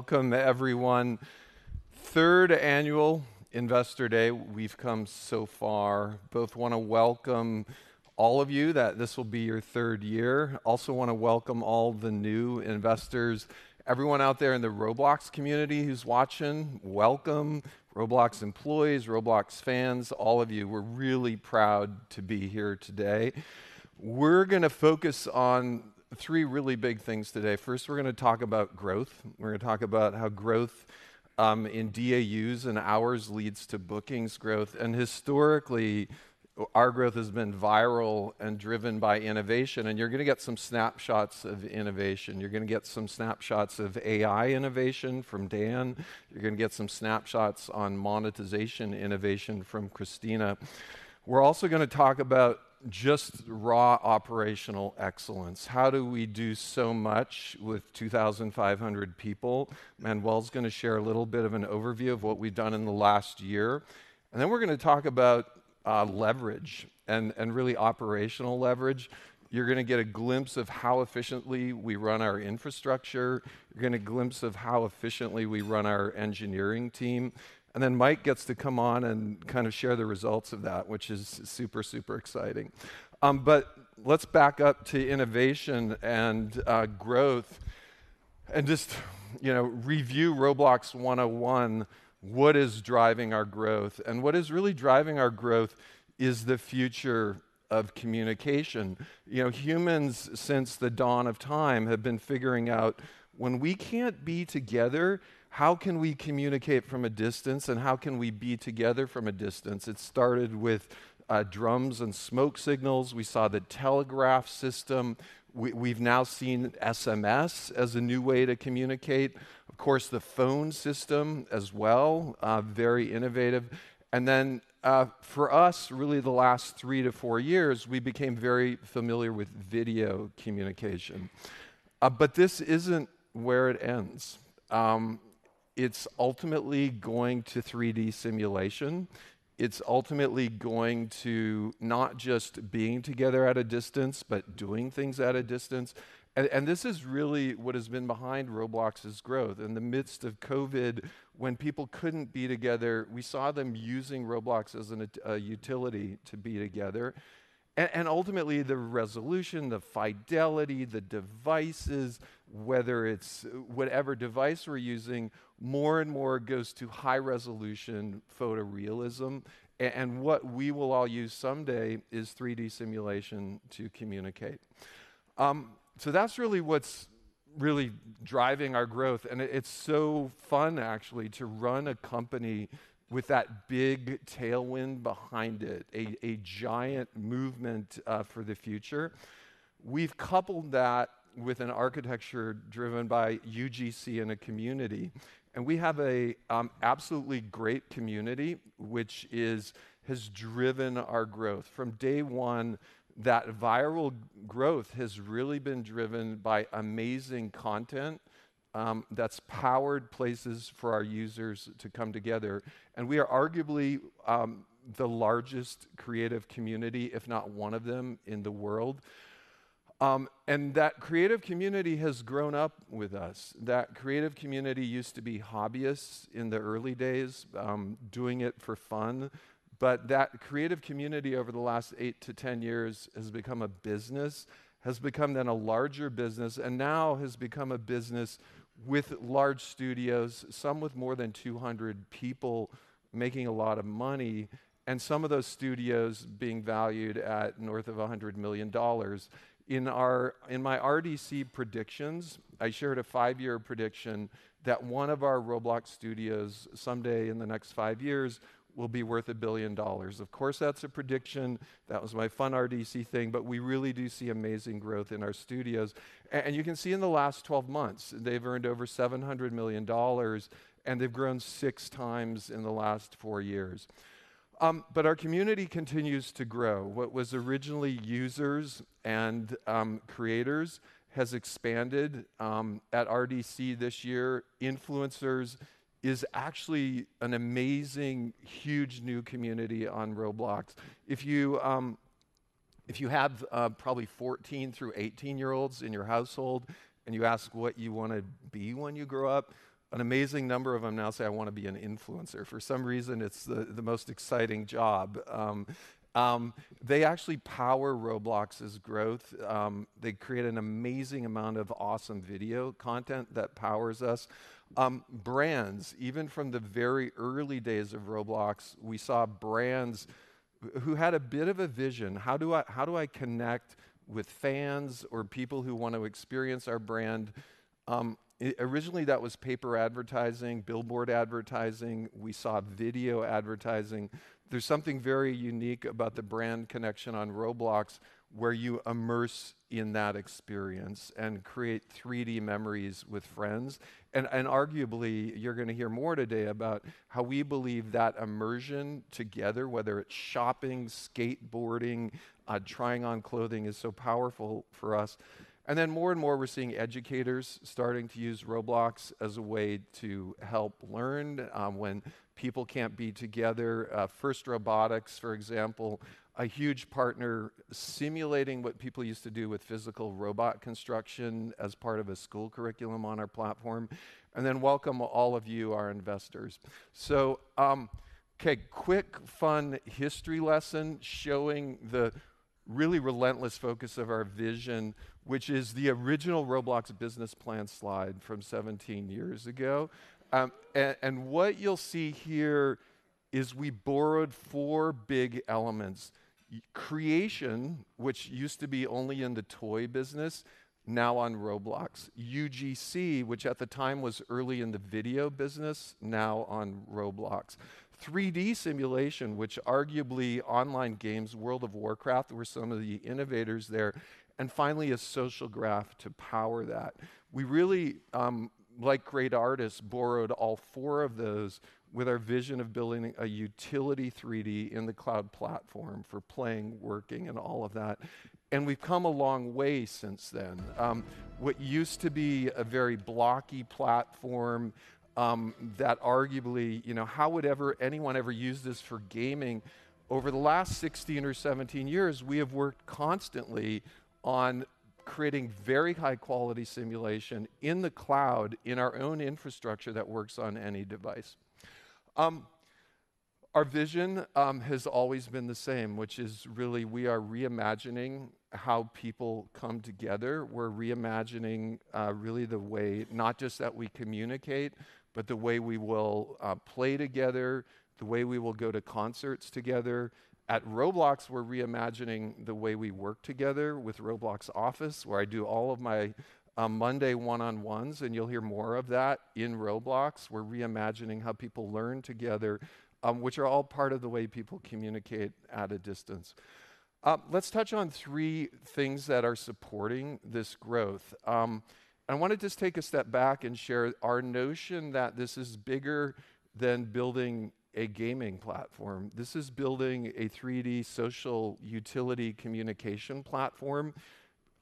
Welcome, everyone. Third Annual Investor Day. We've come so far. Both want to welcome all of you, that this will be your third year. Also want to welcome all the new investors, everyone out there in the Roblox community who's watching, welcome. Roblox employees, Roblox fans, all of you, we're really proud to be here today. We're gonna focus on three really big things today. First, we're gonna talk about growth. We're gonna talk about how growth in DAUs and hours leads to bookings growth. And historically, our growth has been viral and driven by innovation, and you're gonna get some snapshots of innovation. You're gonna get some snapshots of AI innovation from Dan. You're gonna get some snapshots on monetization innovation from Christina. We're also gonna talk about just raw operational excellence. How do we do so much with 2,500 people? Manuel's gonna share a little bit of an overview of what we've done in the last year, and then we're gonna talk about leverage and really operational leverage. You're gonna get a glimpse of how efficiently we run our infrastructure. You're gonna glimpse of how efficiently we run our engineering team, and then Mike gets to come on and kind of share the results of that, which is super, super exciting. But let's back up to innovation and growth and just, you know, review Roblox 101. What is driving our growth? What is really driving our growth is the future of communication. You know, humans, since the dawn of time, have been figuring out when we can't be together, how can we communicate from a distance, and how can we be together from a distance? It started with drums and smoke signals. We saw the telegraph system. We've now seen SMS as a new way to communicate. Of course, the phone system as well, very innovative. And then, for us, really, the last 3-4 years, we became very familiar with video communication. But this isn't where it ends. It's ultimately going to 3D simulation. It's ultimately going to not just being together at a distance, but doing things at a distance. And this is really what has been behind Roblox's growth. In the midst of COVID, when people couldn't be together, we saw them using Roblox as a utility to be together. And ultimately, the resolution, the fidelity, the devices, whether it's whatever device we're using, more and more goes to high-resolution photorealism. And what we will all use someday is 3D simulation to communicate. So that's really what's really driving our growth, and it's so fun actually to run a company with that big tailwind behind it, a giant movement for the future. We've coupled that with an architecture driven by UGC and a community, and we have absolutely great community, which has driven our growth. From day one, that viral growth has really been driven by amazing content that's powered places for our users to come together, and we are arguably the largest creative community, if not one of them, in the world. And that creative community has grown up with us. That creative community used to be hobbyists in the early days, doing it for fun, but that creative community, over the last 8-10 years, has become a business, has become then a larger business, and now has become a business with large studios, some with more than 200 people, making a lot of money, and some of those studios being valued at north of $100 million. In my RDC predictions, I shared a 5-year prediction that one of our Roblox studios, someday in the next 5 years, will be worth $1 billion. Of course, that's a prediction. That was my fun RDC thing, but we really do see amazing growth in our studios. And you can see in the last 12 months, they've earned over $700 million, and they've grown 6 times in the last 4 years. But our community continues to grow. What was originally users and, creators has expanded, at RDC this year. Influencers is actually an amazing, huge new community on Roblox. If you, if you have, probably 14-18-year-olds in your household, and you ask what you want to be when you grow up, an amazing number of them now say, "I want to be an influencer." For some reason, it's the most exciting job. They actually power Roblox's growth. They create an amazing amount of awesome video content that powers us. Brands, even from the very early days of Roblox, we saw brands who had a bit of a vision. How do I connect with fans or people who want to experience our brand? Originally, that was paper advertising, billboard advertising. We saw video advertising. There's something very unique about the brand connection on Roblox, where you immerse in that experience and create 3D memories with friends. Arguably, you're gonna hear more today about how we believe that immersion together, whether it's shopping, skateboarding, trying on clothing, is so powerful for us. More and more, we're seeing educators starting to use Roblox as a way to help learn when people can't be together. FIRST Robotics, for example, a huge partner simulating what people used to do with physical robot construction as part of a school curriculum on our platform. Welcome, all of you, our investors. Okay, quick, fun history lesson showing really relentless focus of our vision, which is the original Roblox business plan slide from 17 years ago. What you'll see here is we borrowed four big elements. User creation, which used to be only in the toy business, now on Roblox. UGC, which at the time was early in the video business, now on Roblox. 3D simulation, which arguably online games, World of Warcraft, were some of the innovators there, and finally, a social graph to power that. We really, like great artists, borrowed all four of those with our vision of building a utility 3D in the cloud platform for playing, working, and all of that. And we've come a long way since then. What used to be a very blocky platform, that arguably, you know, how would ever anyone ever use this for gaming? Over the last 16 or 17 years, we have worked constantly on creating very high-quality simulation in the cloud, in our own infrastructure that works on any device. Our vision has always been the same, which is really we are reimagining how people come together. We're reimagining really the way, not just that we communicate, but the way we will play together, the way we will go to concerts together. At Roblox, we're reimagining the way we work together with Roblox Office, where I do all of my Monday one-on-ones, and you'll hear more of that. In Roblox, we're reimagining how people learn together, which are all part of the way people communicate at a distance. Let's touch on three things that are supporting this growth. I want to just take a step back and share our notion that this is bigger than building a gaming platform. This is building a 3D social utility communication platform.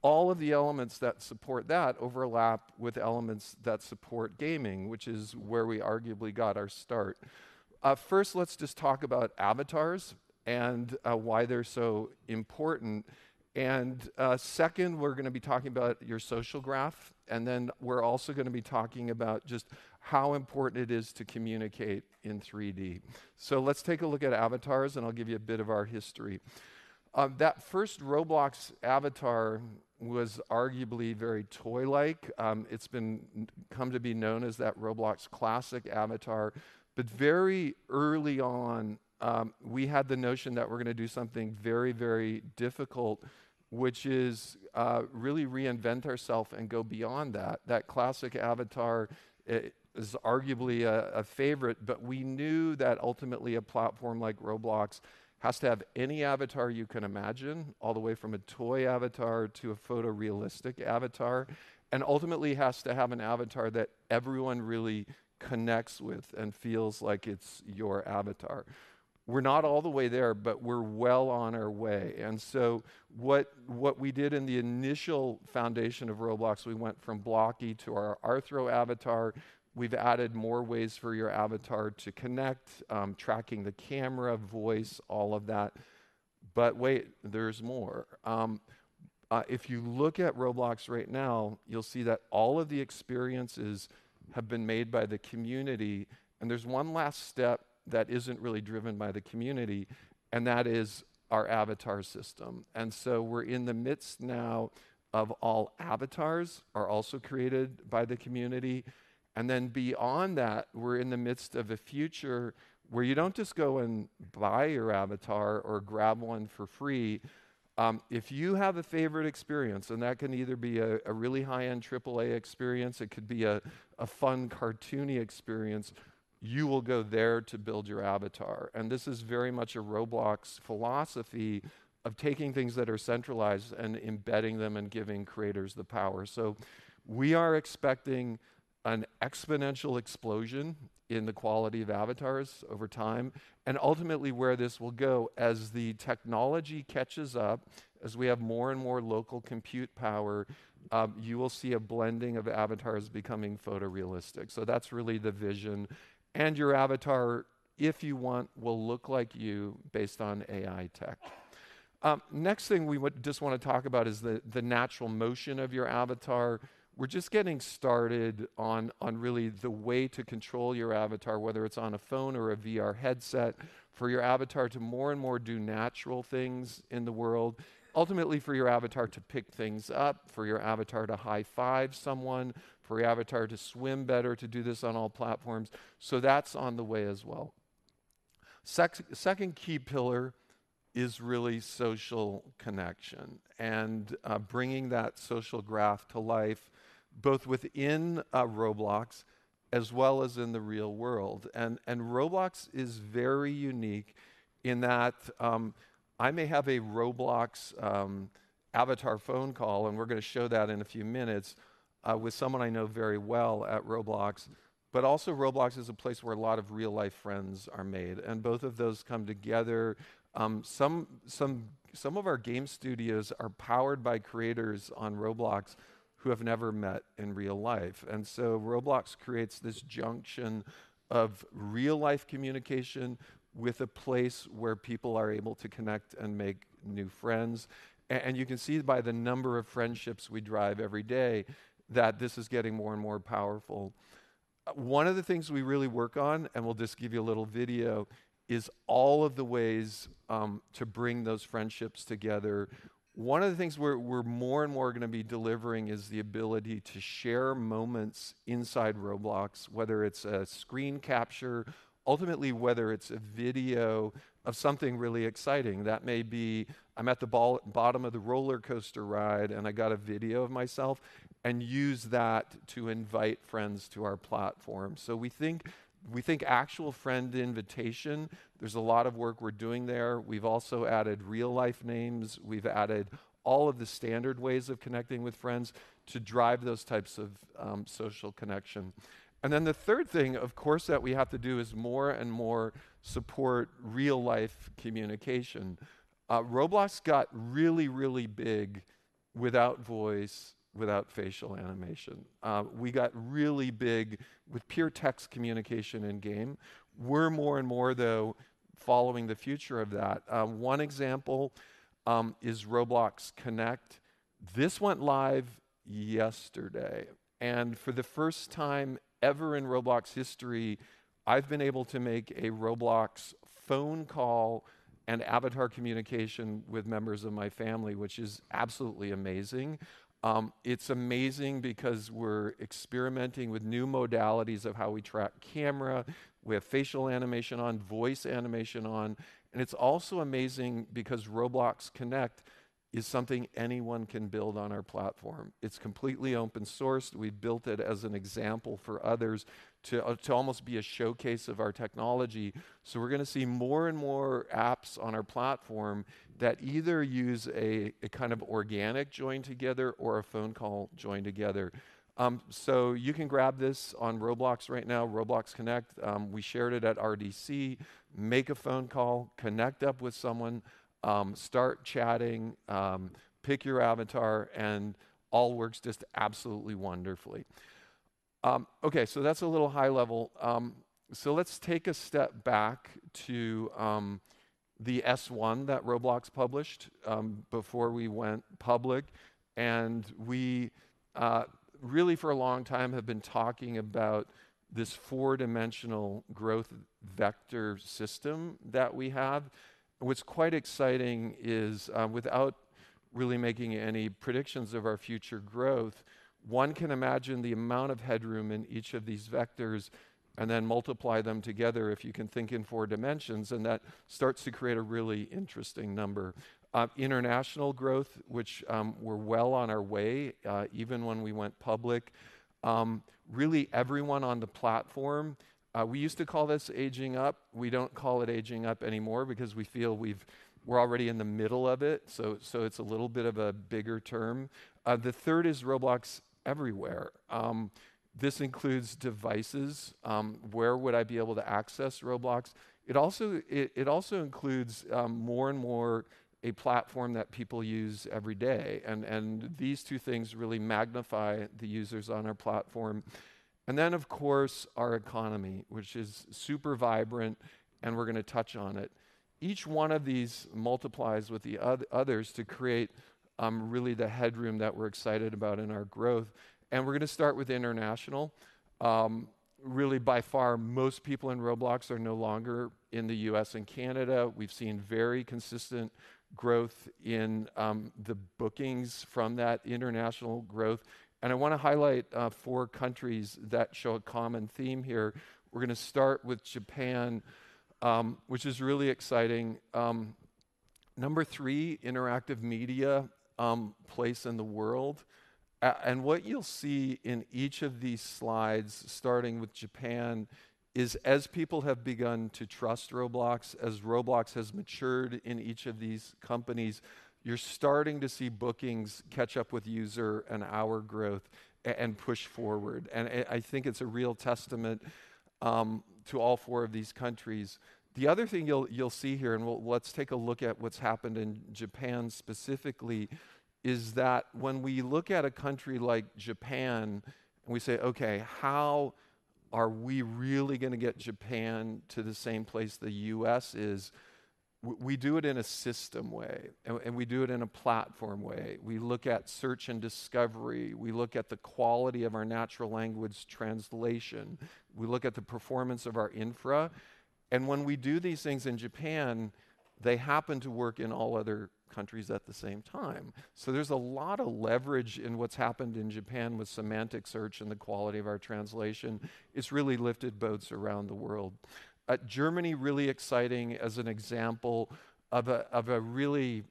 All of the elements that support that overlap with elements that support gaming, which is where we arguably got our start. First, let's just talk about avatars and why they're so important. Second, we're going to be talking about your social graph, and then we're also going to be talking about just how important it is to communicate in 3D. Let's take a look at avatars, and I'll give you a bit of our history. That first Roblox avatar was arguably very toy-like. It's been come to be known as that Roblox classic avatar. But very early on, we had the notion that we're going to do something very, very difficult, which is really reinvent ourself and go beyond that. That classic avatar is arguably a favorite, but we knew that ultimately, a platform like Roblox has to have any avatar you can imagine, all the way from a toy avatar to a photorealistic avatar, and ultimately has to have an avatar that everyone really connects with and feels like it's your avatar. We're not all the way there, but we're well on our way. And so what we did in the initial foundation of Roblox, we went from blocky to our Rthro avatar. We've added more ways for your avatar to connect, tracking the camera, voice, all of that. But wait, there's more. If you look at Roblox right now, you'll see that all of the experiences have been made by the community, and there's one last step that isn't really driven by the community, and that is our avatar system. We're in the midst now of all avatars are also created by the community. Then beyond that, we're in the midst of a future where you don't just go and buy your avatar or grab one for free. If you have a favorite experience, and that can either be a really high-end triple-A experience, it could be a fun, cartoony experience, you will go there to build your avatar. And this is very much a Roblox philosophy of taking things that are centralized and embedding them and giving creators the power. So we are expecting an exponential explosion in the quality of avatars over time, and ultimately, where this will go as the technology catches up, as we have more and more local compute power, you will see a blending of avatars becoming photorealistic. So that's really the vision. And your avatar, if you want, will look like you based on AI tech. Next thing we just want to talk about is the natural motion of your avatar. We're just getting started on really the way to control your avatar, whether it's on a phone or a VR headset, for your avatar to more and more do natural things in the world. Ultimately, for your avatar to pick things up, for your avatar to high-five someone, for your avatar to swim better, to do this on all platforms. So that's on the way as well. Second key pillar is really social connection and bringing that social graph to life, both within Roblox as well as in the real world. And Roblox is very unique in that, I may have a Roblox avatar phone call, and we're going to show that in a few minutes, with someone I know very well at Roblox. But also, Roblox is a place where a lot of real-life friends are made, and both of those come together. Some of our game studios are powered by creators on Roblox who have never met in real life. And so Roblox creates this junction of real-life communication with a place where people are able to connect and make new friends. And you can see by the number of friendships we drive every day, that this is getting more and more powerful... One of the things we really work on, and we'll just give you a little video, is all of the ways to bring those friendships together. One of the things we're, we're more and more gonna be delivering is the ability to share moments inside Roblox, whether it's a screen capture, ultimately, whether it's a video of something really exciting. That may be, I'm at the bottom of the roller coaster ride, and I got a video of myself, and use that to invite friends to our platform. So we think, we think actual friend invitation, there's a lot of work we're doing there. We've also added real-life names. We've added all of the standard ways of connecting with friends to drive those types of social connection. And then the third thing, of course, that we have to do is more and more support real-life communication. Roblox got really, really big without voice, without facial animation. We got really big with pure text communication in game. We're more and more, though, following the future of that. One example is Roblox Connect. This went live yesterday, and for the first time ever in Roblox history, I've been able to make a Roblox phone call and avatar communication with members of my family, which is absolutely amazing. It's amazing because we're experimenting with new modalities of how we track camera. We have facial animation on, voice animation on, and it's also amazing because Roblox Connect is something anyone can build on our platform. It's completely open source. We built it as an example for others to almost be a showcase of our technology. So we're gonna see more and more apps on our platform that either use a kind of organic join together or a phone call join together. So you can grab this on Roblox right now, Roblox Connect. We shared it at RDC. Make a phone call, connect up with someone, start chatting, pick your avatar, and all works just absolutely wonderfully. Okay, that's a little high level. Let's take a step back to the S-1 that Roblox published before we went public. We really, for a long time, have been talking about this four-dimensional growth vector system that we have. What's quite exciting is, without really making any predictions of our future growth, one can imagine the amount of headroom in each of these vectors and then multiply them together if you can think in four dimensions, and that starts to create a really interesting number. International growth, which we're well on our way, even when we went public. Really everyone on the platform, we used to call this aging up. We don't call it aging up anymore because we feel we're already in the middle of it, so it's a little bit of a bigger term. The third is Roblox Everywhere. This includes devices. Where would I be able to access Roblox? It also includes more and more a platform that people use every day, and these two things really magnify the users on our platform. And then, of course, our economy, which is super vibrant, and we're gonna touch on it. Each one of these multiplies with the others to create really the headroom that we're excited about in our growth, and we're gonna start with international. Really, by far, most people in Roblox are no longer in the U.S. and Canada. We've seen very consistent growth in the bookings from that international growth, and I wanna highlight four countries that show a common theme here. We're gonna start with Japan, which is really exciting. Number three interactive media place in the world. And what you'll see in each of these slides, starting with Japan, is as people have begun to trust Roblox, as Roblox has matured in each of these companies, you're starting to see bookings catch up with user and hour growth and push forward, and I, I think it's a real testament to all four of these countries. The other thing you'll see here, and we'll, let's take a look at what's happened in Japan specifically, is that when we look at a country like Japan, and we say, "Okay, how are we really gonna get Japan to the same place the U.S. is?" We do it in a system way, and we do it in a platform way. We look at search and discovery. We look at the quality of our natural language translation. We look at the performance of our infra, and when we do these things in Japan, they happen to work in all other countries at the same time. So there's a lot of leverage in what's happened in Japan with Semantic Search and the quality of our translation. It's really lifted boats around the world. Germany, really exciting as an example of a really......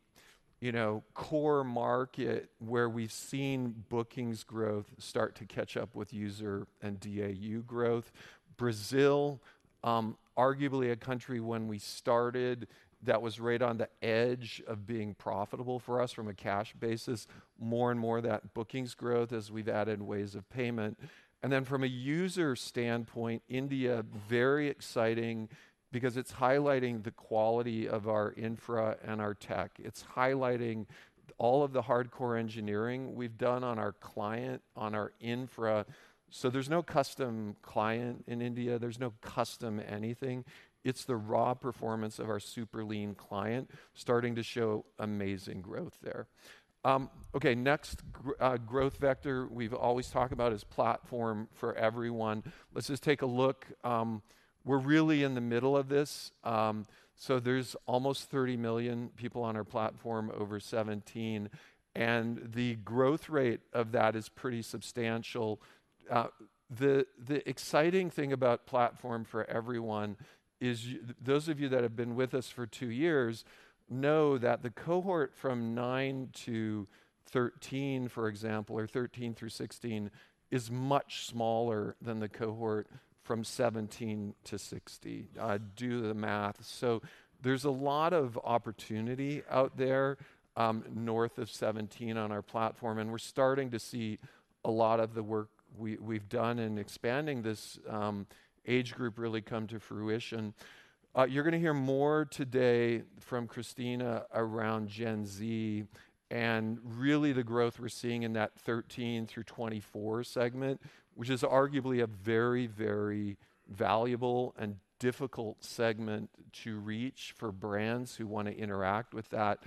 You know, core market where we've seen bookings growth start to catch up with user and DAU growth. Brazil, arguably a country when we started that was right on the edge of being profitable for us from a cash basis, more and more of that bookings growth as we've added ways of payment. Then from a user standpoint, India, very exciting because it's highlighting the quality of our infra and our tech. It's highlighting all of the hardcore engineering we've done on our client, on our infra. So there's no custom client in India. There's no custom anything. It's the raw performance of our super lean client starting to show amazing growth there. Okay, next growth vector we've always talked about is Platform for Everyone. Let's just take a look. We're really in the middle of this. So there's almost 30 million people on our platform over 17, and the growth rate of that is pretty substantial. The exciting thing about Platform for Everyone is those of you that have been with us for two years know that the cohort from nine to 13, for example, or 13 through 16, is much smaller than the cohort from 17 to 60. Do the math. So there's a lot of opportunity out there north of 17 on our platform, and we're starting to see a lot of the work we've done in expanding this age group really come to fruition. You're gonna hear more today from Christina around Gen Z and really the growth we're seeing in that 13-24 segment, which is arguably a very, very valuable and difficult segment to reach for brands who want to interact with that.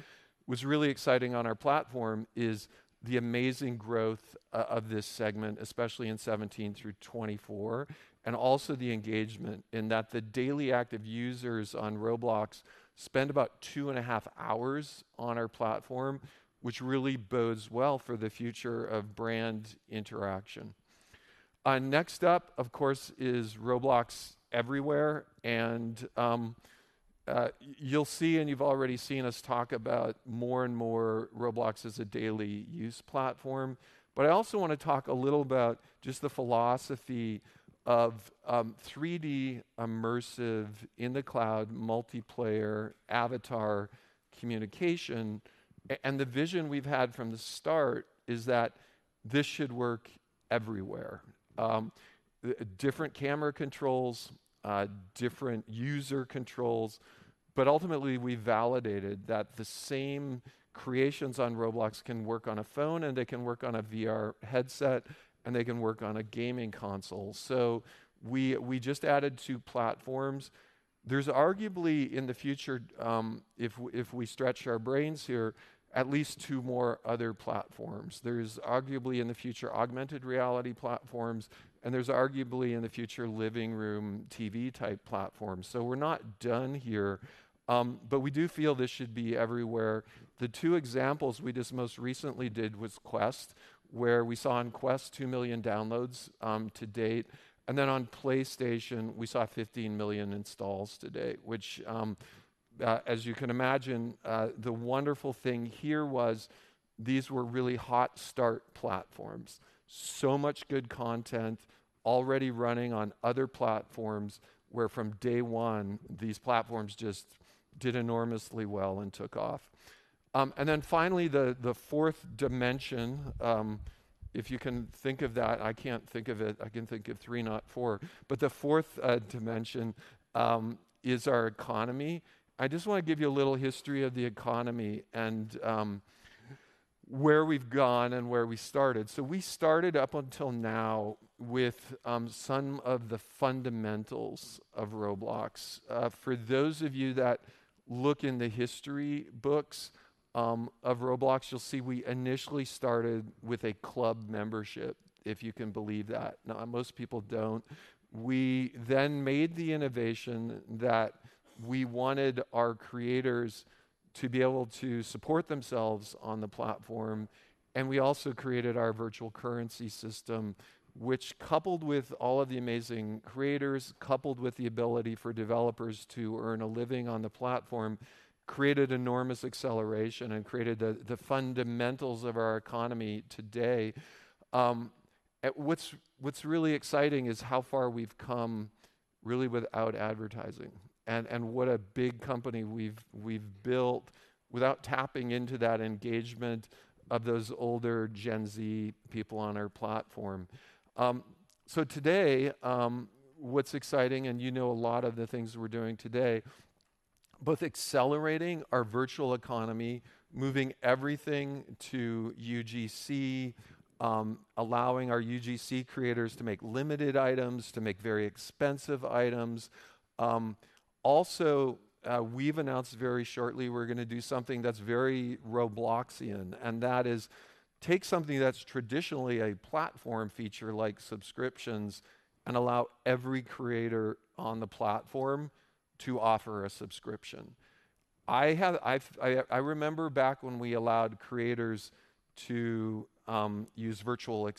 What's really exciting on our platform is the amazing growth of this segment, especially in 17-24, and also the engagement, in that the daily active users on Roblox spend about two and a half hours on our platform, which really bodes well for the future of brand interaction. Next up, of course, is Roblox Everywhere, and you'll see, and you've already seen us talk about more and more Roblox as a daily use platform. But I also want to talk a little about just the philosophy of 3-D, immersive, in-the-cloud, multiplayer, avatar communication. And the vision we've had from the start is that this should work everywhere. The different camera controls, different user controls, but ultimately, we validated that the same creations on Roblox can work on a phone, and they can work on a VR headset, and they can work on a gaming console. So we, we just added two platforms. There's arguably, in the future, if we stretch our brains here, at least two more other platforms. There's arguably, in the future, augmented reality platforms, and there's arguably, in the future, living room TV-type platforms. So we're not done here, but we do feel this should be everywhere. The two examples we just most recently did was Quest, where we saw on Quest 2 million downloads to date, and then on PlayStation, we saw 15 million installs to date, which, as you can imagine, the wonderful thing here was these were really hot-start platforms. So much good content already running on other platforms, where from day one, these platforms just did enormously well and took off. And then finally, the fourth dimension, if you can think of that, I can't think of it. I can think of three, not four, but the fourth dimension is our economy. I just want to give you a little history of the economy and where we've gone and where we started. So we started up until now with some of the fundamentals of Roblox. For those of you that look in the history books of Roblox, you'll see we initially started with a club membership, if you can believe that. Now, most people don't. We then made the innovation that we wanted our creators to be able to support themselves on the platform, and we also created our virtual currency system, which coupled with all of the amazing creators, coupled with the ability for developers to earn a living on the platform, created enormous acceleration and created the fundamentals of our economy today. What's really exciting is how far we've come really without advertising and what a big company we've built without tapping into that engagement of those older Gen Z people on our platform. So today, what's exciting, and you know a lot of the things we're doing today, both accelerating our virtual economy, moving everything to UGC, allowing our UGC creators to make limited items, to make very expensive items. Also, we've announced very shortly we're gonna do something that's very Robloxian, and that is take something that's traditionally a platform feature, like subscriptions, and allow every creator on the platform to offer a subscription. I remember back when we allowed creators to use virtual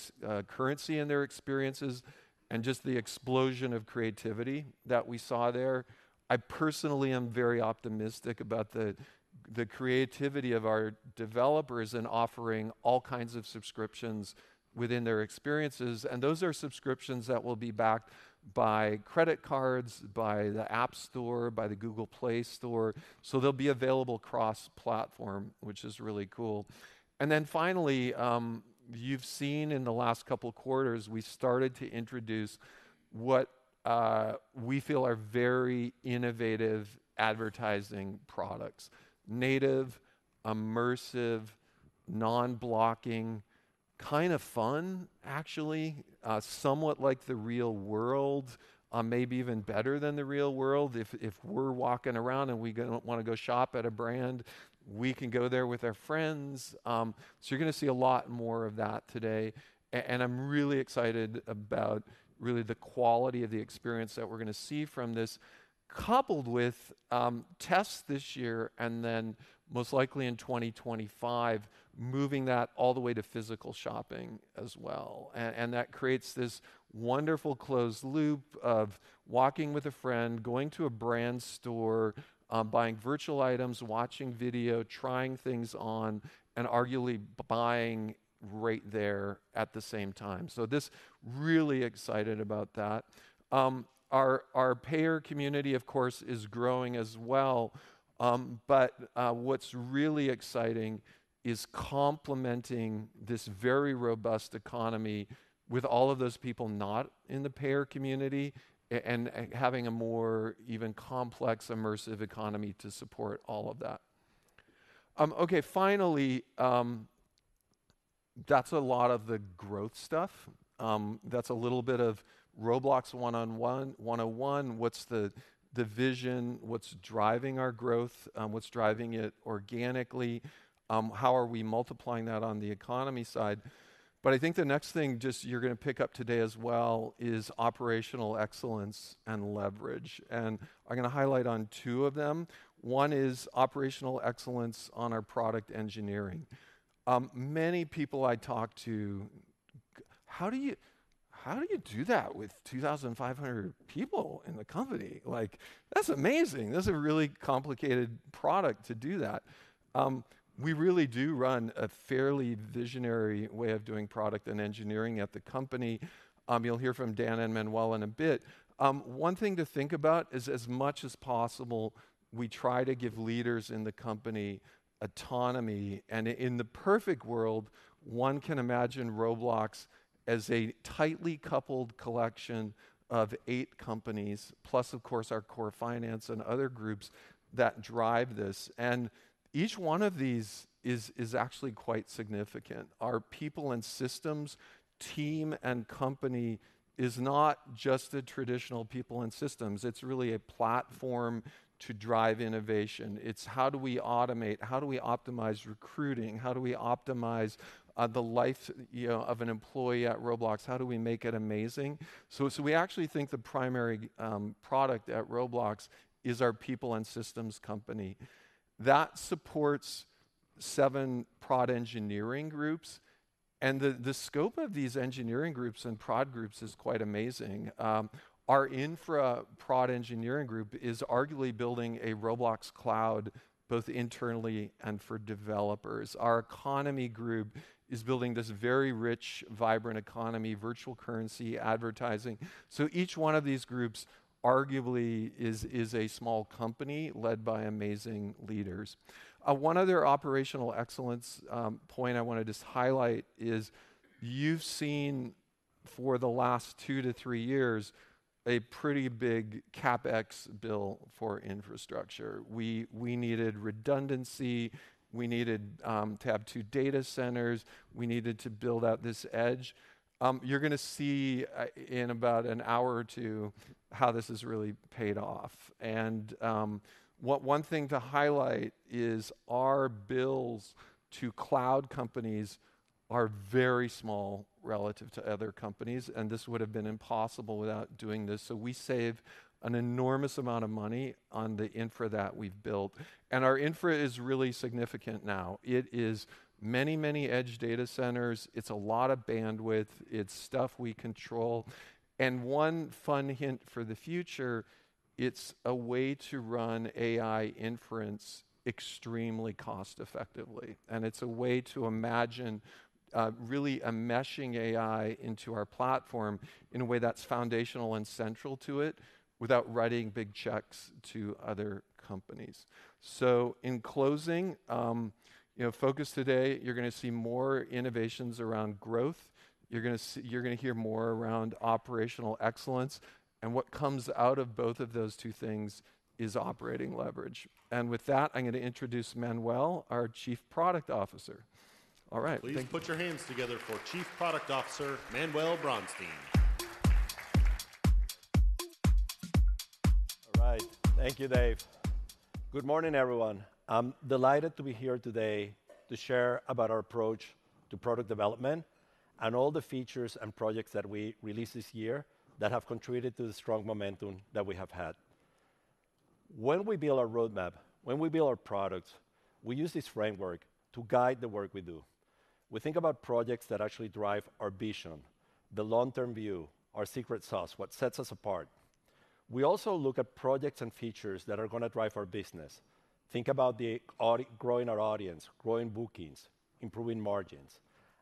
currency in their experiences, and just the explosion of creativity that we saw there. I personally am very optimistic about the-... The creativity of our developers in offering all kinds of subscriptions within their experiences, and those are subscriptions that will be backed by credit cards, by the App Store, by the Google Play Store, so they'll be available cross-platform, which is really cool. And then finally, you've seen in the last couple quarters, we started to introduce what we feel are very innovative advertising products, native, immersive, non-blocking, kind of fun, actually, somewhat like the real world, maybe even better than the real world. If we're walking around and we want to go shop at a brand, we can go there with our friends. So you're going to see a lot more of that today, and I'm really excited about really the quality of the experience that we're going to see from this, coupled with tests this year and then most likely in 2025, moving that all the way to physical shopping as well. And that creates this wonderful closed loop of walking with a friend, going to a brand store, buying virtual items, watching video, trying things on, and arguably buying right there at the same time. So this, really excited about that. Our payer community, of course, is growing as well, but what's really exciting is complementing this very robust economy with all of those people not in the payer community and having a more even complex, immersive economy to support all of that. Okay, finally, that's a lot of the growth stuff. That's a little bit of Roblox 101. What's the vision? What's driving our growth? What's driving it organically? How are we multiplying that on the economy side? But I think the next thing you're just going to pick up today as well is operational excellence and leverage, and I'm going to highlight on two of them. One is operational excellence on our product engineering. Many people I talk to, "How do you, how do you do that with 2,500 people in the company? Like, that's amazing! That's a really complicated product to do that." We really do run a fairly visionary way of doing product and engineering at the company. You'll hear from Dan and Manuel in a bit. One thing to think about is, as much as possible, we try to give leaders in the company autonomy, and in the perfect world, one can imagine Roblox as a tightly coupled collection of eight companies, plus, of course, our core finance and other groups that drive this. Each one of these is actually quite significant. Our people and systems team and company is not just a traditional people and systems. It's really a platform to drive innovation. It's how do we automate, how do we optimize recruiting? How do we optimize the life, you know, of an employee at Roblox? How do we make it amazing? We actually think the primary product at Roblox is our people and systems company. That supports seven prod engineering groups, and the scope of these engineering groups and prod groups is quite amazing. Our infra prod engineering group is arguably building a Roblox Cloud, both internally and for developers. Our economy group is building this very rich, vibrant economy, virtual currency, advertising. So each one of these groups, arguably, is a small company led by amazing leaders. One other operational excellence point I want to just highlight is you've seen for the last 2-3 years, a pretty big CapEx bill for infrastructure. We needed redundancy, we needed to have 2 data centers, we needed to build out this edge. You're going to see, in about an hour or two, how this has really paid off. And one thing to highlight is our bills to cloud companies are very small relative to other companies, and this would have been impossible without doing this. So we save an enormous amount of money on the infra that we've built, and our infra is really significant now. It is many, many edge data centers. It's a lot of bandwidth. It's stuff we control. And one fun hint for the future, it's a way to run AI inference extremely cost-effectively, and it's a way to imagine really enmeshing AI into our platform in a way that's foundational and central to it without writing big checks to other companies. So in closing, you know, focus today, you're going to see more innovations around growth. You're going to hear more around operational excellence, and what comes out of both of those two things is operating leverage. And with that, I'm going to introduce Manuel, our Chief Product Officer. All right. Thank you. Please put your hands together for Chief Product Officer, Manuel Bronstein. All right. Thank you, Dave. Good morning, everyone. I'm delighted to be here today to share about our approach to product development and all the features and projects that we released this year that have contributed to the strong momentum that we have had. When we build our roadmap, when we build our products, we use this framework to guide the work we do. We think about projects that actually drive our vision, the long-term view, our secret sauce, what sets us apart. We also look at projects and features that are gonna drive our business. Think about growing our audience, growing bookings, improving margins.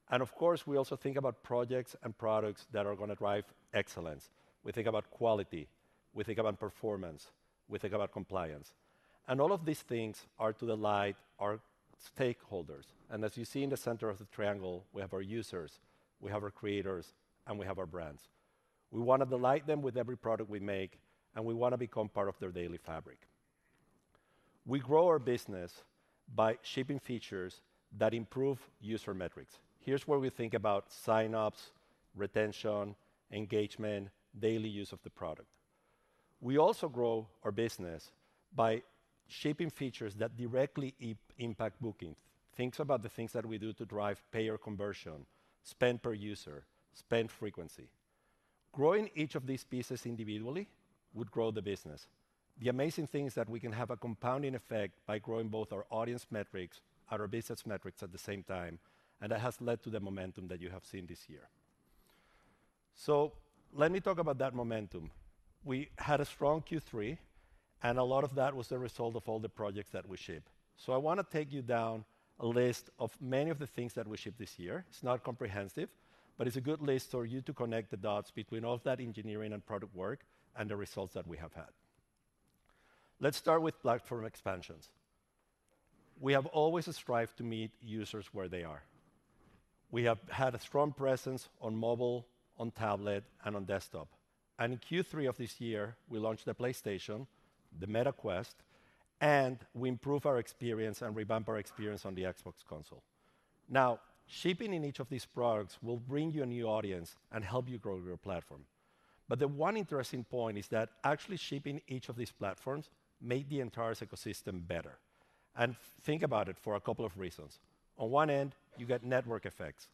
And of course, we also think about projects and products that are gonna drive excellence. We think about quality, we think about performance, we think about compliance. And all of these things are to delight our stakeholders. As you see in the center of the triangle, we have our users, we have our creators, and we have our brands. We want to delight them with every product we make, and we want to become part of their daily fabric. We grow our business by shipping features that improve user metrics. Here's where we think about sign-ups, retention, engagement, daily use of the product. We also grow our business by shaping features that directly impact booking. Think about the things that we do to drive payer conversion, spend per user, spend frequency. Growing each of these pieces individually would grow the business. The amazing thing is that we can have a compounding effect by growing both our audience metrics and our business metrics at the same time, and that has led to the momentum that you have seen this year. So let me talk about that momentum. We had a strong Q3, and a lot of that was the result of all the projects that we ship. So I want to take you down a list of many of the things that we shipped this year. It's not comprehensive, but it's a good list for you to connect the dots between all of that engineering and product work and the results that we have had. Let's start with platform expansions. We have always strived to meet users where they are. We have had a strong presence on mobile, on tablet, and on desktop. And in Q3 of this year, we launched the PlayStation, the Meta Quest, and we improved our experience and revamped our experience on the Xbox console. Now, shipping in each of these products will bring you a new audience and help you grow your platform. But the one interesting point is that actually shipping each of these platforms made the entire ecosystem better. And think about it for a couple of reasons. On one end, you get network effects.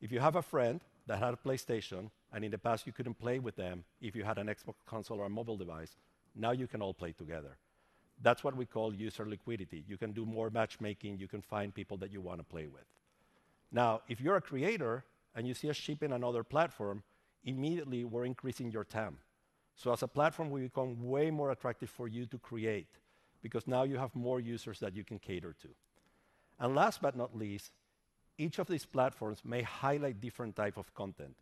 If you have a friend that had a PlayStation, and in the past you couldn't play with them if you had an Xbox console or a mobile device, now you can all play together. That's what we call user liquidity. You can do more matchmaking, you can find people that you want to play with. Now, if you're a creator and you see us shipping another platform, immediately we're increasing your TAM. So as a platform, we become way more attractive for you to create because now you have more users that you can cater to. And last but not least, each of these platforms may highlight different type of content.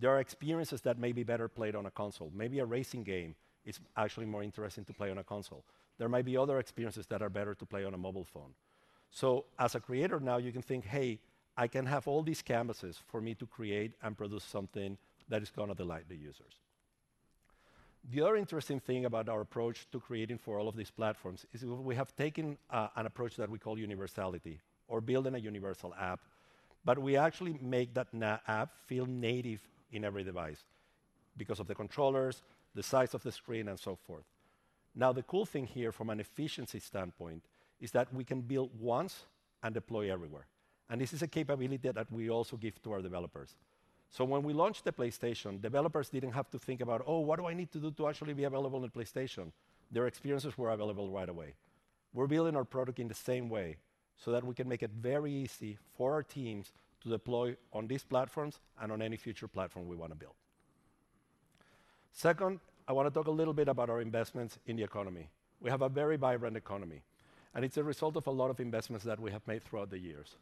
There are experiences that may be better played on a console. Maybe a racing game is actually more interesting to play on a console. There might be other experiences that are better to play on a mobile phone. So as a creator now, you can think, "Hey, I can have all these canvases for me to create and produce something that is gonna delight the users." The other interesting thing about our approach to creating for all of these platforms is we have taken an approach that we call universality or building a universal app. But we actually make that app feel native in every device because of the controllers, the size of the screen, and so forth. Now, the cool thing here from an efficiency standpoint is that we can build once and deploy everywhere, and this is a capability that we also give to our developers. So when we launched the PlayStation, developers didn't have to think about, "Oh, what do I need to do to actually be available on PlayStation?" Their experiences were available right away. We're building our product in the same way, so that we can make it very easy for our teams to deploy on these platforms and on any future platform we want to build. Second, I want to talk a little bit about our investments in the economy. We have a very vibrant economy, and it's a result of a lot of investments that we have made throughout the years.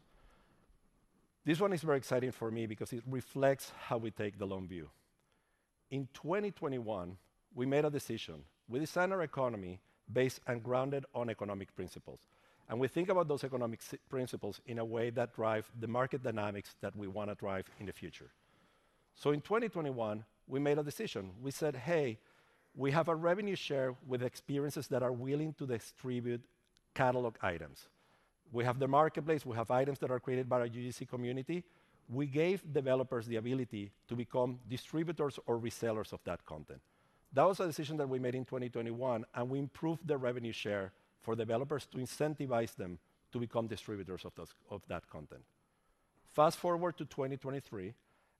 This one is very exciting for me because it reflects how we take the long view. In 2021, we made a decision. We designed our economy based and grounded on economic principles, and we think about those economic principles in a way that drive the market dynamics that we want to drive in the future. So in 2021, we made a decision. We said, "Hey, we have a revenue share with experiences that are willing to distribute catalog items." We have the marketplace, we have items that are created by our UGC community. We gave developers the ability to become distributors or resellers of that content. That was a decision that we made in 2021, and we improved the revenue share for developers to incentivize them to become distributors of those, of that content. Fast-forward to 2023,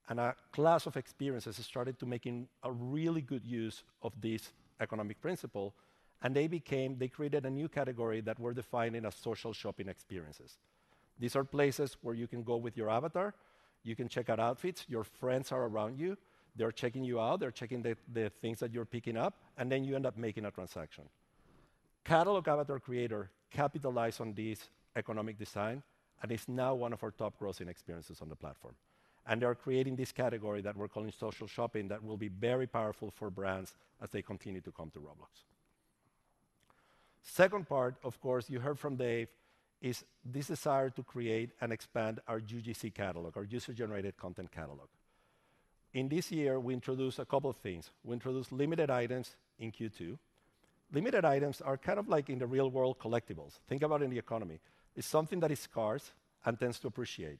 and a class of experiences started to making a really good use of this economic principle, and they became, they created a new category that we're defining as social shopping experiences. These are places where you can go with your avatar, you can check out outfits, your friends are around you, they're checking you out, they're checking the, the things that you're picking up, and then you end up making a transaction. Catalog Avatar Creator capitalized on this economic design, and is now one of our top-grossing experiences on the platform. And they are creating this category that we're calling social shopping that will be very powerful for brands as they continue to come to Roblox. Second part, of course, you heard from Dave, is this desire to create and expand our UGC catalog, our user-generated content catalog. In this year, we introduced a couple of things. We introduced limited items in Q2. Limited items are kind of like in the real-world collectibles. Think about in the economy. It's something that is scarce and tends to appreciate.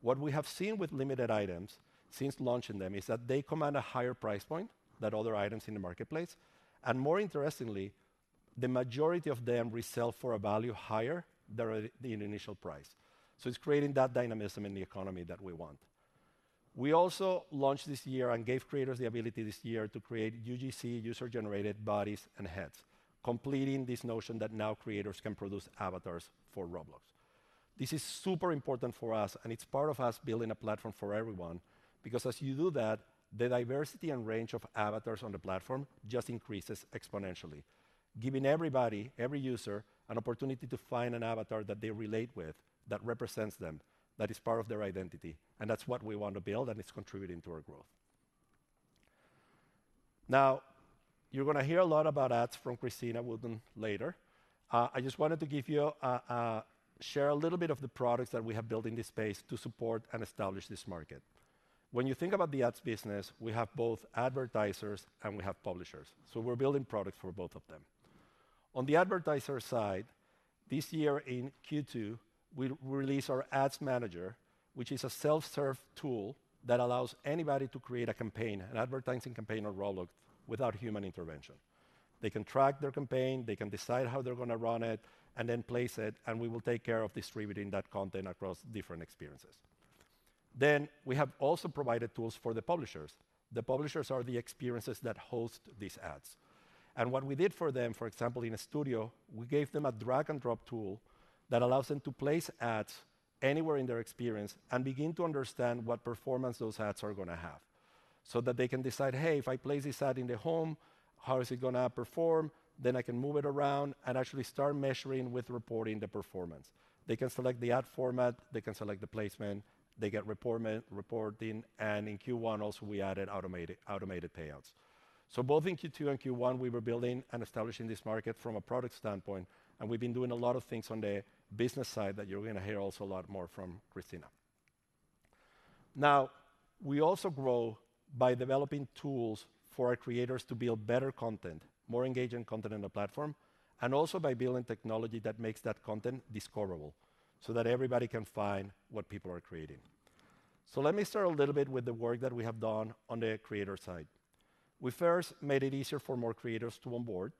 What we have seen with limited items since launching them is that they command a higher price point than other items in the marketplace. And more interestingly, the majority of them resell for a value higher than the initial price. So it's creating that dynamism in the economy that we want. We also launched this year and gave creators the ability this year to create UGC, user-generated bodies and heads, completing this notion that now creators can produce avatars for Roblox. This is super important for us, and it's part of us building a platform for everyone, because as you do that, the diversity and range of avatars on the platform just increases exponentially, giving everybody, every user, an opportunity to find an avatar that they relate with, that represents them, that is part of their identity. And that's what we want to build, and it's contributing to our growth. Now, you're gonna hear a lot about ads from Christina Wootton later. I just wanted to give you, share a little bit of the products that we have built in this space to support and establish this market. When you think about the ads business, we have both advertisers and we have publishers, so we're building products for both of them. On the advertiser side, this year in Q2, we released our Ads Manager, which is a self-serve tool that allows anybody to create a campaign, an advertising campaign on Roblox, without human intervention. They can track their campaign, they can decide how they're gonna run it and then place it, and we will take care of distributing that content across different experiences. Then, we have also provided tools for the publishers. The publishers are the experiences that host these ads. What we did for them, for example, in Studio, we gave them a drag-and-drop tool that allows them to place ads anywhere in their experience and begin to understand what performance those ads are gonna have. So that they can decide, "Hey, if I place this ad in the home, how is it gonna perform?" Then I can move it around and actually start measuring with reporting the performance. They can select the ad format, they can select the placement, they get reporting, and in Q1 also, we added automated payouts. So both in Q2 and Q1, we were building and establishing this market from a product standpoint, and we've been doing a lot of things on the business side that you're gonna hear also a lot more from Christina. Now, we also grow by developing tools for our creators to build better content, more engaging content on the platform, and also by building technology that makes that content discoverable, so that everybody can find what people are creating. So let me start a little bit with the work that we have done on the creator side. We first made it easier for more creators to onboard,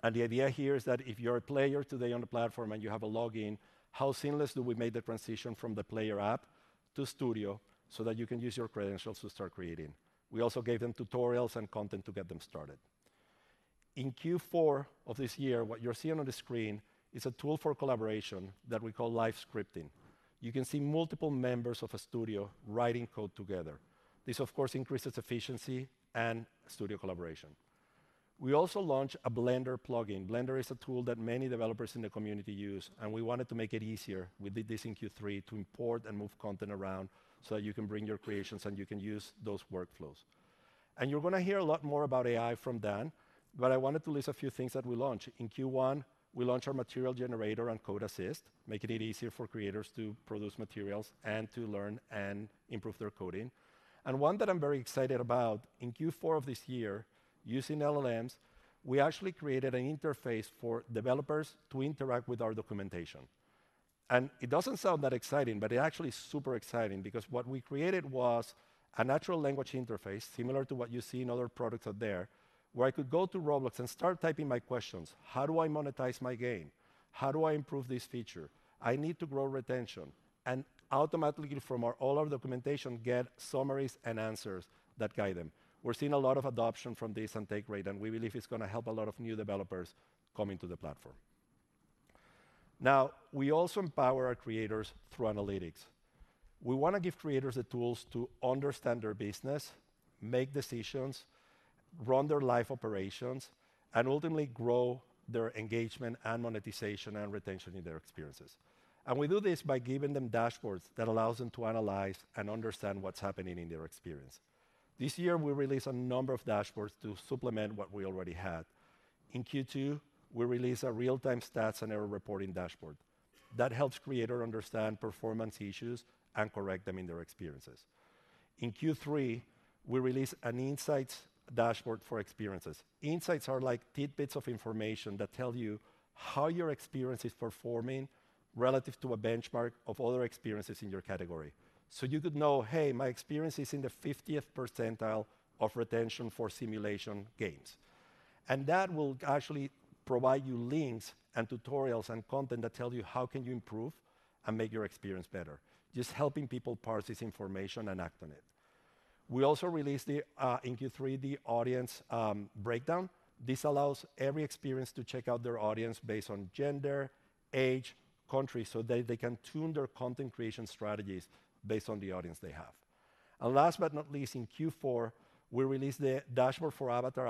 and the idea here is that if you're a player today on the platform and you have a login, how seamless do we make the transition from the player app to Studio so that you can use your credentials to start creating? We also gave them tutorials and content to get them started. In Q4 of this year, what you're seeing on the screen is a tool for collaboration that we call Live Scripting. You can see multiple members of a studio writing code together. This, of course, increases efficiency and studio collaboration. We also launched a Blender plugin. Blender is a tool that many developers in the community use, and we wanted to make it easier, we did this in Q3, to import and move content around so that you can bring your creations and you can use those workflows. You're gonna hear a lot more about AI from Dan, but I wanted to list a few things that we launched. In Q1, we launched our Material Generator and Code Assist, making it easier for creators to produce materials and to learn and improve their coding. One that I'm very excited about, in Q4 of this year, using LLMs, we actually created an interface for developers to interact with our documentation. It doesn't sound that exciting, but it actually is super exciting because what we created was a natural language interface, similar to what you see in other products out there, where I could go to Roblox and start typing my questions: How do I monetize my game? How do I improve this feature? I need to grow retention. And automatically, from all our documentation, get summaries and answers that guide them. We're seeing a lot of adoption from this and take rate, and we believe it's gonna help a lot of new developers coming to the platform. Now, we also empower our creators through analytics. We want to give creators the tools to understand their business, make decisions, run their live operations, and ultimately grow their engagement and monetization and retention in their experiences. We do this by giving them dashboards that allows them to analyze and understand what's happening in their experience. This year, we released a number of dashboards to supplement what we already had. In Q2, we released a real-time stats and error reporting dashboard. That helps creator understand performance issues and correct them in their experiences. In Q3, we released an insights dashboard for experiences. Insights are like tidbits of information that tell you how your experience is performing relative to a benchmark of other experiences in your category. So you could know, "Hey, my experience is in the 50th percentile of retention for simulation games." And that will actually provide you links and tutorials and content that tell you how can you improve and make your experience better, just helping people parse this information and act on it. We also released, in Q3, the audience breakdown. This allows every experience to check out their audience based on gender, age, country, so they can tune their content creation strategies based on the audience they have. And last but not least, in Q4, we released the dashboard for avatar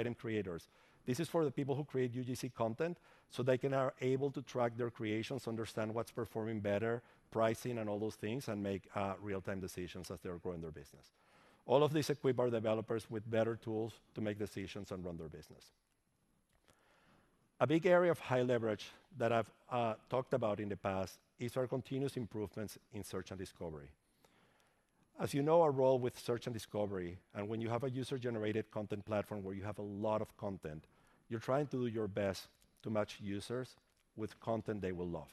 item creators. This is for the people who create UGC content, so they are able to track their creations, understand what's performing better, pricing and all those things, and make real-time decisions as they are growing their business. All of these equip our developers with better tools to make decisions and run their business. A big area of high leverage that I've talked about in the past is our continuous improvements in search and discovery. As you know, our role with search and discovery, and when you have a user-generated content platform where you have a lot of content, you're trying to do your best to match users with content they will love.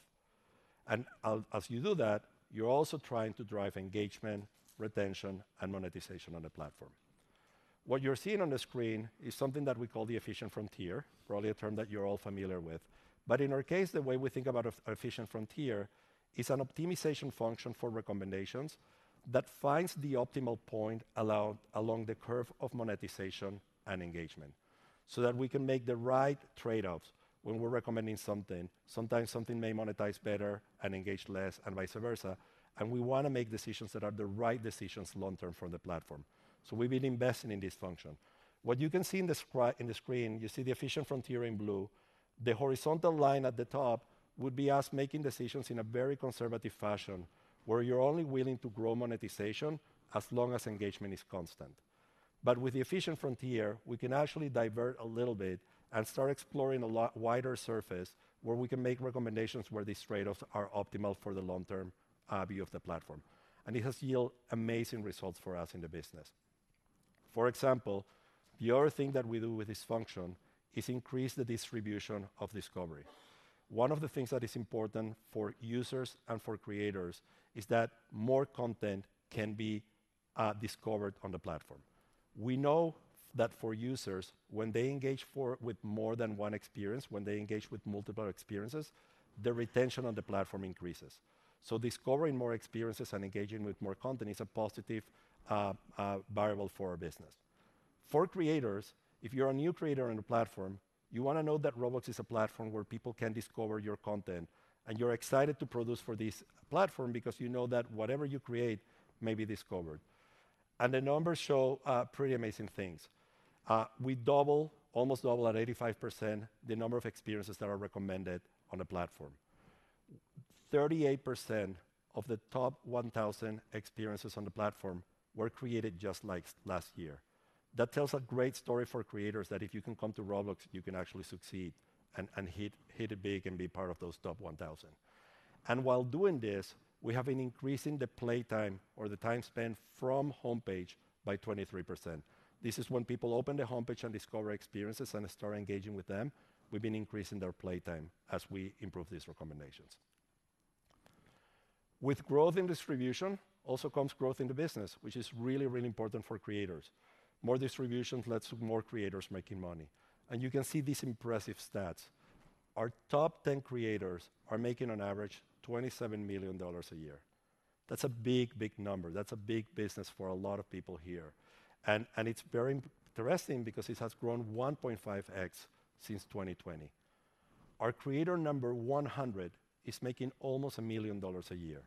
And as you do that, you're also trying to drive engagement, retention, and monetization on the platform. What you're seeing on the screen is something that we call the efficient frontier, probably a term that you're all familiar with. But in our case, the way we think about efficient frontier is an optimization function for recommendations that finds the optimal point along the curve of monetization and engagement, so that we can make the right trade-offs when we're recommending something. Sometimes something may monetize better and engage less, and vice versa, and we want to make decisions that are the right decisions long term for the platform. So we've been investing in this function. What you can see in the screen, you see the efficient frontier in blue. The horizontal line at the top would be us making decisions in a very conservative fashion, where you're only willing to grow monetization as long as engagement is constant. But with the efficient frontier, we can actually divert a little bit and start exploring a lot wider surface, where we can make recommendations where these trade-offs are optimal for the long-term view of the platform. And it has yield amazing results for us in the business. For example, the other thing that we do with this function is increase the distribution of discovery. One of the things that is important for users and for creators is that more content can be discovered on the platform. We know that for users, when they engage for, with more than one experience, when they engage with multiple experiences, the retention on the platform increases. So discovering more experiences and engaging with more content is a positive, variable for our business. For creators, if you're a new creator on the platform, you wanna know that Roblox is a platform where people can discover your content, and you're excited to produce for this platform because you know that whatever you create may be discovered. And the numbers show, pretty amazing things. We double, almost double at 85%, the number of experiences that are recommended on the platform. 38% of the top 1,000 experiences on the platform were created just like last year. That tells a great story for creators, that if you can come to Roblox, you can actually succeed and, and hit, hit it big and be part of those top 1,000. While doing this, we have been increasing the playtime or the time spent from homepage by 23%. This is when people open the homepage and discover experiences and start engaging with them, we've been increasing their playtime as we improve these recommendations. With growth in distribution also comes growth in the business, which is really, really important for creators. More distribution lets more creators making money, and you can see these impressive stats. Our top 10 creators are making on average $27 million a year. That's a big, big number. That's a big business for a lot of people here. And it's very interesting because it has grown 1.5x since 2020. Our creator number 100 is making almost $1 million a year,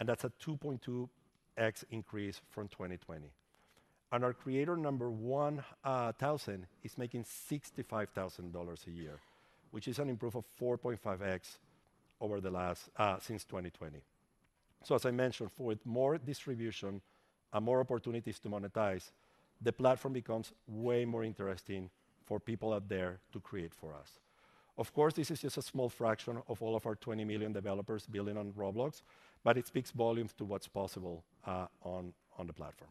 and that's a 2.2x increase from 2020. And our creator number 1,000 is making $65,000 a year, which is an improvement of 4.5x over the last since 2020. So as I mentioned, with more distribution and more opportunities to monetize, the platform becomes way more interesting for people out there to create for us. Of course, this is just a small fraction of all of our 20 million developers building on Roblox, but it speaks volumes to what's possible on the platform.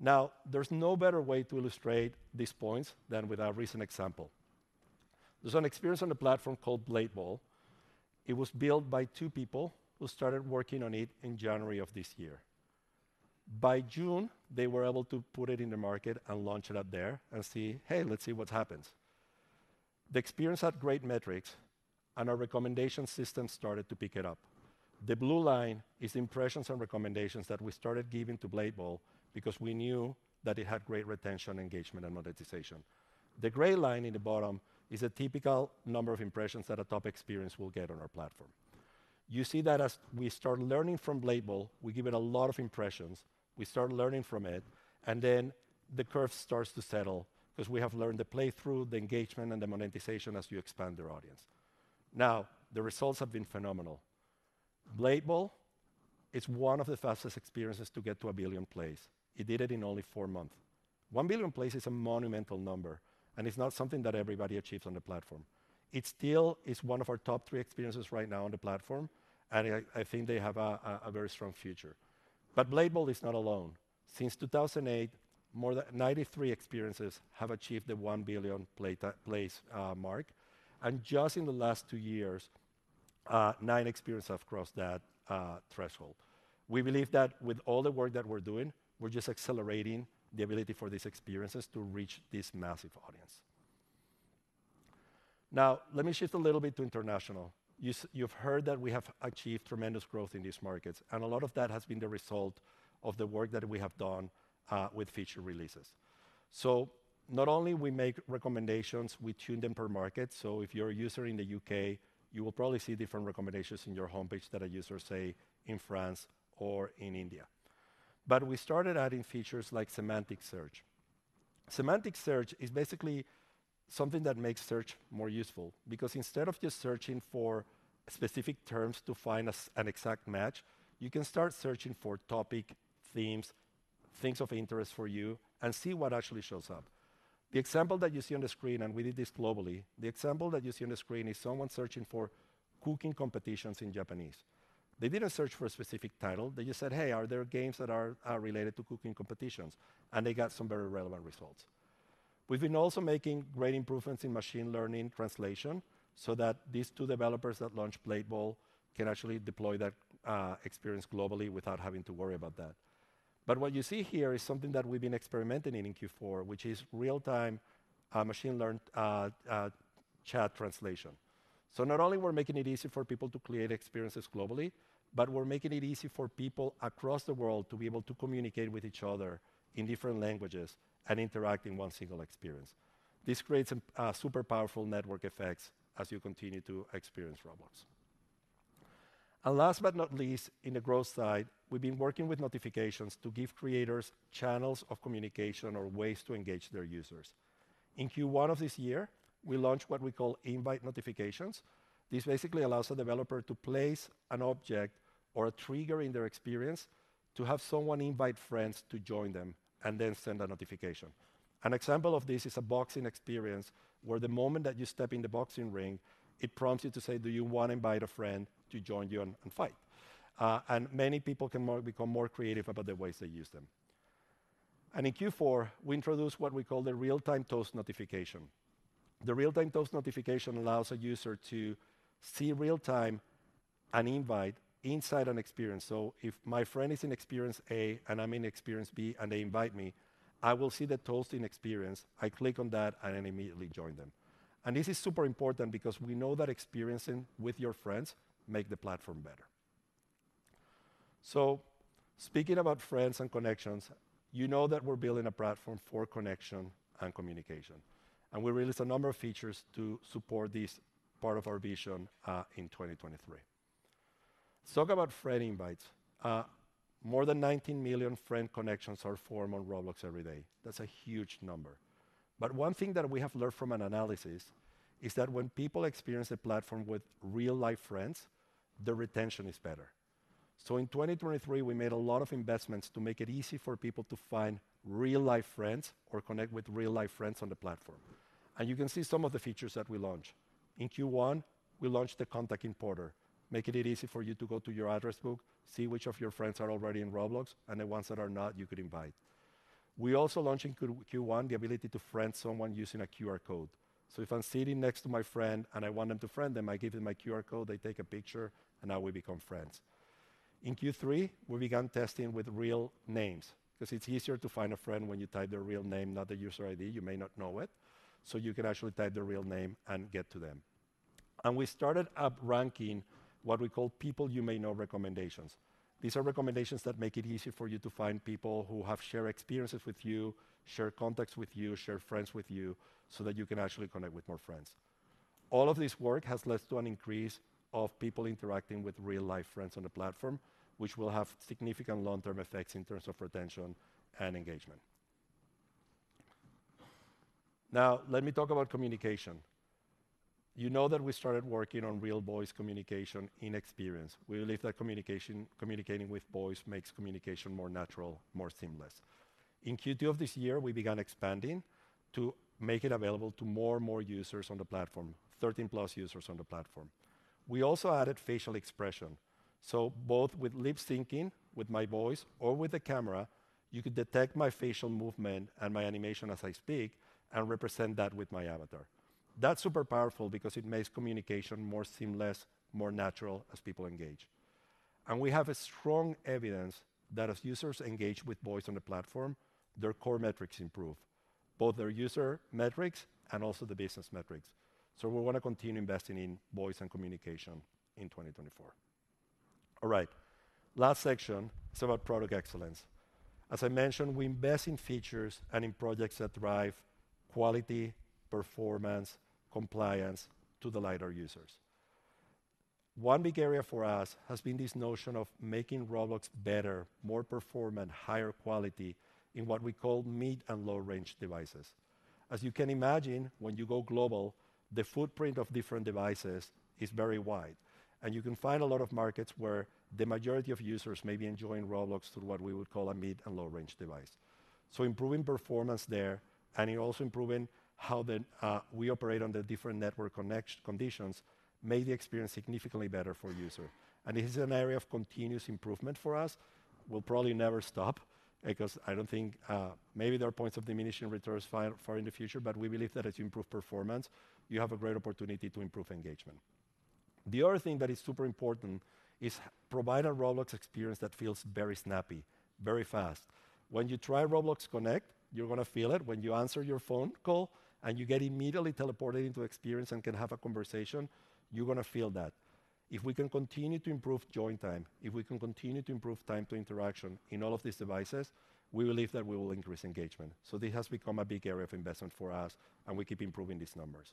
Now, there's no better way to illustrate these points than with a recent example. There's an experience on the platform called Blade Ball. It was built by two people who started working on it in January of this year. By June, they were able to put it in the market and launch it out there and see, "Hey, let's see what happens." The experience had great metrics, and our recommendation system started to pick it up. The blue line is impressions and recommendations that we started giving to Blade Ball because we knew that it had great retention, engagement, and monetization. The gray line in the bottom is a typical number of impressions that a top experience will get on our platform. You see that as we start learning from Blade Ball, we give it a lot of impressions. We start learning from it, and then the curve starts to settle because we have learned the playthrough, the engagement, and the monetization as we expand their audience. Now, the results have been phenomenal. Blade Ball is one of the fastest experiences to get to a billion plays. It did it in only 4 months. 1 billion plays is a monumental number, and it's not something that everybody achieves on the platform. It still is one of our top 3 experiences right now on the platform, and I think they have a very strong future. But Blade Ball is not alone. Since 2008, more than 93 experiences have achieved the 1 billion plays mark, and just in the last 2 years, 9 experiences have crossed that threshold. We believe that with all the work that we're doing, we're just accelerating the ability for these experiences to reach this massive audience. Now, let me shift a little bit to international. You've heard that we have achieved tremendous growth in these markets, and a lot of that has been the result of the work that we have done with feature releases. So not only we make recommendations, we tune them per market. So if you're a user in the U.K., you will probably see different recommendations in your homepage than a user, say, in France or in India. But we started adding features like Semantic search. Semantic search is basically something that makes search more useful, because instead of just searching for specific terms to find an exact match, you can start searching for topic, themes, things of interest for you and see what actually shows up. The example that you see on the screen, and we did this globally, the example that you see on the screen is someone searching for cooking competitions in Japanese. They didn't search for a specific title. They just said, "Hey, are there games that are related to cooking competitions?" And they got some very relevant results.... We've been also making great improvements in machine learning translation, so that these two developers that launch Blade Ball can actually deploy that experience globally without having to worry about that. But what you see here is something that we've been experimenting in Q4, which is real-time machine learned chat translation. So not only we're making it easy for people to create experiences globally, but we're making it easy for people across the world to be able to communicate with each other in different languages and interact in one single experience. This creates super powerful network effects as you continue to experience Roblox. Last but not least, in the growth side, we've been working with notifications to give creators channels of communication or ways to engage their users. In Q1 of this year, we launched what we call invite notifications. This basically allows a developer to place an object or a trigger in their experience to have someone invite friends to join them and then send a notification. An example of this is a boxing experience, where the moment that you step in the boxing ring, it prompts you to say, "Do you want to invite a friend to join you and fight?" And many people can become more creative about the ways they use them. In Q4, we introduced what we call the real-time toast notification. The real-time toast notification allows a user to see real-time an invite inside an experience. So if my friend is in experience A and I'm in experience B and they invite me, I will see the toast in experience. I click on that, and I immediately join them. And this is super important because we know that experiencing with your friends make the platform better. So speaking about friends and connections, you know that we're building a platform for connection and communication, and we released a number of features to support this part of our vision in 2023. Let's talk about friend invites. More than 19 million friend connections are formed on Roblox every day. That's a huge number. But one thing that we have learned from an analysis is that when people experience a platform with real-life friends, the retention is better. So in 2023, we made a lot of investments to make it easy for people to find real-life friends or connect with real-life friends on the platform, and you can see some of the features that we launched. In Q1, we launched the Contact Importer, making it easy for you to go to your address book, see which of your friends are already in Roblox, and the ones that are not, you could invite. We also launched in Q1, the ability to friend someone using a QR code. So if I'm sitting next to my friend and I want them to friend them, I give them my QR code, they take a picture, and now we become friends. In Q3, we began testing with real names, 'cause it's easier to find a friend when you type their real name, not the user ID, you may not know it. So you can actually type their real name and get to them. We started up ranking what we call People You May Know recommendations. These are recommendations that make it easy for you to find people who have shared experiences with you, share contacts with you, share friends with you, so that you can actually connect with more friends. All of this work has led to an increase of people interacting with real-life friends on the platform, which will have significant long-term effects in terms of retention and engagement. Now, let me talk about communication. You know that we started working on real voice communication in experience. We believe that communication, communicating with voice makes communication more natural, more seamless. In Q2 of this year, we began expanding to make it available to more and more users on the platform, 13+ users on the platform. We also added facial expression, so both with lip syncing, with my voice or with a camera, you could detect my facial movement and my animation as I speak and represent that with my avatar. That's super powerful because it makes communication more seamless, more natural as people engage. We have a strong evidence that as users engage with voice on the platform, their core metrics improve, both their user metrics and also the business metrics. So we want to continue investing in voice and communication in 2024. All right. Last section is about product excellence. As I mentioned, we invest in features and in projects that drive quality, performance, compliance to delight our users. One big area for us has been this notion of making Roblox better, more performant, higher quality in what we call mid- and low-range devices. As you can imagine, when you go global, the footprint of different devices is very wide, and you can find a lot of markets where the majority of users may be enjoying Roblox through what we would call a mid- and low-range device. So improving performance there and also improving how we operate on the different network connect conditions made the experience significantly better for user. And this is an area of continuous improvement for us. We'll probably never stop, because I don't think maybe there are points of diminishing returns far, far in the future, but we believe that as you improve performance, you have a great opportunity to improve engagement. The other thing that is super important is provide a Roblox experience that feels very snappy, very fast. When you try Roblox Connect, you're gonna feel it. When you answer your phone call, and you get immediately teleported into experience and can have a conversation, you're gonna feel that. If we can continue to improve join time, if we can continue to improve time to interaction in all of these devices, we believe that we will increase engagement. So this has become a big area of investment for us, and we keep improving these numbers.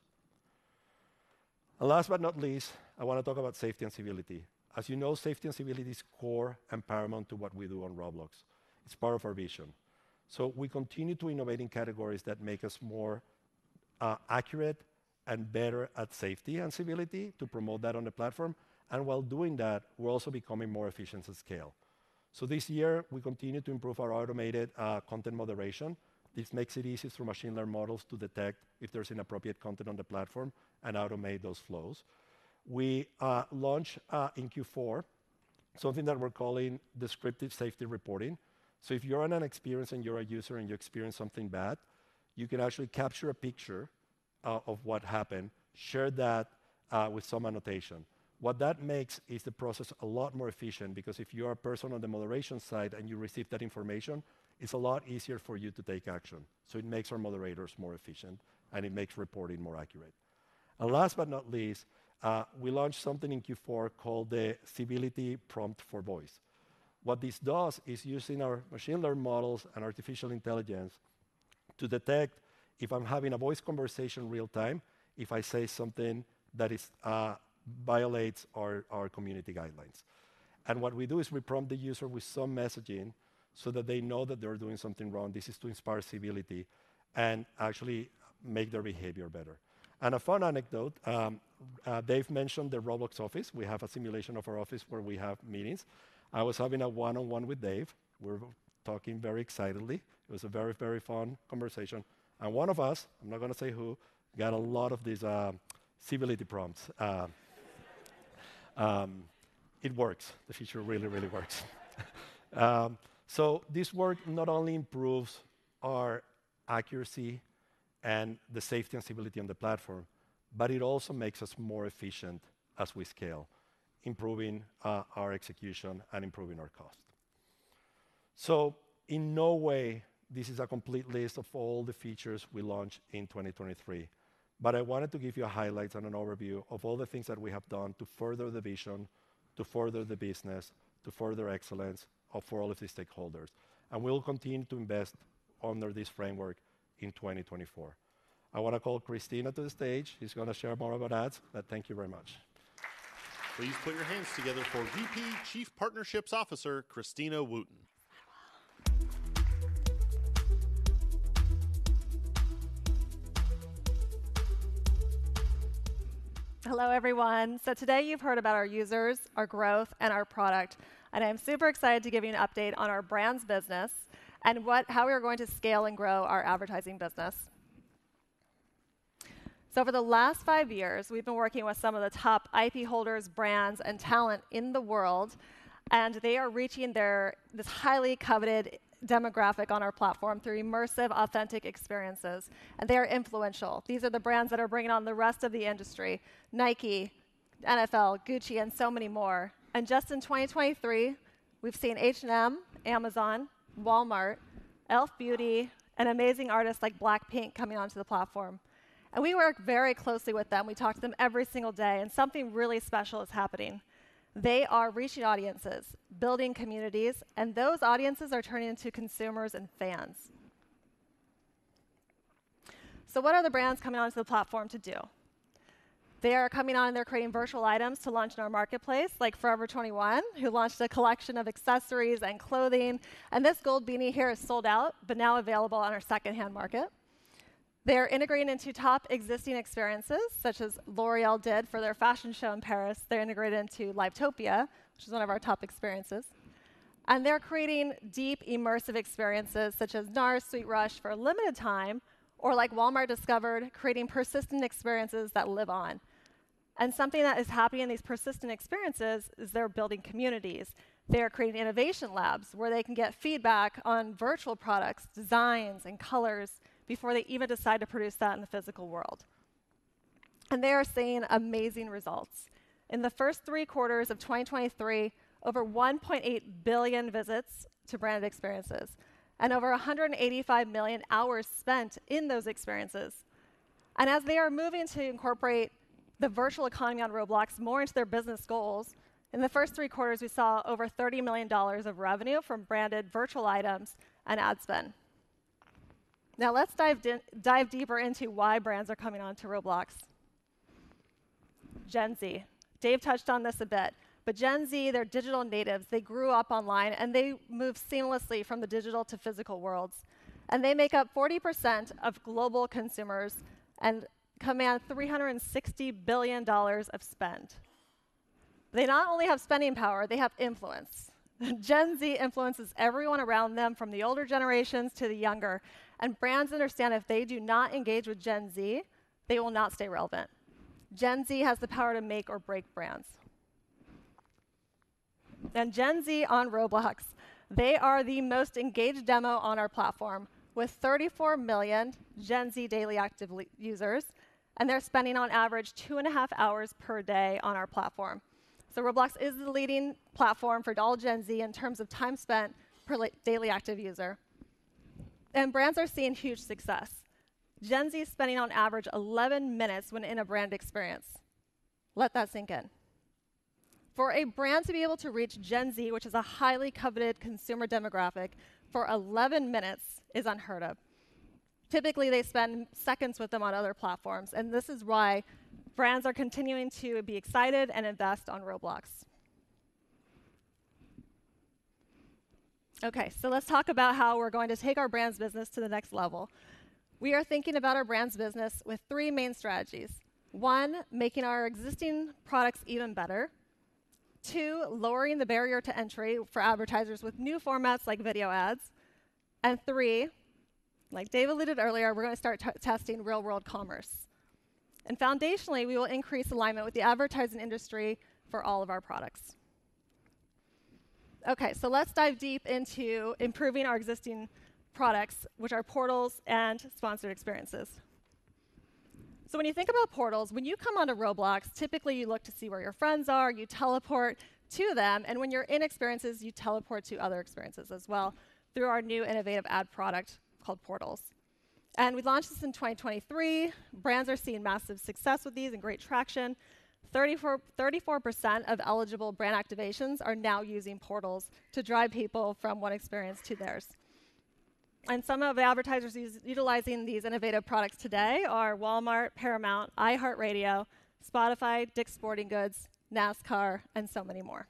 And last but not least, I want to talk about safety and civility. As you know, safety and civility is core and paramount to what we do on Roblox. It's part of our vision. So we continue to innovate in categories that make us more accurate and better at safety and civility, to promote that on the platform. And while doing that, we're also becoming more efficient at scale. So this year, we continued to improve our automated content moderation. This makes it easier for machine learned models to detect if there's inappropriate content on the platform and automate those flows. We launched in Q4 something that we're calling descriptive safety reporting. So if you're on an experience and you're a user, and you experience something bad, you can actually capture a picture of what happened, share that with some annotation. What that makes is the process a lot more efficient, because if you are a person on the moderation side and you receive that information, it's a lot easier for you to take action. So it makes our moderators more efficient, and it makes reporting more accurate. And last but not least, we launched something in Q4 called the Civility Prompt for Voice. What this does is using our machine learning models and artificial intelligence to detect if I'm having a voice conversation real time, if I say something that is violates our community guidelines. And what we do is we prompt the user with some messaging so that they know that they're doing something wrong. This is to inspire civility and actually make their behavior better. And a fun anecdote, Dave mentioned the Roblox Office. We have a simulation of our office where we have meetings. I was having a one-on-one with Dave. We're talking very excitedly. It was a very, very fun conversation, and one of us, I'm not gonna say who, got a lot of these civility prompts. It works. The feature really, really works. So this work not only improves our accuracy and the safety and civility on the platform, but it also makes us more efficient as we scale, improving our execution and improving our cost. In no way this is a complete list of all the features we launched in 2023, but I wanted to give you highlights and an overview of all the things that we have done to further the vision, to further the business, to further excellence for all of the stakeholders. We'll continue to invest under this framework in 2024. I want to call Christina to the stage, who's going to share more about ads, but thank you very much. Please put your hands together for VP, Chief Partnerships Officer, Christina Wootton. Hello, everyone. So today you've heard about our users, our growth, and our product, and I'm super excited to give you an update on our brands business and how we are going to scale and grow our advertising business. So for the last five years, we've been working with some of the top IP holders, brands, and talent in the world, and they are reaching their, this highly coveted demographic on our platform through immersive, authentic experiences, and they are influential. These are the brands that are bringing on the rest of the industry: Nike, NFL, Gucci, and so many more. And just in 2023, we've seen H&M, Amazon, Walmart, Elf Beauty, and amazing artists like BLACKPINK coming onto the platform. And we work very closely with them. We talk to them every single day, and something really special is happening. They are reaching audiences, building communities, and those audiences are turning into consumers and fans. So what are the brands coming onto the platform to do? They are coming on, and they're creating virtual items to launch in our marketplace, like Forever 21, who launched a collection of accessories and clothing, and this gold beanie here is sold out, but now available on our secondhand market. They're integrating into top existing experiences, such as L'Oréal did for their fashion show in Paris. They're integrated into Livetopia, which is one of our top experiences. They're creating deep, immersive experiences, such as NARS Sweet Rush for a limited time, or like Walmart discovered, creating persistent experiences that live on. Something that is happening in these persistent experiences is they're building communities. They are creating innovation labs, where they can get feedback on virtual products, designs, and colors before they even decide to produce that in the physical world. They are seeing amazing results. In the first three quarters of 2023, over 1.8 billion visits to branded experiences and over 185 million hours spent in those experiences. As they are moving to incorporate the virtual economy on Roblox more into their business goals, in the first three quarters, we saw over $30 million of revenue from branded virtual items and ads then. Now, let's dive deeper into why brands are coming onto Roblox. Gen Z. Dave touched on this a bit, but Gen Z, they're digital natives. They grew up online, and they move seamlessly from the digital to physical worlds. They make up 40% of global consumers and command $360 billion of spend. They not only have spending power, they have influence. Gen Z influences everyone around them, from the older generations to the younger, and brands understand if they do not engage with Gen Z, they will not stay relevant. Gen Z has the power to make or break brands. Gen Z on Roblox, they are the most engaged demo on our platform, with 34 million Gen Z daily active users, and they're spending on average 2.5 hours per day on our platform. Roblox is the leading platform for all Gen Z in terms of time spent per daily active user. Brands are seeing huge success. Gen Z is spending on average 11 minutes when in a brand experience. Let that sink in. For a brand to be able to reach Gen Z, which is a highly coveted consumer demographic, for 11 minutes is unheard of. Typically, they spend seconds with them on other platforms, and this is why brands are continuing to be excited and invest on Roblox. Okay, so let's talk about how we're going to take our brands business to the next level. We are thinking about our brands business with 3 main strategies: 1, making our existing products even better; 2, lowering the barrier to entry for advertisers with new formats like video ads; and 3, like Dave alluded earlier, we're gonna start testing real world commerce... and foundationally, we will increase alignment with the advertising industry for all of our products. Okay, so let's dive deep into improving our existing products, which are Portals and sponsored experiences. So when you think about Portals, when you come onto Roblox, typically you look to see where your friends are, you teleport to them, and when you're in experiences, you teleport to other experiences as well through our new innovative ad product called Portals. We launched this in 2023. Brands are seeing massive success with these and great traction. 34, 34% of eligible brand activations are now using Portals to drive people from one experience to theirs. Some of the advertisers utilizing these innovative products today are Walmart, Paramount, iHeartRadio, Spotify, Dick's Sporting Goods, NASCAR, and so many more.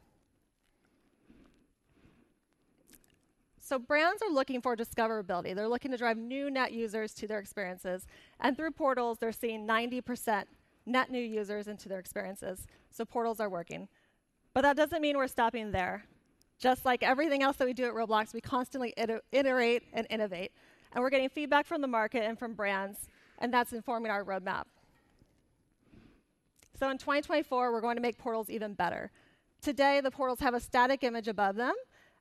Brands are looking for discoverability. They're looking to drive new net users to their experiences, and through Portals, they're seeing 90% net new users into their experiences, so Portals are working. But that doesn't mean we're stopping there. Just like everything else that we do at Roblox, we constantly iterate and innovate, and we're getting feedback from the market and from brands, and that's informing our roadmap. So in 2024, we're going to make Portals even better. Today, the Portals have a static image above them,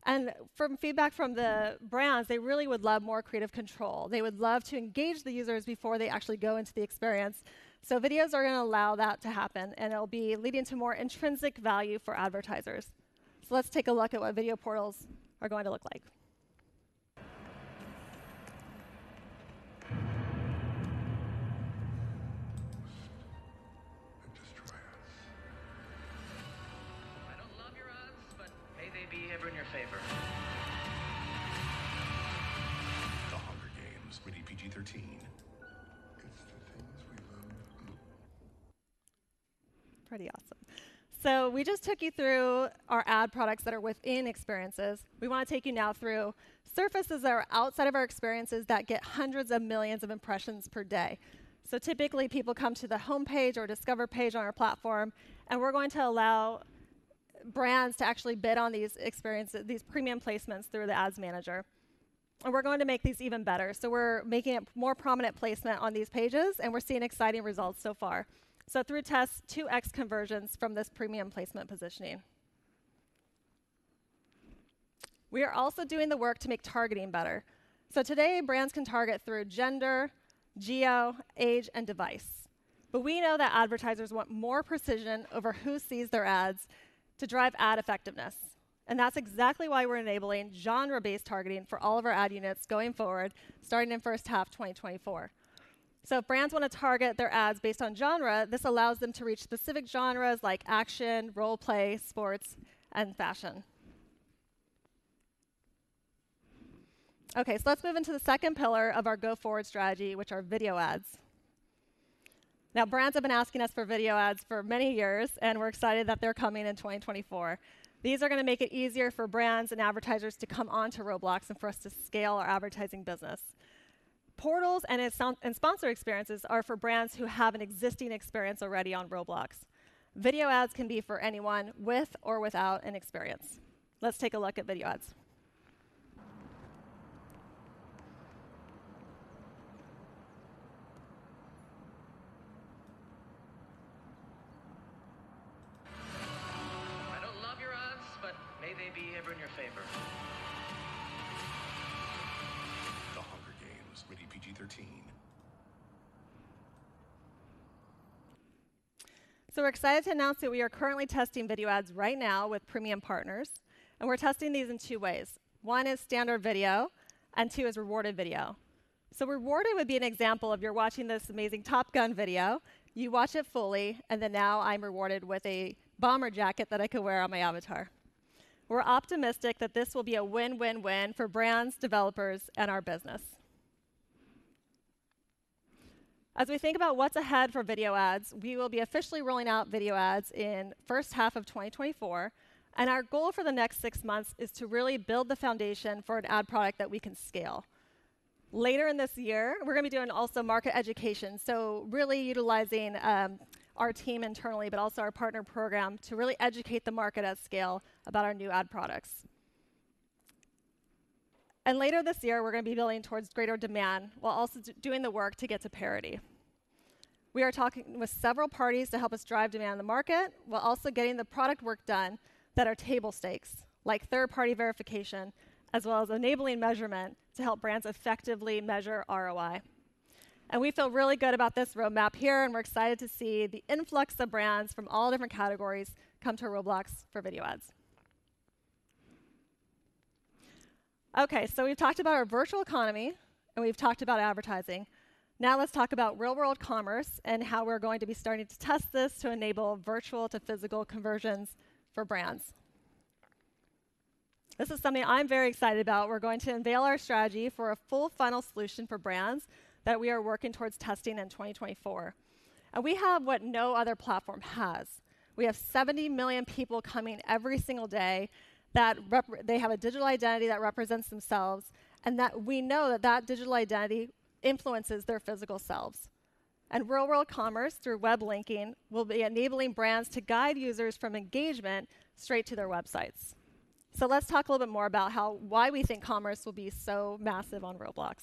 and from feedback from the brands, they really would love more creative control. They would love to engage the users before they actually go into the experience. So videos are gonna allow that to happen, and it'll be leading to more intrinsic value for advertisers. So let's take a look at what video Portals are going to look like. Destroy us. I don't love your odds, but may they be ever in your favor. The Hunger Games, rated PG-13. It's the things we love the most. Pretty awesome. We just took you through our ad products that are within experiences. We want to take you now through surfaces that are outside of our experiences that get hundreds of millions of impressions per day. Typically, people come to the homepage or discover page on our platform, and we're going to allow brands to actually bid on these experiences, these premium placements through the Ads Manager. We're going to make these even better. We're making a more prominent placement on these pages, and we're seeing exciting results so far. Through tests, 2x conversions from this premium placement positioning. We are also doing the work to make targeting better. Today, brands can target through gender, geo, age, and device. But we know that advertisers want more precision over who sees their ads to drive ad effectiveness. And that's exactly why we're enabling genre-based targeting for all of our ad units going forward, starting in first half 2024. So if brands wanna target their ads based on genre, this allows them to reach specific genres like action, role play, sports, and fashion. Okay, so let's move into the second pillar of our go-forward strategy, which are video ads. Now, brands have been asking us for video ads for many years, and we're excited that they're coming in 2024. These are gonna make it easier for brands and advertisers to come onto Roblox and for us to scale our advertising business. Portals and its sponsored experiences are for brands who have an existing experience already on Roblox. Video ads can be for anyone with or without an experience. Let's take a look at video ads. I don't love your odds, but may they be ever in your favor. The Hunger Games, rated PG-13. So we're excited to announce that we are currently testing video ads right now with premium partners, and we're testing these in two ways. One is standard video, and two is rewarded video. So rewarded would be an example of you're watching this amazing Top Gun video, you watch it fully, and then now I'm rewarded with a bomber jacket that I could wear on my avatar. We're optimistic that this will be a win-win-win for brands, developers, and our business. As we think about what's ahead for video ads, we will be officially rolling out video ads in first half of 2024, and our goal for the next six months is to really build the foundation for an ad product that we can scale. Later in this year, we're gonna be doing also market education, so really utilizing our team internally, but also our partner program, to really educate the market at scale about our new ad products. And later this year, we're gonna be building towards greater demand while also doing the work to get to parity. We are talking with several parties to help us drive demand in the market, while also getting the product work done that are table stakes, like third-party verification, as well as enabling measurement to help brands effectively measure ROI. And we feel really good about this roadmap here, and we're excited to see the influx of brands from all different categories come to Roblox for video ads. Okay, so we've talked about our virtual economy, and we've talked about advertising. Now let's talk about real-world commerce and how we're going to be starting to test this to enable virtual-to-physical conversions for brands. This is something I'm very excited about. We're going to unveil our strategy for a full funnel solution for brands that we are working towards testing in 2024. We have what no other platform has. We have 70 million people coming every single day, that they have a digital identity that represents themselves, and that we know that that digital identity influences their physical selves. Real-world commerce, through web linking, will be enabling brands to guide users from engagement straight to their websites.... So let's talk a little bit more about how, why we think commerce will be so massive on Roblox.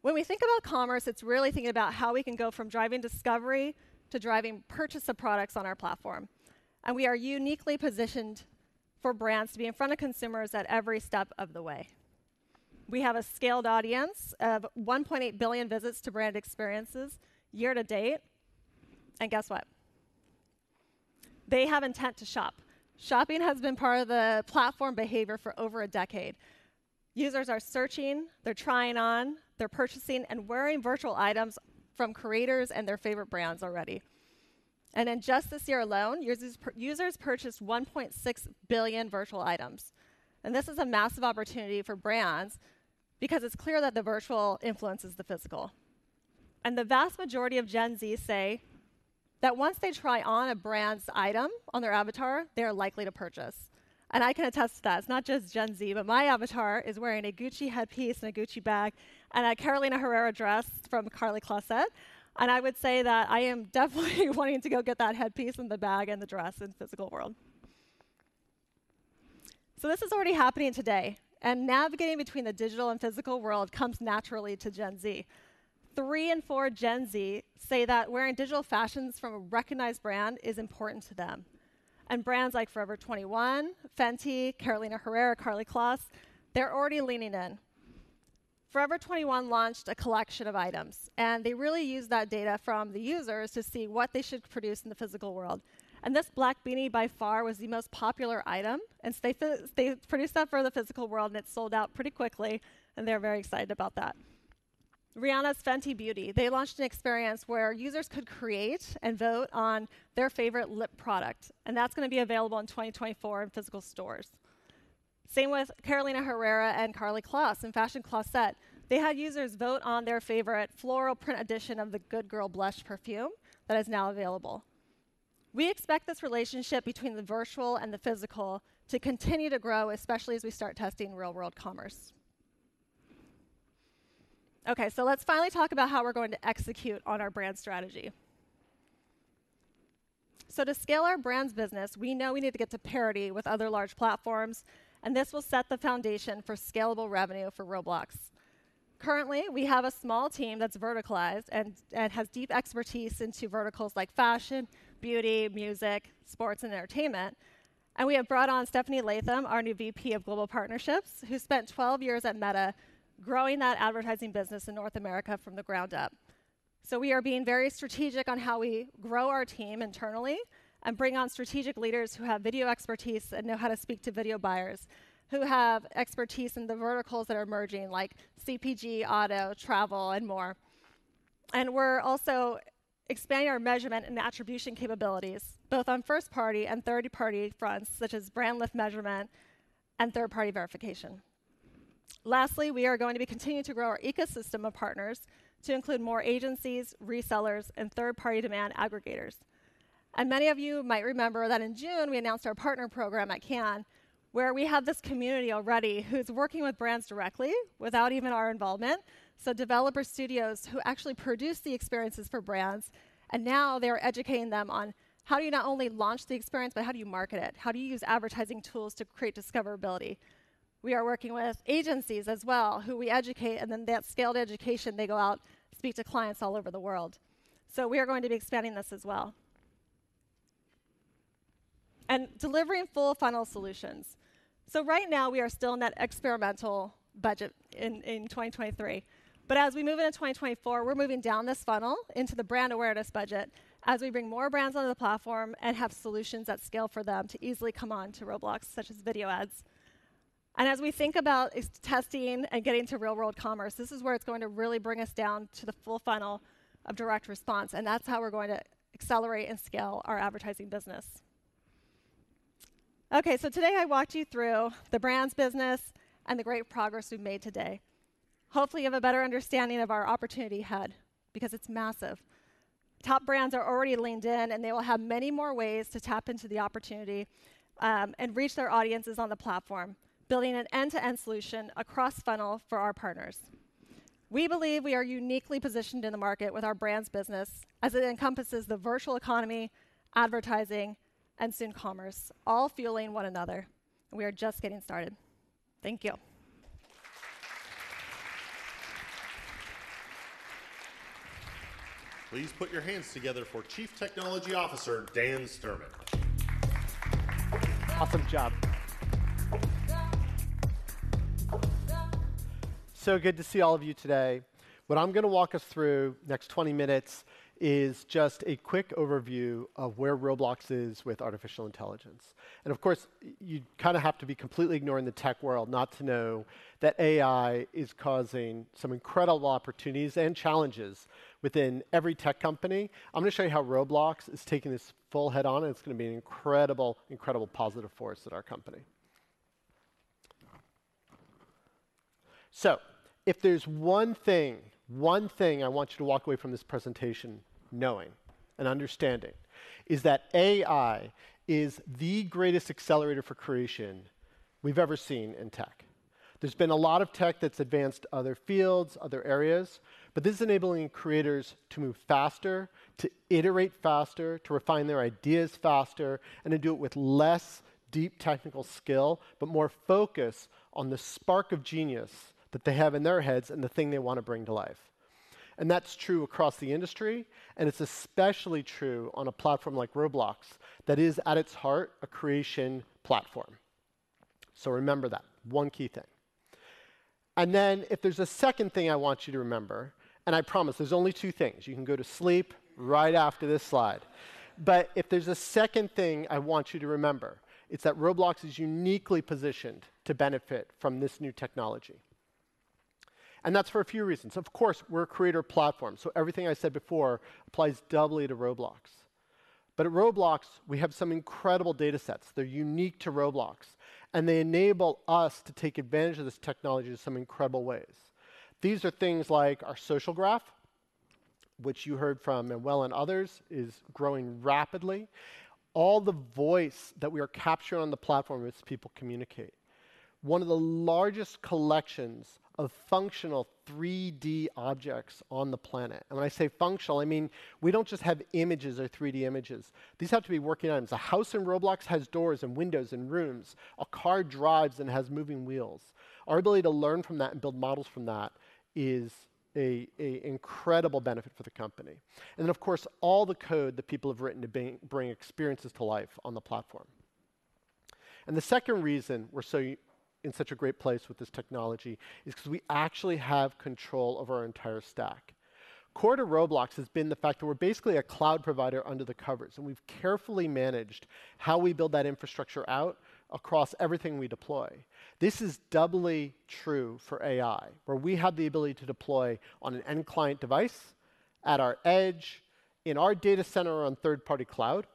When we think about commerce, it's really thinking about how we can go from driving discovery to driving purchase of products on our platform. And we are uniquely positioned for brands to be in front of consumers at every step of the way. We have a scaled audience of 1.8 billion visits to brand experiences year to date. And guess what? They have intent to shop. Shopping has been part of the platform behavior for over a decade. Users are searching, they're trying on, they're purchasing and wearing virtual items from creators and their favorite brands already. And in just this year alone, users purchased 1.6 billion virtual items. And this is a massive opportunity for brands because it's clear that the virtual influences the physical. The vast majority of Gen Z say that once they try on a brand's item on their avatar, they are likely to purchase. I can attest to that. It's not just Gen Z, but my avatar is wearing a Gucci headpiece and a Gucci bag, and a Carolina Herrera dress from Karlie Kloss. I would say that I am definitely wanting to go get that headpiece, and the bag, and the dress in the physical world. This is already happening today, and navigating between the digital and physical world comes naturally to Gen Z. 3 in 4 Gen Z say that wearing digital fashions from a recognized brand is important to them. Brands like Forever 21, Fenty, Carolina Herrera, Karlie Kloss, they're already leaning in. Forever 21 launched a collection of items, and they really used that data from the users to see what they should produce in the physical world. And this black beanie, by far, was the most popular item, and so they, they produced that for the physical world, and it sold out pretty quickly, and they're very excited about that. Rihanna's Fenty Beauty, they launched an experience where users could create and vote on their favorite lip product, and that's gonna be available in 2024 in physical stores. Same with Carolina Herrera and Karlie Kloss in Fashion Klossette. They had users vote on their favorite floral print edition of the Good Girl Blush perfume that is now available. We expect this relationship between the virtual and the physical to continue to grow, especially as we start testing real-world commerce. Okay, so let's finally talk about how we're going to execute on our brand strategy. To scale our brands business, we know we need to get to parity with other large platforms, and this will set the foundation for scalable revenue for Roblox. Currently, we have a small team that's verticalized and has deep expertise into verticals like fashion, beauty, music, sports, and entertainment. We have brought on Stephanie Latham, our new VP of Global Partnerships, who spent 12 years at Meta growing that advertising business in North America from the ground up. So we are being very strategic on how we grow our team internally and bring on strategic leaders who have video expertise and know how to speak to video buyers, who have expertise in the verticals that are emerging, like CPG, auto, travel, and more. We're also expanding our measurement and attribution capabilities, both on first-party and third-party fronts, such as brand lift measurement and third-party verification. Lastly, we are going to be continuing to grow our ecosystem of partners to include more agencies, resellers, and third-party demand aggregators. Many of you might remember that in June, we announced our partner program at CAN, where we have this community already who's working with brands directly without even our involvement. Developer studios who actually produce the experiences for brands, and now they are educating them on: how do you not only launch the experience, but how do you market it? How do you use advertising tools to create discoverability? We are working with agencies as well, who we educate, and then that scaled education, they go out, speak to clients all over the world. So we are going to be expanding this as well. And delivering full funnel solutions. So right now, we are still in that experimental budget in 2023. But as we move into 2024, we're moving down this funnel into the brand awareness budget as we bring more brands onto the platform and have solutions at scale for them to easily come on to Roblox, such as video ads. And as we think about testing and getting to real-world commerce, this is where it's going to really bring us down to the full funnel of direct response, and that's how we're going to accelerate and scale our advertising business. Okay, so today I walked you through the brands business and the great progress we've made today. Hopefully, you have a better understanding of our opportunity ahead, because it's massive. Top brands are already leaned in, and they will have many more ways to tap into the opportunity, and reach their audiences on the platform, building an end-to-end solution across funnel for our partners. We believe we are uniquely positioned in the market with our brands business as it encompasses the virtual economy, advertising, and soon commerce, all fueling one another. We are just getting started. Thank you. Please put your hands together for Chief Technology Officer, Dan Sturman. Awesome job. So good to see all of you today. What I'm going to walk us through, next 20 minutes, is just a quick overview of where Roblox is with artificial intelligence. And of course, you kind of have to be completely ignoring the tech world not to know that AI is causing some incredible opportunities and challenges within every tech company. I'm going to show you how Roblox is taking this full head on, and it's going to be an incredible, incredible positive force at our company. So if there's one thing, one thing I want you to walk away from this presentation knowing and understanding is that AI is the greatest accelerator for creation we've ever seen in tech.... There's been a lot of tech that's advanced other fields, other areas, but this is enabling creators to move faster, to iterate faster, to refine their ideas faster, and to do it with less deep technical skill, but more focus on the spark of genius that they have in their heads and the thing they want to bring to life. And that's true across the industry, and it's especially true on a platform like Roblox, that is, at its heart, a creation platform. So remember that, one key thing. And then, if there's a second thing I want you to remember, and I promise there's only two things, you can go to sleep right after this slide. But if there's a second thing I want you to remember, it's that Roblox is uniquely positioned to benefit from this new technology, and that's for a few reasons. Of course, we're a creator platform, so everything I said before applies doubly to Roblox. But at Roblox, we have some incredible datasets. They're unique to Roblox, and they enable us to take advantage of this technology in some incredible ways. These are things like our social graph, which you heard from Manuel and others, is growing rapidly. All the voice that we are capturing on the platform as people communicate. One of the largest collections of functional 3D objects on the planet, and when I say functional, I mean, we don't just have images or 3D images. These have to be working items. A house in Roblox has doors and windows and rooms. A car drives and has moving wheels. Our ability to learn from that and build models from that is an incredible benefit for the company, and of course, all the code that people have written to bring experiences to life on the platform. The second reason we're so in such a great place with this technology is 'cause we actually have control of our entire stack. Core to Roblox has been the fact that we're basically a cloud provider under the covers, and we've carefully managed how we build that infrastructure out across everything we deploy. This is doubly true for AI, where we have the ability to deploy on an end client device, at our edge, in our data center, or on third-party cloud,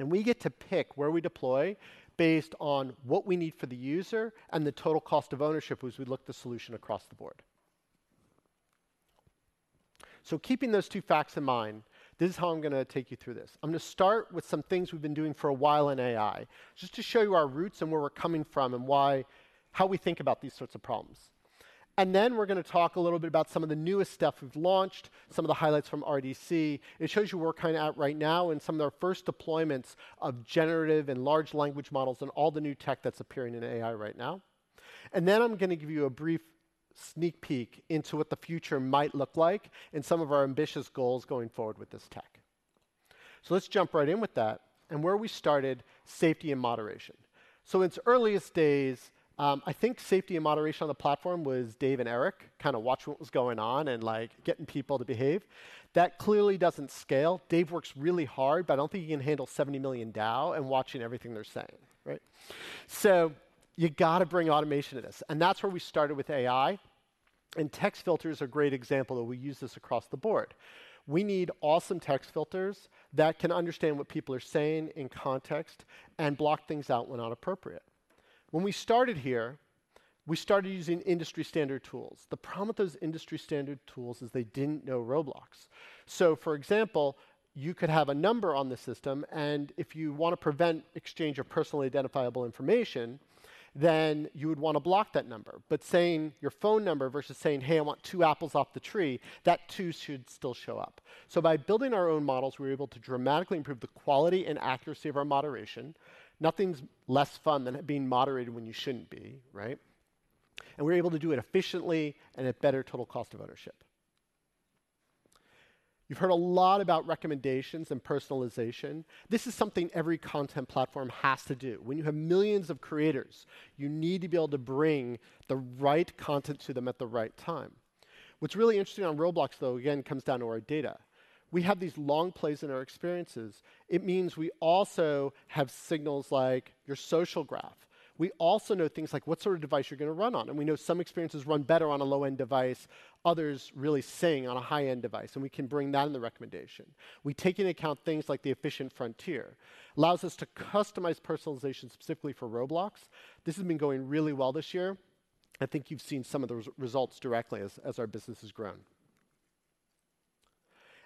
and we get to pick where we deploy based on what we need for the user and the total cost of ownership as we look the solution across the board. So keeping those two facts in mind, this is how I'm gonna take you through this. I'm gonna start with some things we've been doing for a while in AI, just to show you our roots and where we're coming from and why, how we think about these sorts of problems. And then we're gonna talk a little bit about some of the newest stuff we've launched, some of the highlights from RDC. It shows you where we're kinda at right now in some of our first deployments of generative and large language models and all the new tech that's appearing in AI right now. And then I'm gonna give you a brief sneak peek into what the future might look like and some of our ambitious goals going forward with this tech. So let's jump right in with that, and where we started, safety and moderation. So in its earliest days, I think safety and moderation on the platform was Dave and Erik, kinda watching what was going on and, like, getting people to behave. That clearly doesn't scale. Dave works really hard, but I don't think he can handle 70 million DAU and watching everything they're saying, right? So you gotta bring automation to this, and that's where we started with AI, and text filters are a great example, and we use this across the board. We need awesome text filters that can understand what people are saying in context and block things out when not appropriate. When we started here, we started using industry-standard tools. The problem with those industry-standard tools is they didn't know Roblox. So, for example, you could have a number on the system, and if you want to prevent exchange of personally identifiable information, then you would want to block that number. But saying your phone number versus saying, "Hey, I want two apples off the tree," that two should still show up. So by building our own models, we were able to dramatically improve the quality and accuracy of our moderation. Nothing's less fun than being moderated when you shouldn't be, right? We were able to do it efficiently and at better total cost of ownership. You've heard a lot about recommendations and personalization. This is something every content platform has to do. When you have millions of creators, you need to be able to bring the right content to them at the right time. What's really interesting on Roblox, though, again, comes down to our data. We have these long plays in our experiences. It means we also have signals like your social graph. We also know things like what sort of device you're gonna run on, and we know some experiences run better on a low-end device, others really sing on a high-end device, and we can bring that in the recommendation. We take into account things like the efficient frontier. [It] allows us to customize personalization specifically for Roblox. This has been going really well this year. I think you've seen some of the results directly as our business has grown.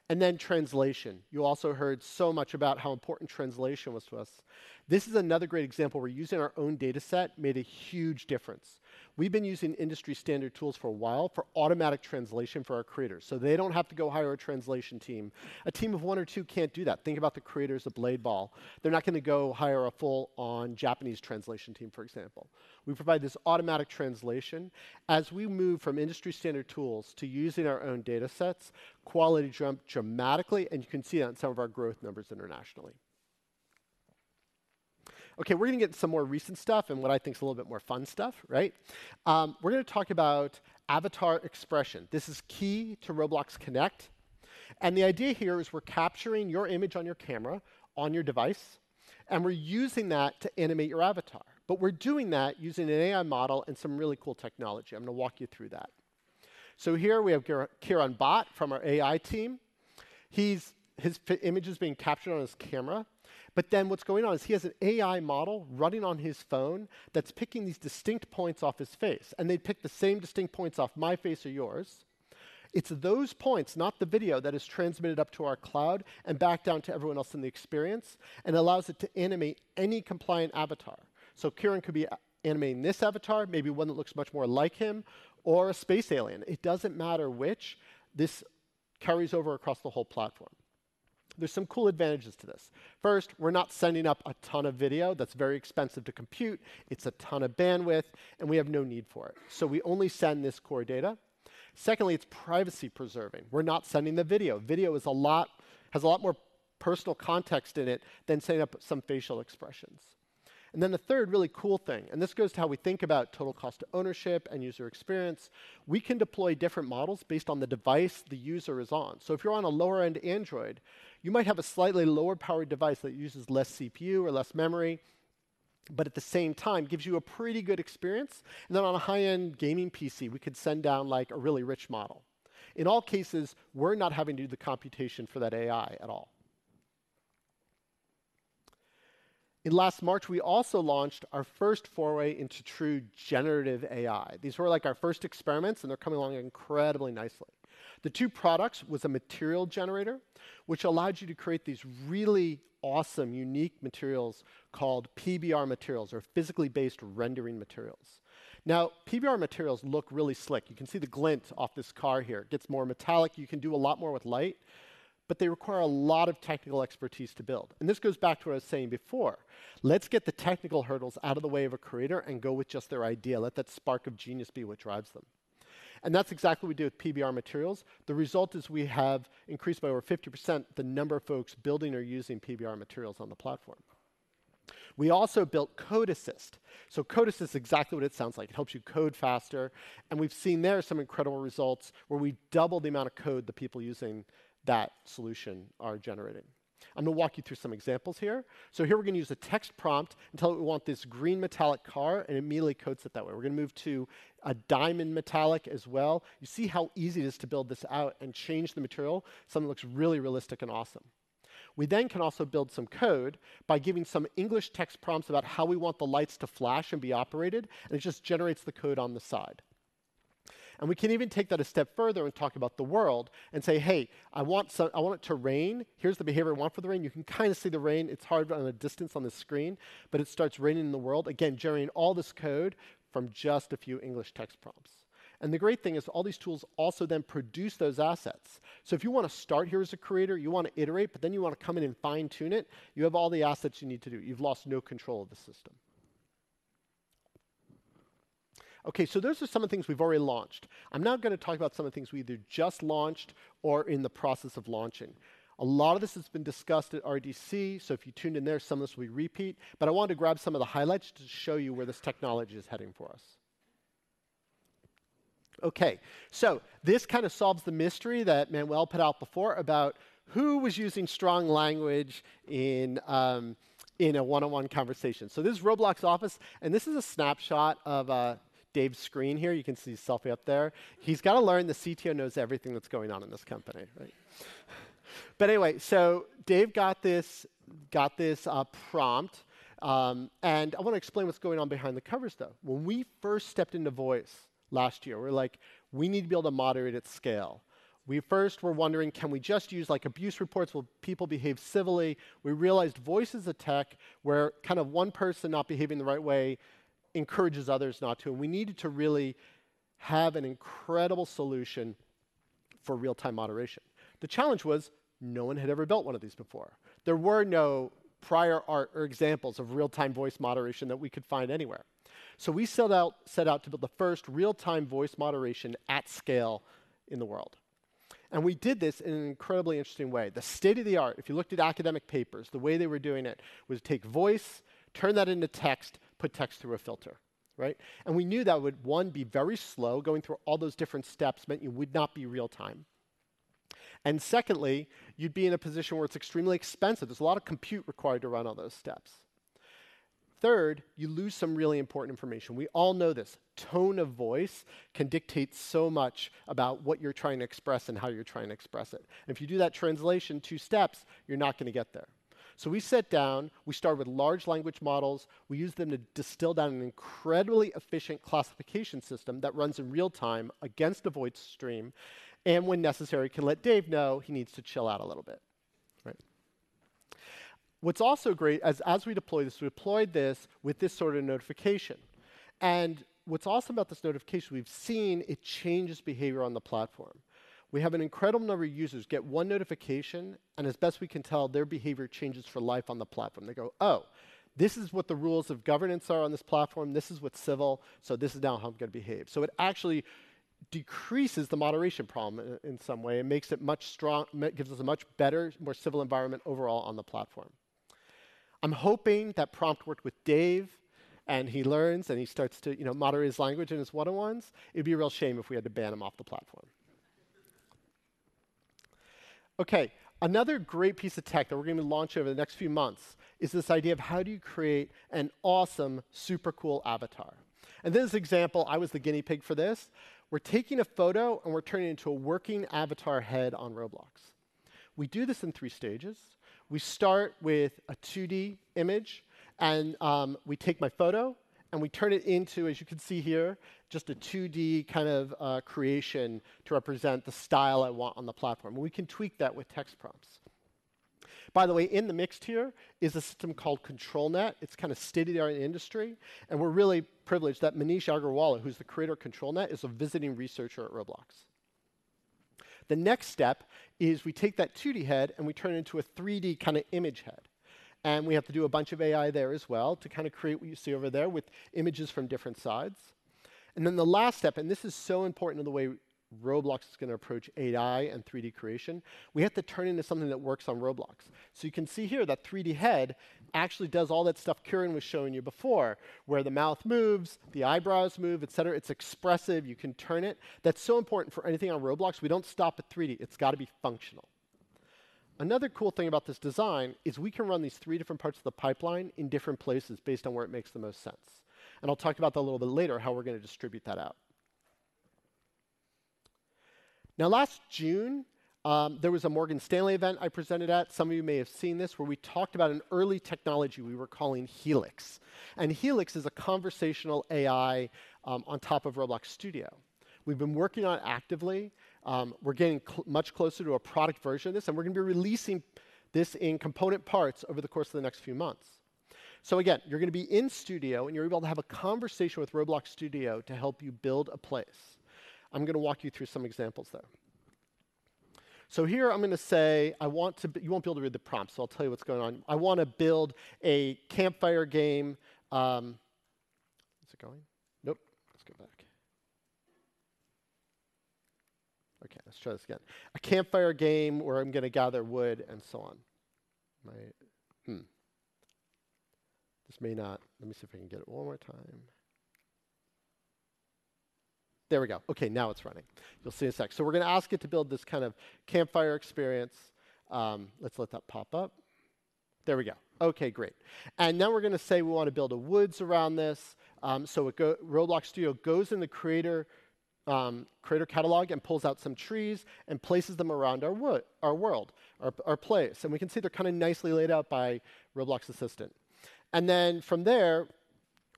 And then translation. You also heard so much about how important translation was to us. This is another great example where using our own dataset made a huge difference. We've been using industry-standard tools for a while for automatic translation for our creators, so they don't have to go hire a translation team. A team of one or two can't do that. Think about the creators of Blade Ball. They're not gonna go hire a full-on Japanese translation team, for example. We provide this automatic translation. As we move from industry-standard tools to using our own datasets, quality jumped dramatically, and you can see that on some of our growth numbers internationally. Okay, we're gonna get into some more recent stuff, and what I think is a little bit more fun stuff, right? We're gonna talk about avatar expression. This is key to Roblox Connect, and the idea here is we're capturing your image on your camera, on your device, and we're using that to animate your avatar, but we're doing that using an AI model and some really cool technology. I'm gonna walk you through that. So here we have Kiran Bhat from our AI team. His image is being captured on his camera, but then what's going on is he has an AI model running on his phone that's picking these distinct points off his face, and they'd pick the same distinct points off my face or yours. It's those points, not the video, that is transmitted up to our cloud and back down to everyone else in the experience, and allows it to animate any compliant avatar. So Kiran could be animating this avatar, maybe one that looks much more like him, or a space alien. It doesn't matter which, this carries over across the whole platform. There's some cool advantages to this. First, we're not sending up a ton of video. That's very expensive to compute, it's a ton of bandwidth, and we have no need for it, so we only send this core data. Secondly, it's privacy preserving. We're not sending the video. Video is a lot—has a lot more personal context in it than sending up some facial expressions. And then the third really cool thing, and this goes to how we think about total cost of ownership and user experience, we can deploy different models based on the device the user is on. So if you're on a lower-end Android, you might have a slightly lower-powered device that uses less CPU or less memory, but at the same time gives you a pretty good experience. And then on a high-end gaming PC, we could send down, like, a really rich model. In all cases, we're not having to do the computation for that AI at all. Last March, we also launched our first foray into true generative AI. These were, like, our first experiments, and they're coming along incredibly nicely. The two products was a Material Generator, which allowed you to create these really awesome, unique materials called PBR materials, or physically-based rendering materials. Now, PBR materials look really slick. You can see the glint off this car here. It gets more metallic. You can do a lot more with light, but they require a lot of technical expertise to build. This goes back to what I was saying before: let's get the technical hurdles out of the way of a creator and go with just their idea. Let that spark of genius be what drives them, and that's exactly what we do with PBR materials. The result is we have increased by over 50% the number of folks building or using PBR materials on the platform. We also built Code Assist. So Code Assist is exactly what it sounds like, it helps you code faster, and we've seen there are some incredible results, where we doubled the amount of code the people using that solution are generating. I'm going to walk you through some examples here. So here, we're going to use a text prompt and tell it we want this green metallic car, and it immediately codes it that way. We're going to move to a diamond metallic as well. You see how easy it is to build this out and change the material, something that looks really realistic and awesome. We then can also build some code by giving some English text prompts about how we want the lights to flash and be operated, and it just generates the code on the side. We can even take that a step further and talk about the world and say, "Hey, I want it to rain. Here's the behavior I want for the rain." You can kind of see the rain. It's hard from a distance on the screen, but it starts raining in the world. Again, generating all this code from just a few English text prompts. The great thing is all these tools also then produce those assets. So if you want to start here as a creator, you want to iterate, but then you want to come in and fine-tune it, you have all the assets you need to do it. You've lost no control of the system. Okay, so those are some of the things we've already launched. I'm now going to talk about some of the things we either just launched or are in the process of launching. A lot of this has been discussed at RDC, so if you tuned in there, some of this we repeat, but I wanted to grab some of the highlights to show you where this technology is heading for us. Okay, so this kind of solves the mystery that Manuel put out before about who was using strong language in a one-on-one conversation. So this is Roblox Office, and this is a snapshot of Dave's screen here. You can see his selfie up there. He's got to learn the CTO knows everything that's going on in this company, right? But anyway, so Dave got this prompt, and I want to explain what's going on behind the covers, though. When we first stepped into voice last year, we were like: We need to be able to moderate at scale. We first were wondering, "Can we just use, like, abuse reports? Will people behave civilly?" We realized voice is a tech where kind of one person not behaving the right way encourages others not to, and we needed to really have an incredible solution for real-time moderation. The challenge was no one had ever built one of these before. There were no prior art or examples of real-time voice moderation that we could find anywhere. So we set out to build the first real-time voice moderation at scale in the world, and we did this in an incredibly interesting way. The state-of-the-art, if you looked at academic papers, the way they were doing it was take voice, turn that into text, put text through a filter, right? And we knew that would, one, be very slow. Going through all those different steps meant it would not be real time. And secondly, you'd be in a position where it's extremely expensive. There's a lot of compute required to run all those steps. Third, you lose some really important information. We all know this. Tone of voice can dictate so much about what you're trying to express and how you're trying to express it, and if you do that translation two steps, you're not going to get there. So we sat down, we started with large language models. We used them to distill down an incredibly efficient classification system that runs in real time against the voice stream and, when necessary, can let Dave know he needs to chill out a little bit, right? What's also great is, as we deployed this, we deployed this with this sort of notification. What's awesome about this notification, we've seen it changes behavior on the platform. We have an incredible number of users get one notification, and as best we can tell, their behavior changes for life on the platform. They go, "Oh, this is what the rules of governance are on this platform. This is what's civil, so this is now how I'm going to behave." So it actually decreases the moderation problem in some way and makes it much stronger. Gives us a much better, more civil environment overall on the platform. I'm hoping that prompt worked with Dave, and he learns, and he starts to, you know, moderate his language in his one-on-ones. It'd be a real shame if we had to ban him off the platform. Okay, another great piece of tech that we're going to launch over the next few months is this idea of: How do you create an awesome, super cool avatar? And this example, I was the guinea pig for this. We're taking a photo, and we're turning it into a working avatar head on Roblox. We do this in three stages. We start with a 2D image, and we take my photo, and we turn it into, as you can see here, just a 2D kind of creation to represent the style I want on the platform. We can tweak that with text prompts. By the way, in the mix here is a system called ControlNet. It's kinda state-of-the-art in industry, and we're really privileged that Maneesh Agrawala, who's the creator of ControlNet, is a visiting researcher at Roblox. The next step is we take that 2D head, and we turn it into a 3D kinda image head, and we have to do a bunch of AI there as well to kinda create what you see over there, with images from different sides. Then the last step, and this is so important in the way Roblox is gonna approach AI and 3D creation, we have to turn it into something that works on Roblox. So you can see here, that 3D head actually does all that stuff Kiran was showing you before, where the mouth moves, the eyebrows move, et cetera. It's expressive, you can turn it. That's so important for anything on Roblox. We don't stop at 3D, it's gotta be functional. Another cool thing about this design is we can run these three different parts of the pipeline in different places, based on where it makes the most sense, and I'll talk about that a little bit later, how we're gonna distribute that out. Now, last June, there was a Morgan Stanley event I presented at, some of you may have seen this, where we talked about an early technology we were calling Helix. Helix is a conversational AI on top of Roblox Studio. We've been working on it actively. We're getting much closer to a product version of this, and we're gonna be releasing this in component parts over the course of the next few months. So again, you're gonna be in Studio, and you're able to have a conversation with Roblox Studio to help you build a place. I'm gonna walk you through some examples, though. So here I'm gonna say, "I want to b-" You won't be able to read the prompts, so I'll tell you what's going on. I wanna build a campfire game. Is it going? Nope. Let's go back. Okay, let's try this again. A campfire game where I'm gonna gather wood and so on. There we go. Okay, now it's running. You'll see in a sec. So we're gonna ask it to build this kind of campfire experience. Let's let that pop up. There we go. Okay, great. And now we're gonna say we wanna build a woods around this. Roblox Studio goes in the creator, creator catalog, and pulls out some trees, and places them around our world, our world, our, our place. And we can see they're kinda nicely laid out by Roblox Assistant. And then from there,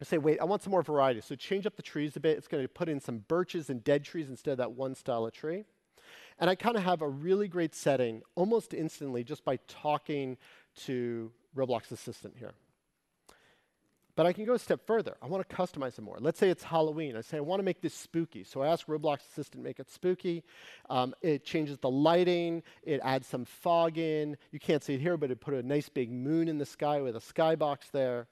I say, "Wait, I want some more variety, so change up the trees a bit." It's gonna put in some birches and dead trees instead of that one style of tree. I kinda have a really great setting, almost instantly, just by talking to Roblox Assistant here. But I can go a step further. I wanna customize some more. Let's say it's Halloween. I say, "I wanna make this spooky," so I ask Roblox Assistant to make it spooky. It changes the lighting, it adds some fog in. You can't see it here, but it put a nice big moon in the sky with a Skybox there.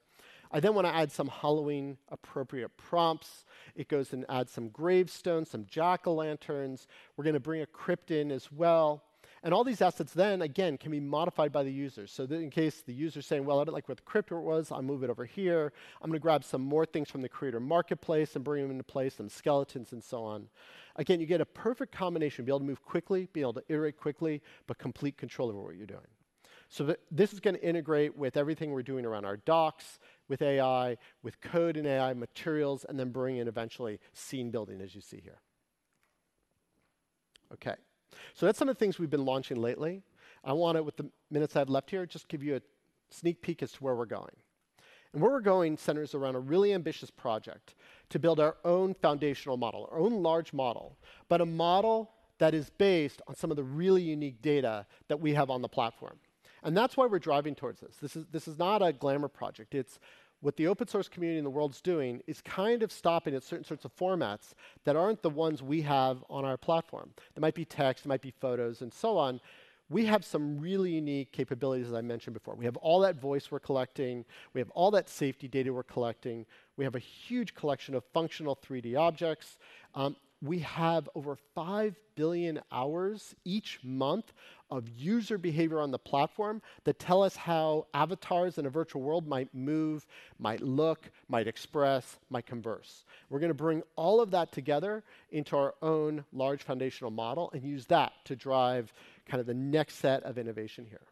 I then wanna add some Halloween-appropriate prompts. It goes and adds some gravestones, some jack-o'-lanterns. We're gonna bring a crypt in as well, and all these assets then, again, can be modified by the user. So then in case the user is saying, "Well, I don't like where the crypt was, I'll move it over here. I'm gonna grab some more things from the Creator Marketplace and bring them into play, some skeletons and so on." Again, you get a perfect combination to be able to move quickly, be able to iterate quickly, but complete control over what you're doing. So this is gonna integrate with everything we're doing around our docs, with AI, with code and AI materials, and then bring in eventually scene building, as you see here. Okay, so that's some of the things we've been launching lately. I wanna, with the minutes I have left here, just give you a sneak peek as to where we're going. Where we're going centers around a really ambitious project to build our own foundational model, our own large model, but a model that is based on some of the really unique data that we have on the platform. And that's why we're driving towards this. This is, this is not a glamour project, it's... What the open source community and the world's doing is kind of stopping at certain sorts of formats that aren't the ones we have on our platform. They might be text, might be photos, and so on. We have some really unique capabilities, as I mentioned before. We have all that voice we're collecting, we have all that safety data we're collecting, we have a huge collection of functional 3D objects. We have over 5 billion hours each month of user behavior on the platform that tell us how avatars in a virtual world might move, might look, might express, might converse. We're gonna bring all of that together into our own large foundational model and use that to drive kind of the next set of innovation here.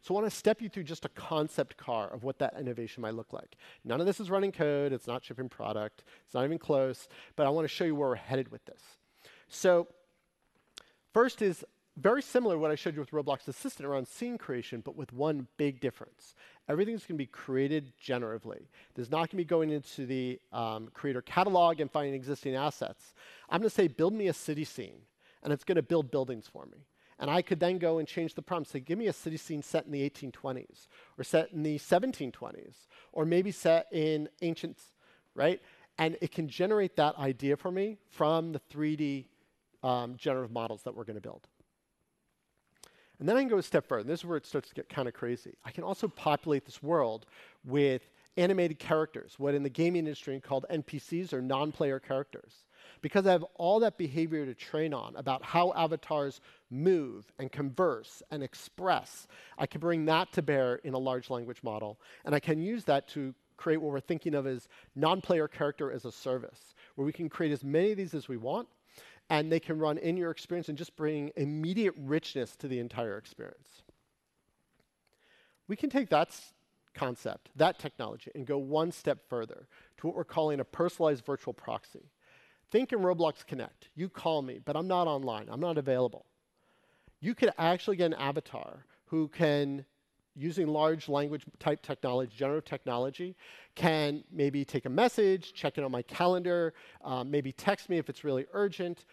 So I wanna step you through just a concept car of what that innovation might look like. None of this is running code, it's not shipping product, it's not even close, but I wanna show you where we're headed with this. So first is very similar to what I showed you with Roblox Assistant around scene creation, but with one big difference: everything's gonna be created generatively. There's not gonna be going into the creator catalog and finding existing assets. I'm gonna say, "Build me a city scene," and it's gonna build buildings for me. I could then go and change the prompt, say, "Give me a city scene set in the 1820s, or set in the 1720s, or maybe set in ancient..." Right? It can generate that idea for me from the 3D generative models that we're gonna build. Then I can go a step further, and this is where it starts to get kinda crazy. I can also populate this world with animated characters, what in the gaming industry are called NPCs or non-player characters. Because I have all that behavior to train on about how avatars move and converse and express, I can bring that to bear in a large language model, and I can use that to create what we're thinking of as non-player character as a service, where we can create as many of these as we want, and they can run in your experience and just bring immediate richness to the entire experience. We can take that concept, that technology, and go one step further to what we're calling a personalized virtual proxy. Think in Roblox Connect. You call me, but I'm not online, I'm not available. You could actually get an avatar who can, using large language-type technology, general technology, can maybe take a message, check in on my calendar, maybe text me if it's really urgent,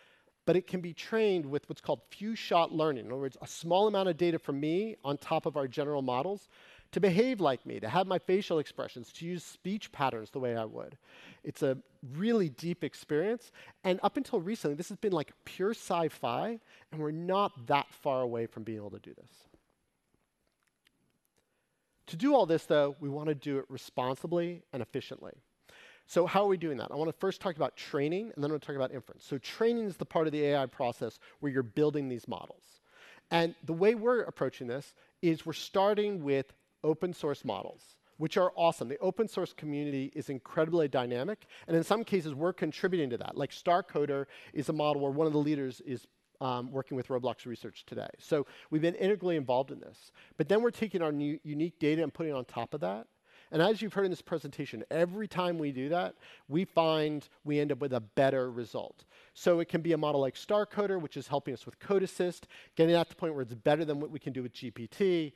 but it can be trained with what's called few-shot learning. In other words, a small amount of data from me on top of our general models to behave like me, to have my facial expressions, to use speech patterns the way I would. It's a really deep experience, and up until recently, this has been like pure sci-fi, and we're not that far away from being able to do this. To do all this, though, we want to do it responsibly and efficiently. So how are we doing that? I want to first talk about training, and then I'm gonna talk about inference. So training is the part of the AI process where you're building these models, and the way we're approaching this is we're starting with open source models, which are awesome. The open source community is incredibly dynamic, and in some cases, we're contributing to that. Like StarCoder is a model where one of the leaders is working with Roblox research today. So we've been integrally involved in this. But then we're taking our unique data and putting it on top of that, and as you've heard in this presentation, every time we do that, we find we end up with a better result. So it can be a model like StarCoder, which is helping us with Code Assist, getting it out to the point where it's better than what we can do with GPT.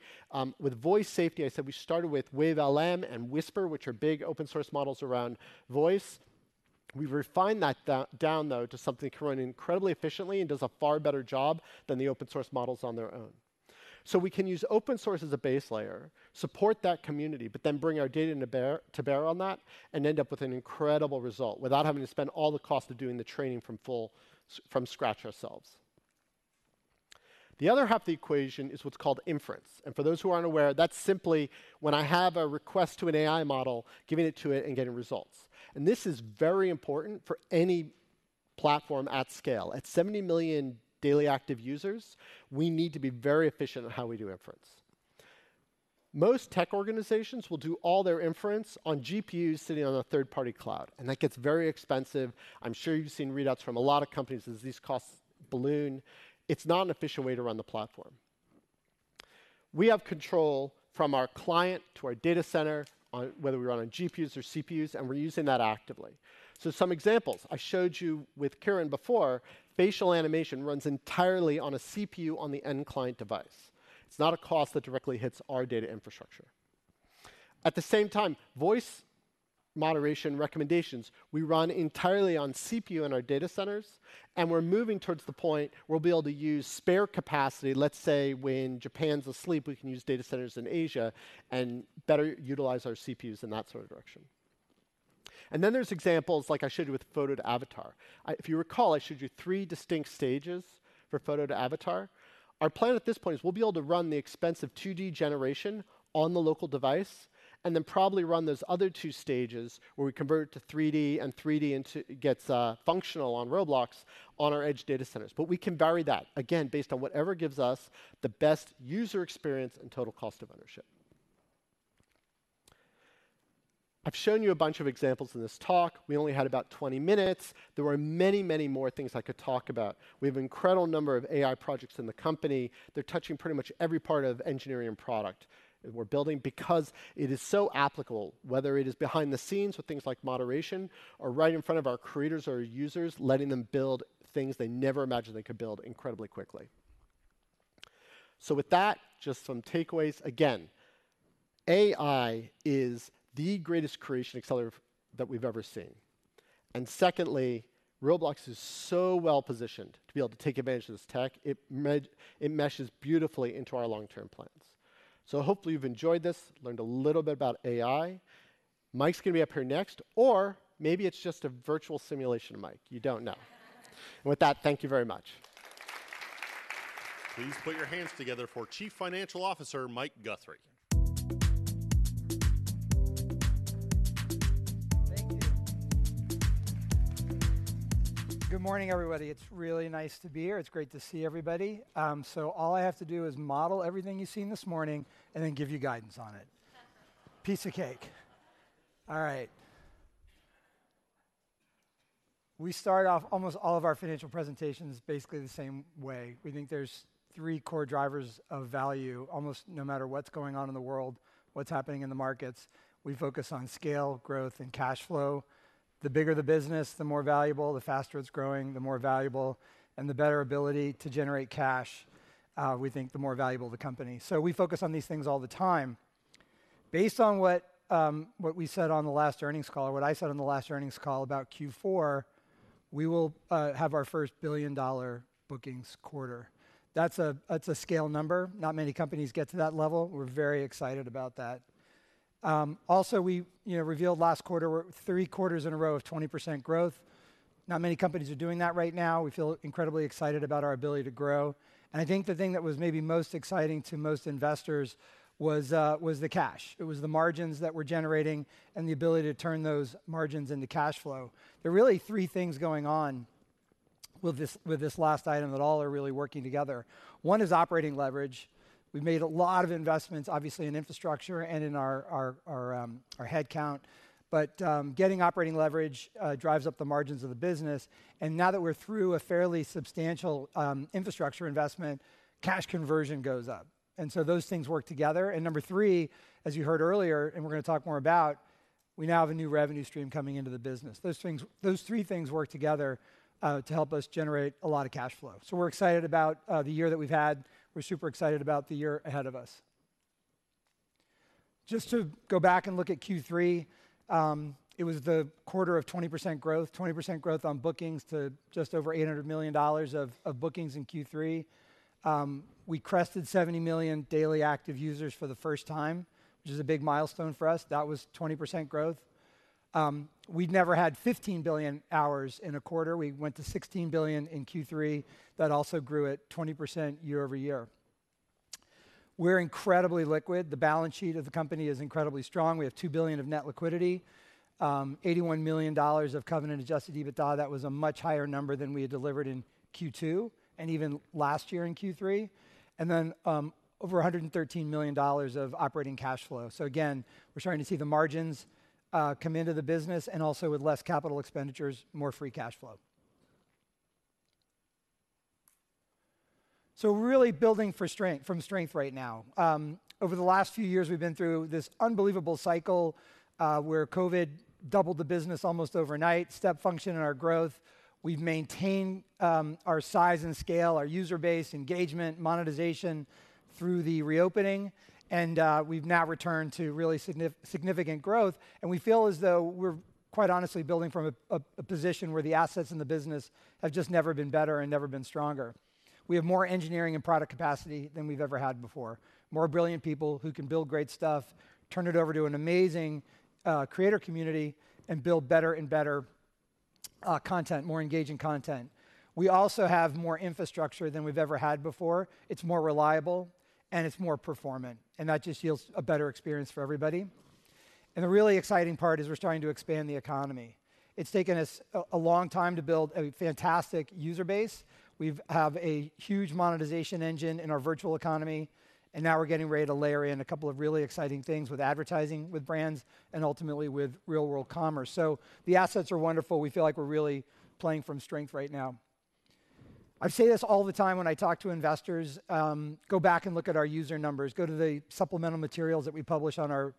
With voice safety, I said we started with WaveLM and Whisper, which are big open source models around voice. We've refined that down, though, to something that can run incredibly efficiently and does a far better job than the open source models on their own. So we can use open source as a base layer, support that community, but then bring our data to bear on that, and end up with an incredible result, without having to spend all the cost of doing the training from full, from scratch ourselves. The other half of the equation is what's called inference, and for those who aren't aware, that's simply when I have a request to an AI model, giving it to it, and getting results. And this is very important for any platform at scale. At 70 million daily active users, we need to be very efficient on how we do inference. Most tech organizations will do all their inference on GPUs sitting on a third-party cloud, and that gets very expensive. I'm sure you've seen readouts from a lot of companies as these costs balloon. It's not an efficient way to run the platform. We have control from our client to our data center, on whether we run on GPUs or CPUs, and we're using that actively. So some examples. I showed you with Kiran before, facial animation runs entirely on a CPU on the end client device. It's not a cost that directly hits our data infrastructure. At the same time, voice moderation recommendations, we run entirely on CPU in our data centers, and we're moving towards the point where we'll be able to use spare capacity. Let's say, when Japan's asleep, we can use data centers in Asia and better utilize our CPUs in that sort of direction. And then there's examples like I showed you with photo to avatar. If you recall, I showed you three distinct stages for photo to avatar. Our plan at this point is we'll be able to run the expensive 2D generation on the local device and then probably run those other two stages, where we convert it to 3D and 3D into gets functional on Roblox, on our edge data centers. But we can vary that, again, based on whatever gives us the best user experience and total cost of ownership. I've shown you a bunch of examples in this talk. We only had about 20 minutes. There were many, many more things I could talk about. We have an incredible number of AI projects in the company. They're touching pretty much every part of engineering and product that we're building because it is so applicable, whether it is behind the scenes with things like moderation or right in front of our creators or our users, letting them build things they never imagined they could build incredibly quickly. So with that, just some takeaways. Again, AI is the greatest creation accelerator that we've ever seen. And secondly, Roblox is so well-positioned to be able to take advantage of this tech. It meshes beautifully into our long-term plans. So hopefully, you've enjoyed this, learned a little bit about AI. Mike's gonna be up here next, or maybe it's just a virtual simulation, Mike. You don't know. With that, thank you very much. Please put your hands together for Chief Financial Officer, Mike Guthrie. Thank you. Good morning, everybody. It's really nice to be here. It's great to see everybody. So all I have to do is model everything you've seen this morning and then give you guidance on it. Piece of cake. All right. We start off almost all of our financial presentations basically the same way. We think there's three core drivers of value, almost no matter what's going on in the world, what's happening in the markets. We focus on scale, growth, and cash flow. The bigger the business, the more valuable, the faster it's growing, the more valuable, and the better ability to generate cash, we think, the more valuable the company. So we focus on these things all the time. Based on what, what we said on the last earnings call, or what I said on the last earnings call about Q4, we will have our first billion-dollar bookings quarter. That's a, that's a scale number. Not many companies get to that level. We're very excited about that. Also, we, you know, revealed last quarter, we're three quarters in a row of 20% growth. Not many companies are doing that right now. We feel incredibly excited about our ability to grow, and I think the thing that was maybe most exciting to most investors was the cash. It was the margins that we're generating and the ability to turn those margins into cash flow. There are really three things going on with this, with this last item that all are really working together. One is operating leverage. We've made a lot of investments, obviously, in infrastructure and in our headcount, but getting operating leverage drives up the margins of the business, and now that we're through a fairly substantial infrastructure investment, cash conversion goes up. And so those things work together. And number three, as you heard earlier, and we're gonna talk more about...... We now have a new revenue stream coming into the business. Those things, those three things work together to help us generate a lot of cash flow. So we're excited about the year that we've had. We're super excited about the year ahead of us. Just to go back and look at Q3, it was the quarter of 20% growth. 20% growth on bookings to just over $800 million of, of bookings in Q3. We crested 70 million daily active users for the first time, which is a big milestone for us. That was 20% growth. We'd never had 15 billion hours in a quarter. We went to 16 billion in Q3. That also grew at 20% year-over-year. We're incredibly liquid. The balance sheet of the company is incredibly strong. We have $2 billion of net liquidity, $81 million of covenant-adjusted EBITDA. That was a much higher number than we had delivered in Q2 and even last year in Q3, and then, over $113 million of operating cash flow. So again, we're starting to see the margins, come into the business, and also with less capital expenditures, more free cash flow. So we're really building from strength right now. Over the last few years, we've been through this unbelievable cycle, where COVID doubled the business almost overnight, step function in our growth. We've maintained, our size and scale, our user base, engagement, monetization through the reopening, and, we've now returned to really significant growth. We feel as though we're, quite honestly, building from a position where the assets in the business have just never been better and never been stronger. We have more engineering and product capacity than we've ever had before. More brilliant people who can build great stuff, turn it over to an amazing creator community, and build better and better content, more engaging content. We also have more infrastructure than we've ever had before. It's more reliable, and it's more performant, and that just yields a better experience for everybody. And the really exciting part is we're starting to expand the economy. It's taken us a long time to build a fantastic user base. We have a huge monetization engine in our virtual economy, and now we're getting ready to layer in a couple of really exciting things with advertising, with brands, and ultimately with real-world commerce. So the assets are wonderful. We feel like we're really playing from strength right now. I say this all the time when I talk to investors, go back and look at our user numbers. Go to the supplemental materials that we publish on our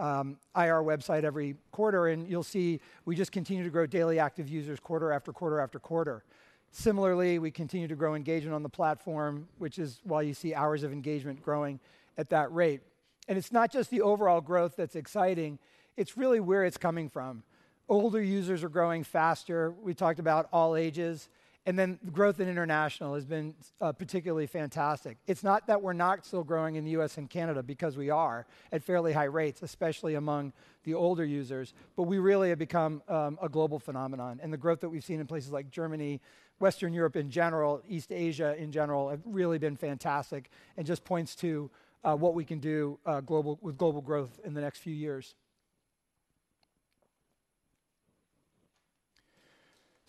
IR website every quarter, and you'll see we just continue to grow daily active users quarter after quarter after quarter. Similarly, we continue to grow engagement on the platform, which is why you see hours of engagement growing at that rate. And it's not just the overall growth that's exciting, it's really where it's coming from. Older users are growing faster. We talked about all ages, and then growth in international has been particularly fantastic. It's not that we're not still growing in the U.S. and Canada, because we are, at fairly high rates, especially among the older users, but we really have become a global phenomenon. The growth that we've seen in places like Germany, Western Europe in general, East Asia in general, have really been fantastic and just points to what we can do with global growth in the next few years.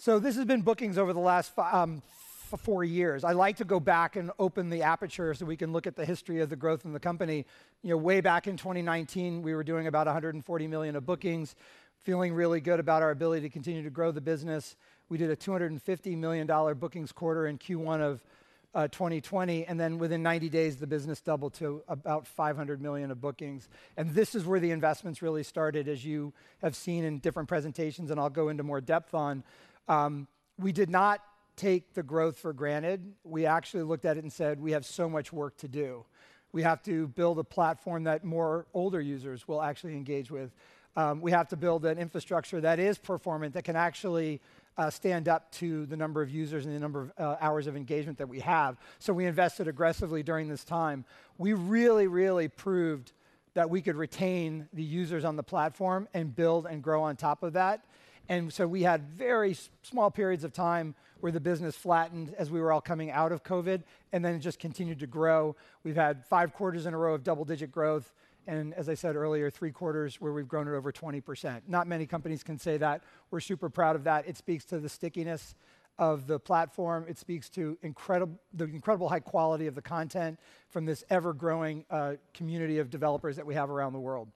This has been bookings over the last four years. I like to go back and open the aperture so we can look at the history of the growth in the company. You know, way back in 2019, we were doing about $140 million of bookings, feeling really good about our ability to continue to grow the business. We did a $250 million bookings quarter in Q1 of 2020, and then within 90 days, the business doubled to about $500 million of bookings. And this is where the investments really started, as you have seen in different presentations, and I'll go into more depth on. We did not take the growth for granted. We actually looked at it and said: "We have so much work to do. We have to build a platform that more older users will actually engage with. we have to build an infrastructure that is performant, that can actually stand up to the number of users and the number of hours of engagement that we have." So we invested aggressively during this time. We really, really proved that we could retain the users on the platform and build and grow on top of that. And so we had very small periods of time where the business flattened as we were all coming out of COVID, and then it just continued to grow. We've had 5 quarters in a row of double-digit growth, and as I said earlier, 3 quarters where we've grown at over 20%. Not many companies can say that. We're super proud of that. It speaks to the stickiness of the platform. It speaks to the incredible high quality of the content from this ever-growing community of developers that we have around the world.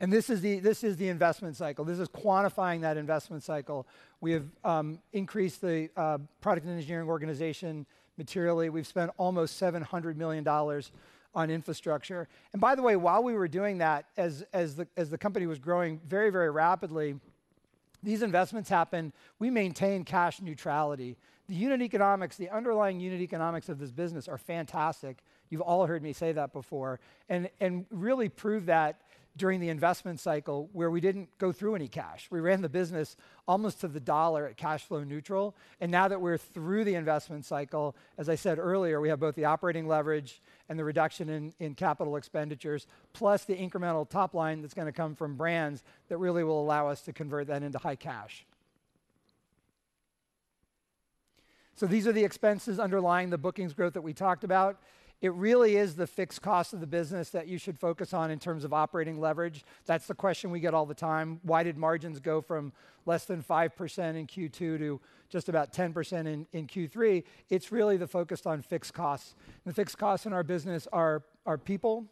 And this is the, this is the investment cycle. This is quantifying that investment cycle. We have increased the product and engineering organization materially. We've spent almost $700 million on infrastructure. And by the way, while we were doing that, as the company was growing very, very rapidly, these investments happened. We maintained cash neutrality. The unit economics, the underlying unit economics of this business are fantastic. You've all heard me say that before. And really proved that during the investment cycle where we didn't go through any cash. We ran the business almost to the dollar at cash flow neutral. And now that we're through the investment cycle, as I said earlier, we have both the operating leverage and the reduction in capital expenditures, plus the incremental top line that's gonna come from brands that really will allow us to convert that into high cash. So these are the expenses underlying the bookings growth that we talked about. It really is the fixed cost of the business that you should focus on in terms of operating leverage. That's the question we get all the time: Why did margins go from less than 5% in Q2 to just about 10% in Q3? It's really the focus on fixed costs. And the fixed costs in our business are people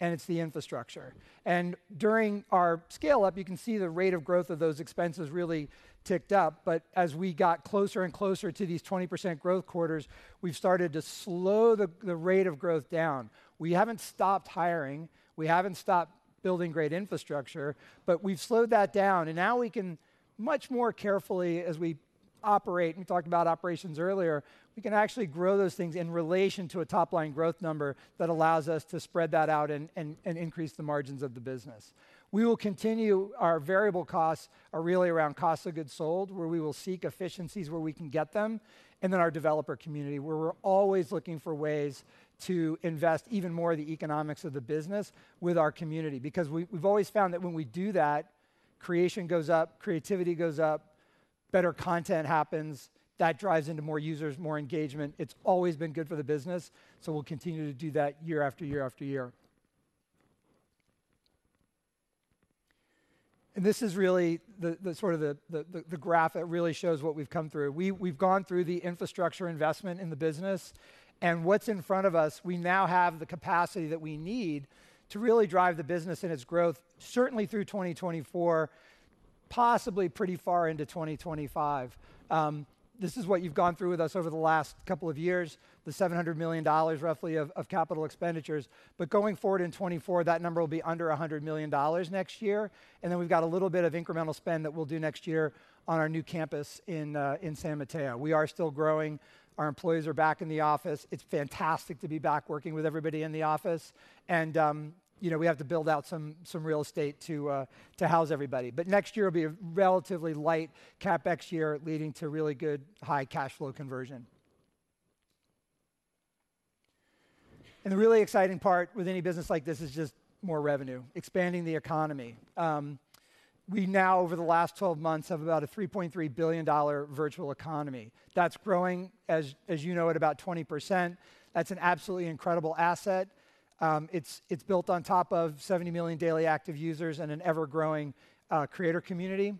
and it's the infrastructure. And during our scale-up, you can see the rate of growth of those expenses really ticked up. But as we got closer and closer to these 20% growth quarters, we've started to slow the rate of growth down. We haven't stopped hiring, we haven't stopped building great infrastructure, but we've slowed that down, and now we can much more carefully, as we operate, we talked about operations earlier, we can actually grow those things in relation to a top-line growth number that allows us to spread that out and increase the margins of the business. We will continue. Our variable costs are really around cost of goods sold, where we will seek efficiencies where we can get them, and then our developer community, where we're always looking for ways to invest even more of the economics of the business with our community. Because we've always found that when we do that, creation goes up, creativity goes up, better content happens. That drives into more users, more engagement. It's always been good for the business, so we'll continue to do that year after year after year. And this is really the sort of graph that really shows what we've come through. We've gone through the infrastructure investment in the business, and what's in front of us, we now have the capacity that we need to really drive the business and its growth, certainly through 2024, possibly pretty far into 2025. This is what you've gone through with us over the last couple of years, the $700 million, roughly, of capital expenditures. But going forward in 2024, that number will be under $100 million next year, and then we've got a little bit of incremental spend that we'll do next year on our new campus in San Mateo. We are still growing. Our employees are back in the office. It's fantastic to be back working with everybody in the office, and, you know, we have to build out some, some real estate to, to house everybody. But next year will be a relatively light CapEx year, leading to really good, high cash flow conversion. And the really exciting part with any business like this is just more revenue, expanding the economy. We now, over the last twelve months, have about a $3.3 billion-dollar virtual economy. That's growing, as you know, at about 20%. That's an absolutely incredible asset. It's built on top of 70 million daily active users and an ever-growing creator community.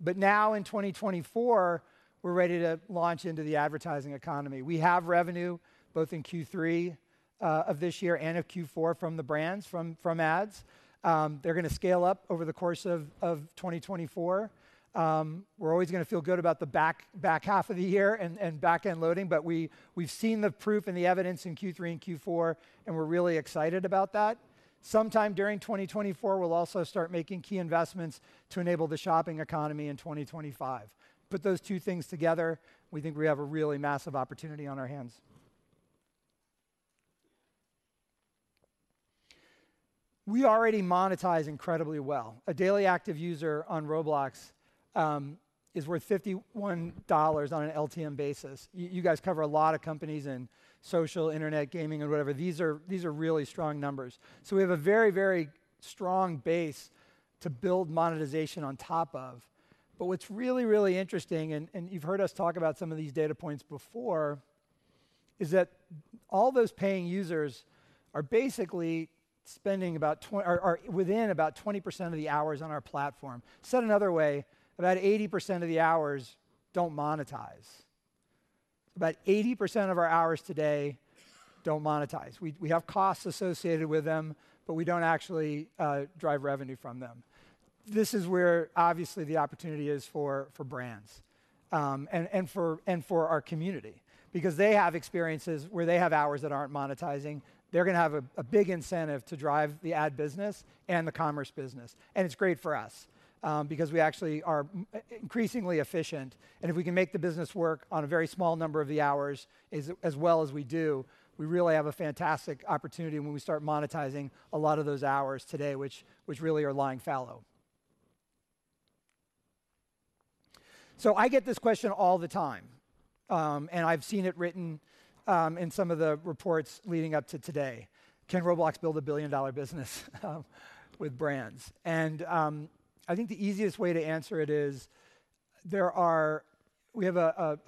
But now, in 2024, we're ready to launch into the advertising economy. We have revenue, both in Q3 of this year and of Q4, from the brands, from ads. They're gonna scale up over the course of 2024. We're always gonna feel good about the back half of the year and back-end loading, but we've seen the proof and the evidence in Q3 and Q4, and we're really excited about that. Sometime during 2024, we'll also start making key investments to enable the shopping economy in 2025. Put those two things together, we think we have a really massive opportunity on our hands. We already monetize incredibly well. A daily active user on Roblox is worth $51 on an LTM basis. You, you guys cover a lot of companies in social, internet, gaming, or whatever. These are, these are really strong numbers. So we have a very, very strong base to build monetization on top of. But what's really, really interesting, and, and you've heard us talk about some of these data points before, is that all those paying users are basically spending about are, are within about 20% of the hours on our platform. Said another way, about 80% of the hours don't monetize. About 80% of our hours today don't monetize. We, we have costs associated with them, but we don't actually drive revenue from them. This is where, obviously, the opportunity is for, for brands, and, and for, and for our community, because they have experiences where they have hours that aren't monetizing. They're gonna have a big incentive to drive the ad business and the commerce business. And it's great for us, because we actually are increasingly efficient, and if we can make the business work on a very small number of the hours as well as we do, we really have a fantastic opportunity when we start monetizing a lot of those hours today, which really are lying fallow. So I get this question all the time, and I've seen it written in some of the reports leading up to today: "Can Roblox build a billion-dollar business with brands?" And I think the easiest way to answer it is, we have a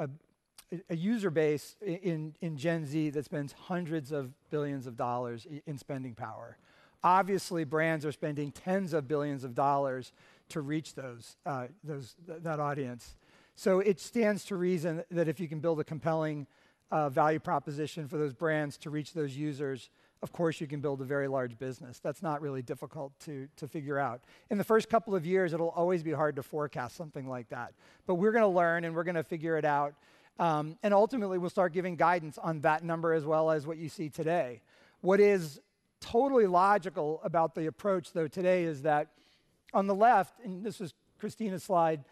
user base in Gen Z that spends hundreds of billions of dollars in spending power. Obviously, brands are spending tens of billions of dollars to reach those that audience. So it stands to reason that if you can build a compelling value proposition for those brands to reach those users, of course, you can build a very large business. That's not really difficult to figure out. In the first couple of years, it'll always be hard to forecast something like that. But we're gonna learn, and we're gonna figure it out, and ultimately, we'll start giving guidance on that number as well as what you see today. What is totally logical about the approach, though, today is that on the left, and this is Christina's slide,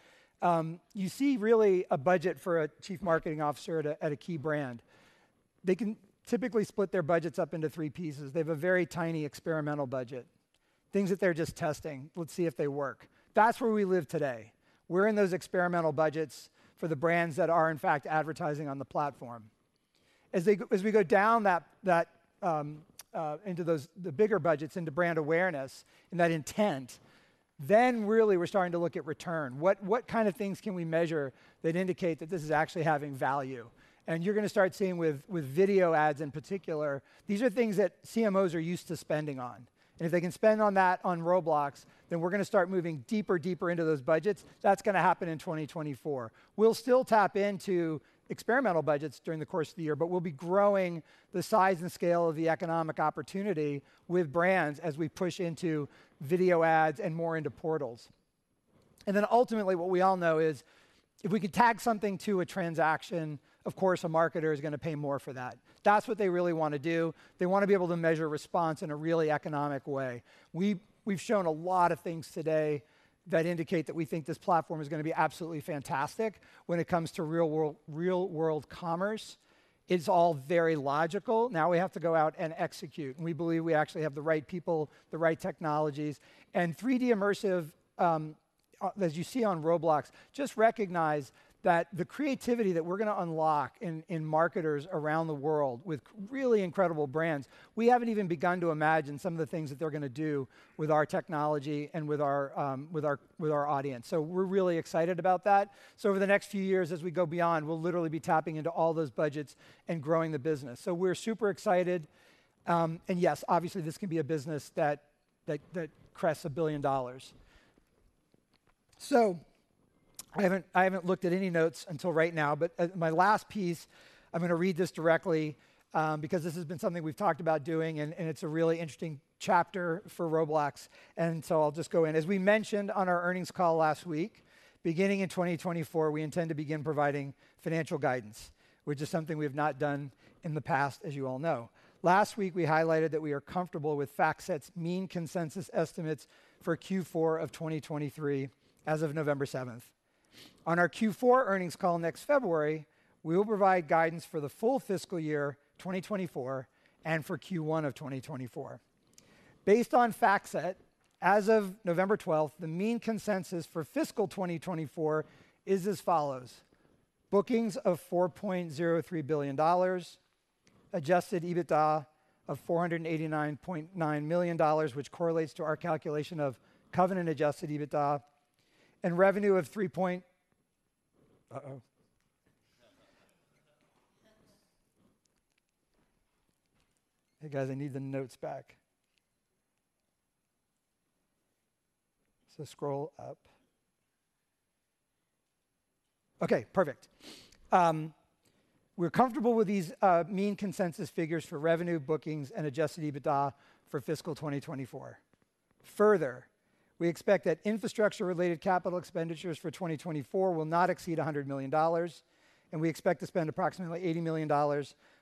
you see really a budget for a chief marketing officer at a key brand. They can typically split their budgets up into three pieces. They have a very tiny experimental budget, things that they're just testing. "Let's see if they work." That's where we live today. We're in those experimental budgets for the brands that are, in fact, advertising on the platform. As we go down that into those bigger budgets, into brand awareness and that intent, then really, we're starting to look at return. What, what kind of things can we measure that indicate that this is actually having value? And you're gonna start seeing with, with video ads, in particular, these are things that CMOs are used to spending on, and if they can spend on that on Roblox, then we're gonna start moving deeper, deeper into those budgets. That's gonna happen in 2024. We'll still tap into experimental budgets during the course of the year, but we'll be growing the size and scale of the economic opportunity with brands as we push into video ads and more into portals.... And then ultimately, what we all know is, if we could tag something to a transaction, of course, a marketer is going to pay more for that. That's what they really want to do. They want to be able to measure response in a really economic way. We've shown a lot of things today that indicate that we think this platform is going to be absolutely fantastic when it comes to real world, real-world commerce. It's all very logical. Now we have to go out and execute, and we believe we actually have the right people, the right technologies, and 3D immersive, as you see on Roblox, just recognize that the creativity that we're going to unlock in marketers around the world with really incredible brands, we haven't even begun to imagine some of the things that they're going to do with our technology and with our audience. So we're really excited about that. So over the next few years, as we go beyond, we'll literally be tapping into all those budgets and growing the business. So we're super excited, and yes, obviously, this can be a business that crests $1 billion. So I haven't looked at any notes until right now, but my last piece, I'm going to read this directly, because this has been something we've talked about doing, and it's a really interesting chapter for Roblox, and so I'll just go in. As we mentioned on our earnings call last week, beginning in 2024, we intend to begin providing financial guidance, which is something we have not done in the past, as you all know. Last week, we highlighted that we are comfortable with FactSet's mean consensus estimates for Q4 of 2023 as of November 7. On our Q4 earnings call next February, we will provide guidance for the full fiscal year 2024 and for Q1 of 2024. Based on FactSet, as of November twelfth, the mean consensus for fiscal 2024 is as follows: bookings of $4.03 billion, adjusted EBITDA of $489.9 million, which correlates to our calculation of covenant-adjusted EBITDA. We're comfortable with these mean consensus figures for revenue, bookings, and adjusted EBITDA for fiscal 2024. Further, we expect that infrastructure-related capital expenditures for 2024 will not exceed $100 million, and we expect to spend approximately $80 million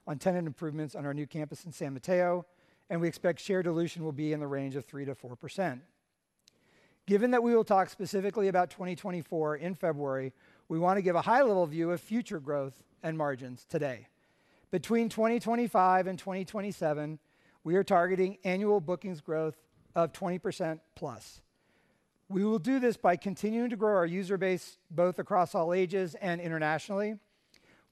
on tenant improvements on our new campus in San Mateo, and we expect share dilution will be in the range of 3%-4%. Given that we will talk specifically about 2024 in February, we want to give a high-level view of future growth and margins today. Between 2025 and 2027, we are targeting annual bookings growth of 20%+. We will do this by continuing to grow our user base, both across all ages and internationally.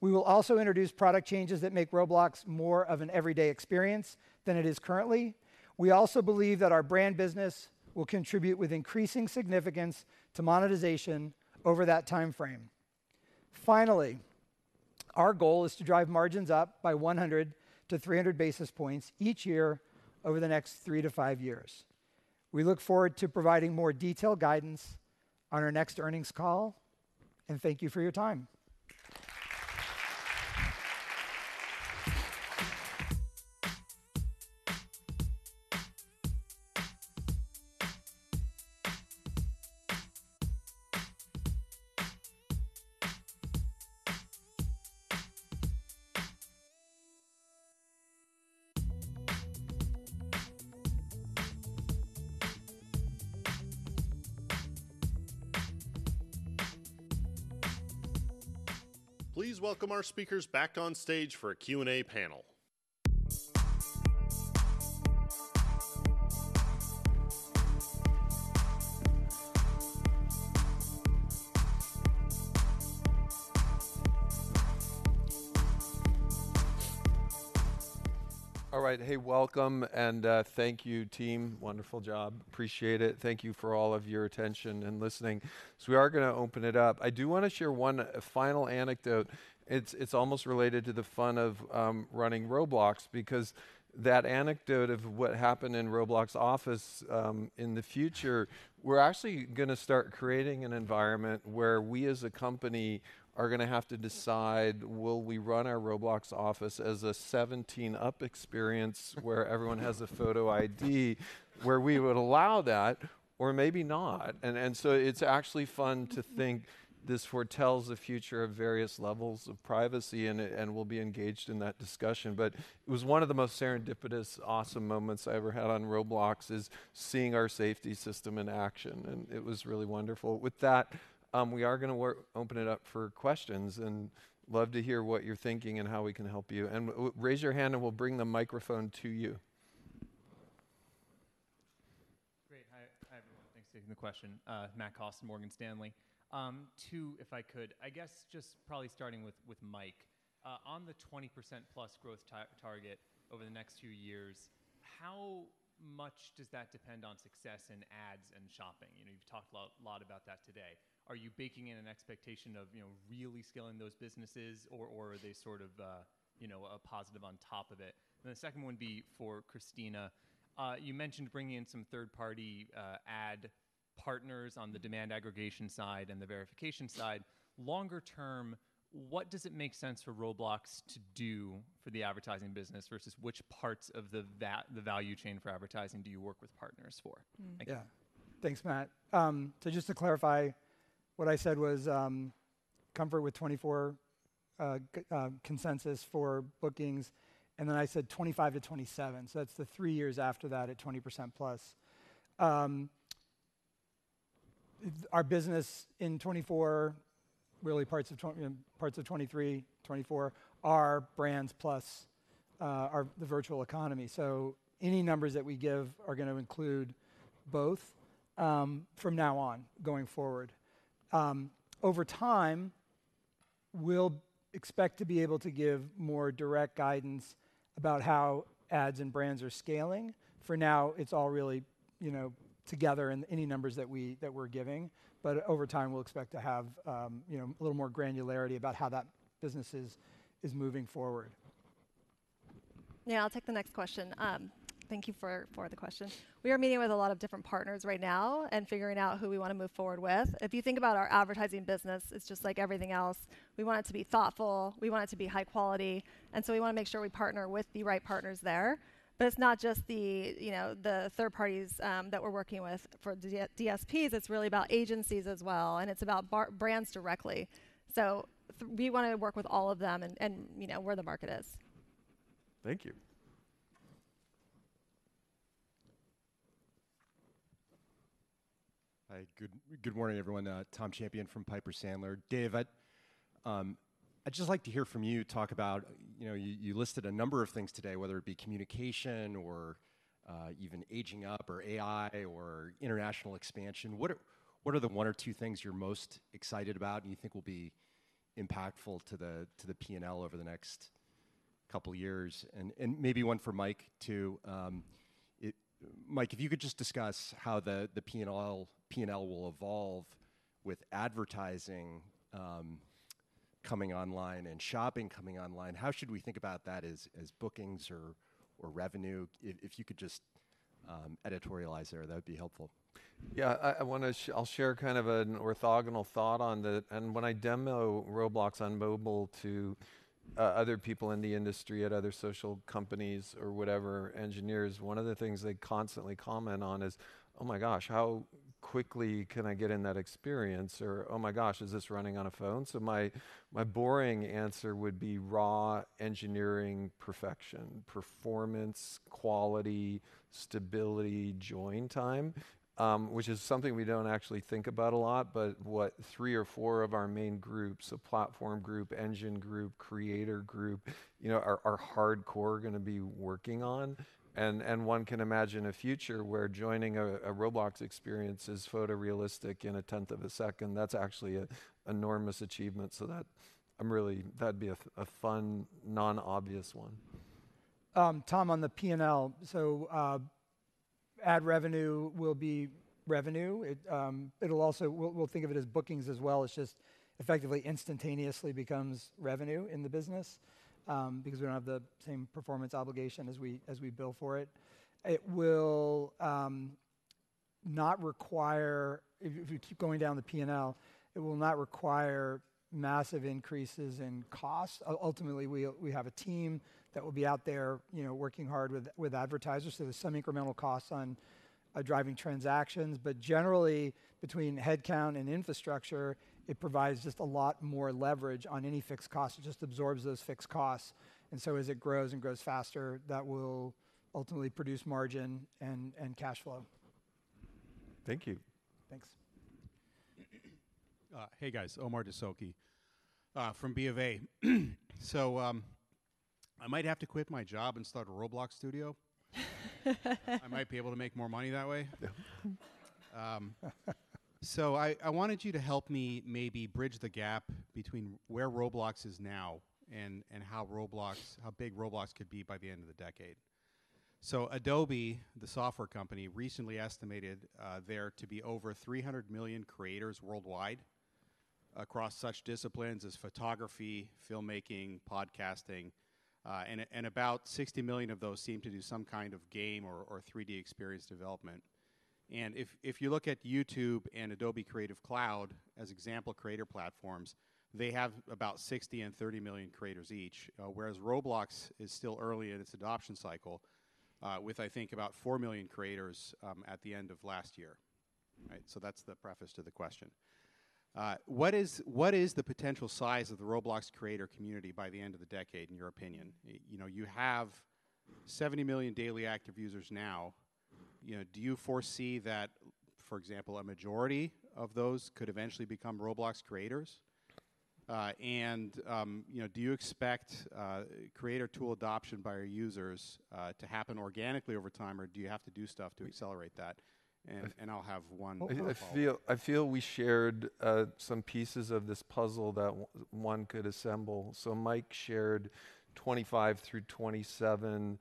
We will also introduce product changes that make Roblox more of an everyday experience than it is currently. We also believe that our brand business will contribute with increasing significance to monetization over that timeframe. Finally, our goal is to drive margins up by 100-300 basis points each year over the next 3-5 years. We look forward to providing more detailed guidance on our next earnings call, and thank you for your time. Please welcome our speakers back on stage for a Q&A panel. All right. Hey, welcome, and thank you, team. Wonderful job. Appreciate it. Thank you for all of your attention and listening. So we are going to open it up. I do want to share one final anecdote. It's, it's almost related to the fun of running Roblox, because that anecdote of what happened in Roblox Office, in the future, we're actually going to start creating an environment where we, as a company, are going to have to decide, will we run our Roblox Office as a 17+ experience where everyone has a photo ID, where we would allow that, or maybe not? And, and so it's actually fun to think this foretells the future of various levels of privacy, and we'll be engaged in that discussion. But it was one of the most serendipitous, awesome moments I ever had on Roblox, is seeing our safety system in action, and it was really wonderful. With that, we are going to open it up for questions and love to hear what you're thinking and how we can help you. Raise your hand, and we'll bring the microphone to you. Great. Hi. Hi, everyone. Thanks for taking the question. Matt Cost, Morgan Stanley. Two, if I could, I guess just probably starting with, with Mike. On the 20%+ growth target over the next few years, how much does that depend on success in ads and shopping? You know, you've talked a lot about that today. Are you baking in an expectation of, you know, really scaling those businesses, or are they sort of, you know, a positive on top of it? Then the second one would be for Christina. You mentioned bringing in some third-party ad partners on the demand aggregation side and the verification side. Longer term, what does it make sense for Roblox to do for the advertising business, versus which parts of the value chain for advertising do you work with partners for? Mm. Thank you. Yeah. Thanks, Matt. So just to clarify, what I said was, comfort with 2024 consensus for bookings, and then I said 2025-2027, so that's the three years after that at 20%+. Our business in 2024, really parts of 2023, 2024, are brands plus, the virtual economy. So any numbers that we give are gonna include both, from now on, going forward. Over time, we'll expect to be able to give more direct guidance about how ads and brands are scaling. For now, it's all really, you know, together in any numbers that we, that we're giving, but over time, we'll expect to have, you know, a little more granularity about how that business is moving forward. Yeah, I'll take the next question. Thank you for the question. We are meeting with a lot of different partners right now and figuring out who we wanna move forward with. If you think about our advertising business, it's just like everything else. We want it to be thoughtful, we want it to be high quality, and so we wanna make sure we partner with the right partners there. But it's not just the, you know, the third parties that we're working with. For DSPs, it's really about agencies as well, and it's about brands directly. So we wanna work with all of them and, you know, where the market is. Thank you. Hi, good, good morning, everyone, Tom Champion from Piper Sandler. Dave, I'd, I'd just like to hear from you talk about, you know, you, you listed a number of things today, whether it be communication or, even aging up or AI or international expansion. What are, what are the one or two things you're most excited about and you think will be impactful to the, to the P&L over the next couple of years? And, and maybe one for Mike, too. Mike, if you could just discuss how the, the P&L, P&L will evolve with advertising, coming online and shopping coming online. How should we think about that as, as bookings or, or revenue? If, if you could just, editorialize there, that would be helpful. I'll share kind of an orthogonal thought on the. And when I demo Roblox on mobile to other people in the industry, at other social companies or whatever, engineers, one of the things they constantly comment on is: "Oh, my gosh, how quickly can I get in that experience?" Or, "Oh, my gosh, is this running on a phone?" So my boring answer would be raw engineering perfection, performance, quality, stability, join time, which is something we don't actually think about a lot, but what three or four of our main groups, the platform group, engine group, creator group, you know, are hardcore gonna be working on. One can imagine a future where joining a Roblox experience is photorealistic in a tenth of a second. That's actually an enormous achievement. So that I'm really, that'd be a fun, non-obvious one. Tom, on the P&L. So, ad revenue will be revenue. It, it'll also—we'll, we'll think of it as bookings as well. It's just effectively, instantaneously becomes revenue in the business, because we don't have the same performance obligation as we, as we bill for it. It will, not require, if you, if you keep going down the P&L, it will not require massive increases in costs. Ultimately, we, we have a team that will be out there, you know, working hard with, with advertisers, so there's some incremental costs on driving transactions. But generally, between headcount and infrastructure, it provides just a lot more leverage on any fixed cost. It just absorbs those fixed costs, and so as it grows and grows faster, that will ultimately produce margin and, and cash flow. Thank you. Thanks. Hey, guys, Omar Dessouky from BofA. So, I might have to quit my job and start a Roblox studio. I might be able to make more money that way. So I wanted you to help me maybe bridge the gap between where Roblox is now and how Roblox - how big Roblox could be by the end of the decade. So Adobe, the software company, recently estimated there to be over 300 million creators worldwide across such disciplines as photography, filmmaking, podcasting, and about 60 million of those seem to do some kind of game or 3D experience development. And if you look at YouTube and Adobe Creative Cloud as example creator platforms, they have about 60 and 30 million creators each. Whereas Roblox is still early in its adoption cycle, with I think about 4 million creators at the end of last year. Right? So that's the preface to the question. What is the potential size of the Roblox creator community by the end of the decade, in your opinion? You know, you have 70 million daily active users now. You know, do you foresee that, for example, a majority of those could eventually become Roblox creators? And, you know, do you expect creator tool adoption by your users to happen organically over time, or do you have to do stuff to accelerate that? And I'll have one more follow-up. I feel we shared some pieces of this puzzle that one could assemble. So Mike shared 25 through 27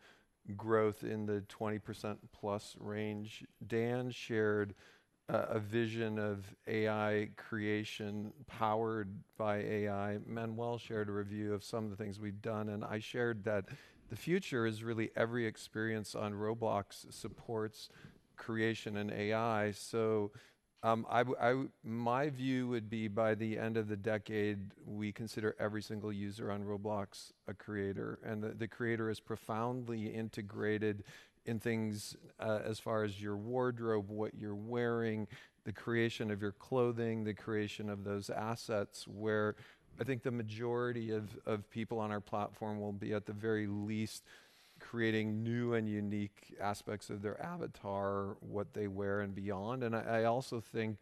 growth in the 20%+ range. Dan shared a vision of AI creation powered by AI. Manuel shared a review of some of the things we've done, and I shared that the future is really every experience on Roblox supports creation and AI. So, my view would be by the end of the decade, we consider every single user on Roblox a creator, and the creator is profoundly integrated in things, as far as your wardrobe, what you're wearing, the creation of your clothing, the creation of those assets, where I think the majority of people on our platform will be, at the very least, creating new and unique aspects of their avatar, what they wear and beyond. And I, I also think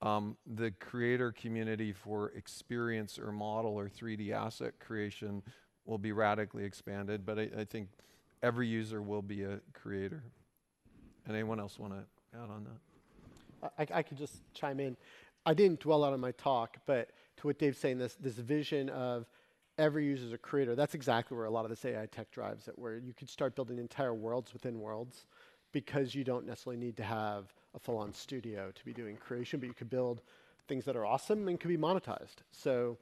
the creator community for experience or model or 3D asset creation will be radically expanded. But I, I think every user will be a creator. Anyone else wanna add on that? I could just chime in. I didn't dwell a lot on my talk, but to what Dave's saying, this vision of every user is a creator, that's exactly where a lot of this AI tech drives at, where you could start building entire worlds within worlds, because you don't necessarily need to have a full-on studio to be doing creation, but you could build things that are awesome and can be monetized. So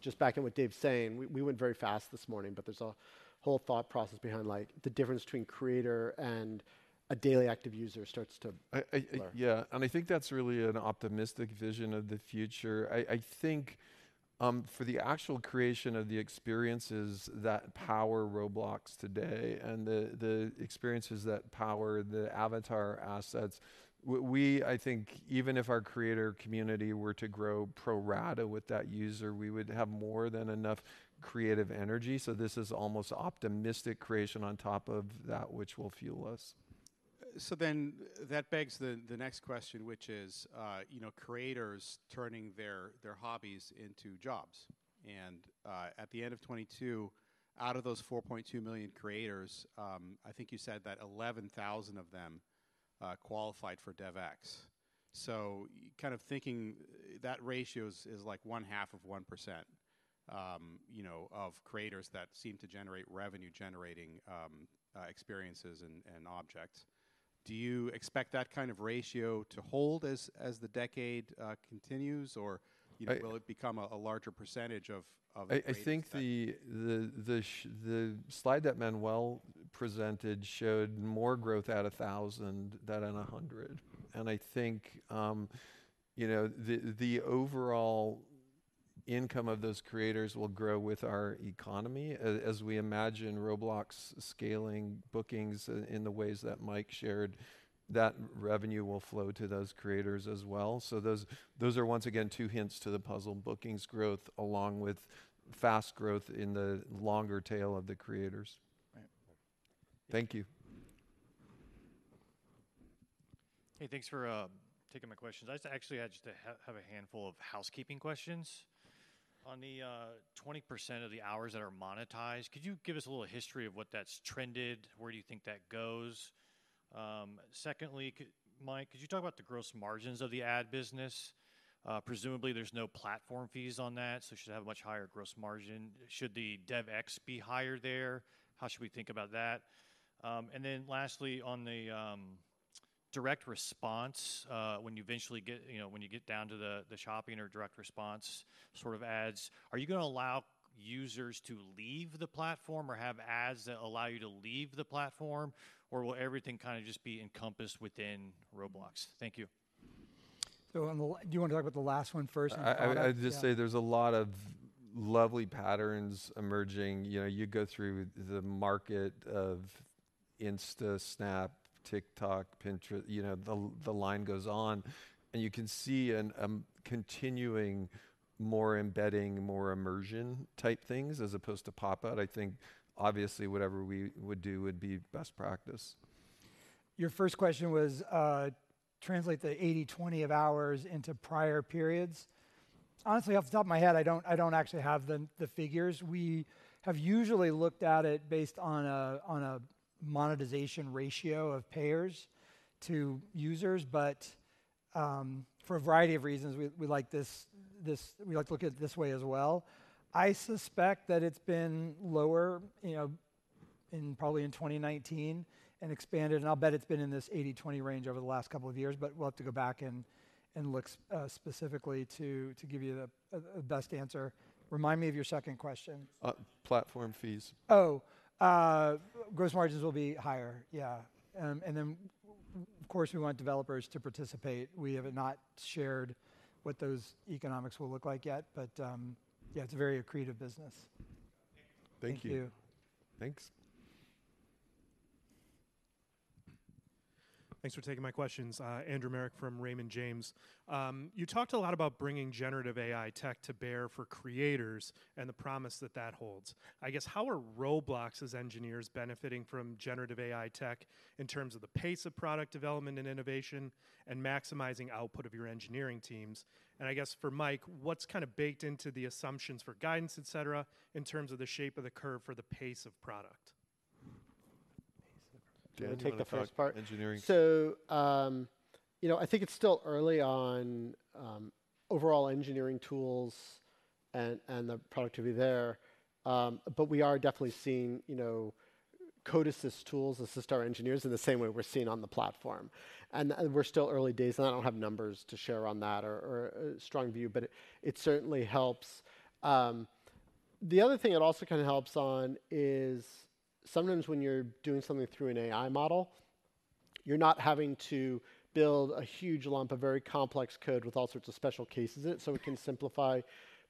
just backing what Dave's saying, we went very fast this morning, but there's a whole thought process behind, like, the difference between creator and a daily active user starts to blur. Yeah, and I think that's really an optimistic vision of the future. I think for the actual creation of the experiences that power Roblox today and the experiences that power the avatar assets, I think even if our creator community were to grow pro rata with that user, we would have more than enough creative energy, so this is almost optimistic creation on top of that, which will fuel us. So then that begs the, the next question, which is, you know, creators turning their, their hobbies into jobs. And, at the end of 2022, out of those 4.2 million creators, I think you said that 11,000 of them qualified for DevEx. So kind of thinking, that ratio is, is like 0.5%, you know, of creators that seem to generate revenue-generating experiences and, and objects. Do you expect that kind of ratio to hold as, as the decade continues? Or, you know- I- Will it become a larger percentage of the creators then? I think the slide that Manuel presented showed more growth at 1,000 than at 100. I think, you know, the overall income of those creators will grow with our economy. As we imagine Roblox scaling bookings in the ways that Mike shared, that revenue will flow to those creators as well. Those are, once again, two hints to the puzzle, bookings growth along with fast growth in the longer tail of the creators. Right. Thank you. Hey, thanks for taking my questions. I just actually have a handful of housekeeping questions. On the 20% of the hours that are monetized, could you give us a little history of what that's trended? Where do you think that goes? Secondly, Mike, could you talk about the gross margins of the ad business? Presumably, there's no platform fees on that, so it should have a much higher gross margin. Should the DevEx be higher there? How should we think about that? And then lastly, on the direct response, when you eventually get, you know, when you get down to the shopping or direct response sort of ads, are you gonna allow users to leave the platform or have ads that allow you to leave the platform, or will everything kinda just be encompassed within Roblox? Thank you. Do you want to talk about the last one first, on the product? Yeah. I'd just say there's a lot of lovely patterns emerging. You know, you go through the market of Instagram, Snapchat, TikTok, Pinterest, you know, the line goes on, and you can see a continuing, more embedding, more immersion-type things as opposed to pop-out. I think obviously, whatever we would do would be best practice. Your first question was, translate the 80/20 of hours into prior periods. Honestly, off the top of my head, I don't actually have the figures. We have usually looked at it based on a monetization ratio of payers to users, but for a variety of reasons, we like this-- we like to look at it this way as well. I suspect that it's been lower, you know, in probably in 2019 and expanded, and I'll bet it's been in this 80/20 range over the last couple of years, but we'll have to go back and look specifically to give you the best answer. Remind me of your second question. Platform fees. Oh, gross margins will be higher. Yeah, and then, of course, we want developers to participate. We have not shared what those economics will look like yet, but, yeah, it's a very accretive business. Thank you. Thank you. Thank you. Thanks. Thanks for taking my questions. Andrew Marok from Raymond James. You talked a lot about bringing generative AI tech to bear for creators and the promise that that holds. I guess, how are Roblox's engineers benefiting from generative AI tech in terms of the pace of product development and innovation, and maximizing output of your engineering teams? And I guess for Mike, what's kind of baked into the assumptions for guidance, et cetera, in terms of the shape of the curve for the pace of product? Pace of product. Do you wanna talk- Do you want to take the first part? - engineering. You know, I think it's still early on.... overall engineering tools and the product to be there. But we are definitely seeing, you know, Code Assist tools assist our engineers in the same way we're seeing on the platform. And we're still early days, and I don't have numbers to share on that or a strong view, but it certainly helps. The other thing it also kind of helps on is sometimes when you're doing something through an AI model, you're not having to build a huge lump of very complex code with all sorts of special cases in it, so we can simplify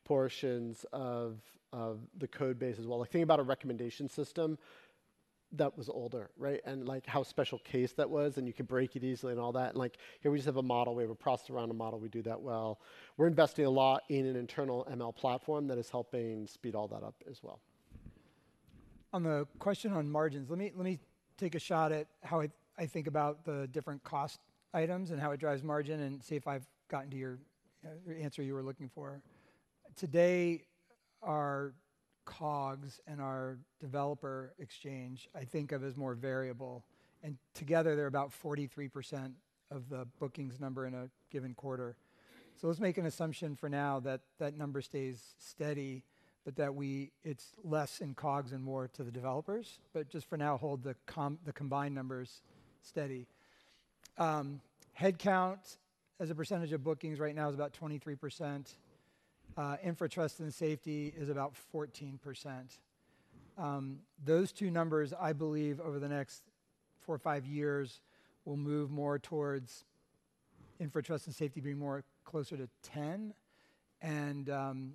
portions of the code base as well. Like, think about a recommendation system that was older, right? And, like, here we just have a model. We have a process around a model. We do that well. We're investing a lot in an internal ML platform that is helping speed all that up as well. On the question on margins, let me take a shot at how I think about the different cost items and how it drives margin and see if I've gotten to your, the answer you were looking for. Today, our COGS and our Developer Exchange, I think of as more variable, and together, they're about 43% of the bookings number in a given quarter. So let's make an assumption for now that that number stays steady, but that it's less in COGS and more to the developers. But just for now, hold the combined numbers steady. Headcount as a percentage of bookings right now is about 23%. Infra, Trust, and Safety is about 14%. Those two numbers, I believe over the next four or five years, will move more towards infra, trust, and safety being more closer to 10, and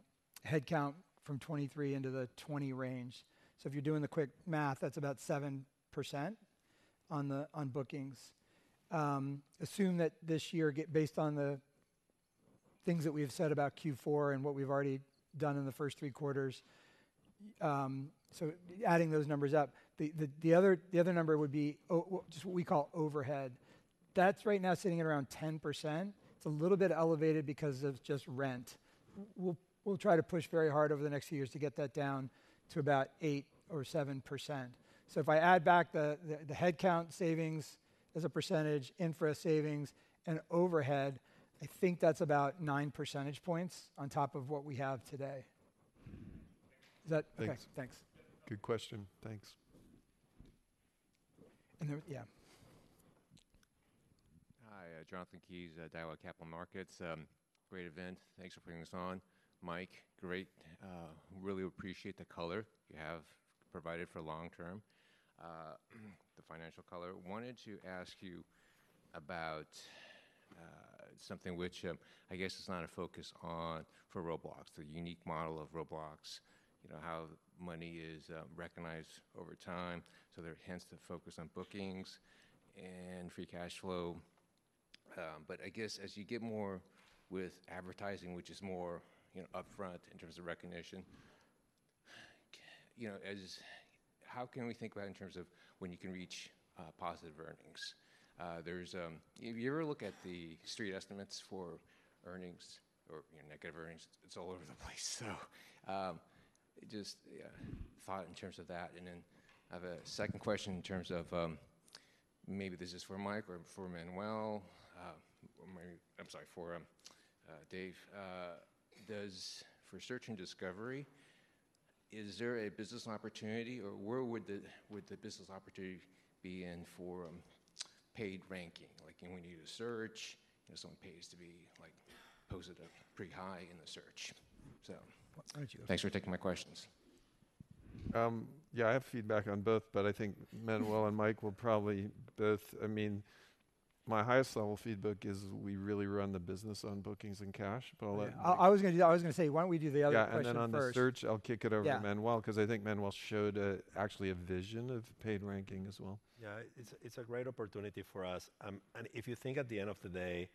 headcount from 23 into the 20 range. So if you're doing the quick math, that's about 7% on bookings. Assume that this year, based on the things that we have said about Q4 and what we've already done in the first three quarters, so adding those numbers up, the other number would be just what we call overhead. That's right now sitting at around 10%. It's a little bit elevated because of just rent. We'll try to push very hard over the next few years to get that down to about 8 or 7%. So if I add back the headcount savings as a percentage, infra savings, and overhead, I think that's about nine percentage points on top of what we have today. Is that- Thanks. Okay, thanks. Good question. Thanks. And there... Yeah. Hi, Jonathan Kees at Daiwa Capital Markets. Great event. Thanks for bringing us on. Mike, great, really appreciate the color you have provided for long term, the financial color. I wanted to ask you about something which, I guess is not a focus on for Roblox, the unique model of Roblox, you know, how money is recognized over time, so there hence the focus on bookings and free cash flow. But I guess as you get more with advertising, which is more, you know, upfront in terms of recognition, you know, as- how can we think about in terms of when you can reach positive earnings? There's, if you ever look at the Street estimates for earnings or, you know, negative earnings, it's all over the place. So, just, yeah, thought in terms of that. And then I have a second question in terms of, maybe this is for Mike or for Manuel, or maybe, I'm sorry, for, Dave. Does, for search and discovery, is there a business opportunity, or where would the, would the business opportunity be in for, paid ranking? Like, when you do a search, and someone pays to be, like, posted, pretty high in the search. So- Thank you. Thanks for taking my questions. Yeah, I have feedback on both, but I think Manuel and Mike will probably both... I mean, my highest level feedback is we really run the business on bookings and cash. But I'll let- I was gonna say, why don't we do the other question first? Yeah, and then on the search, I'll kick it over to- Yeah... Manuel, 'cause I think Manuel showed, actually a vision of paid ranking as well. Yeah, it's a great opportunity for us. And if you think at the end of the day,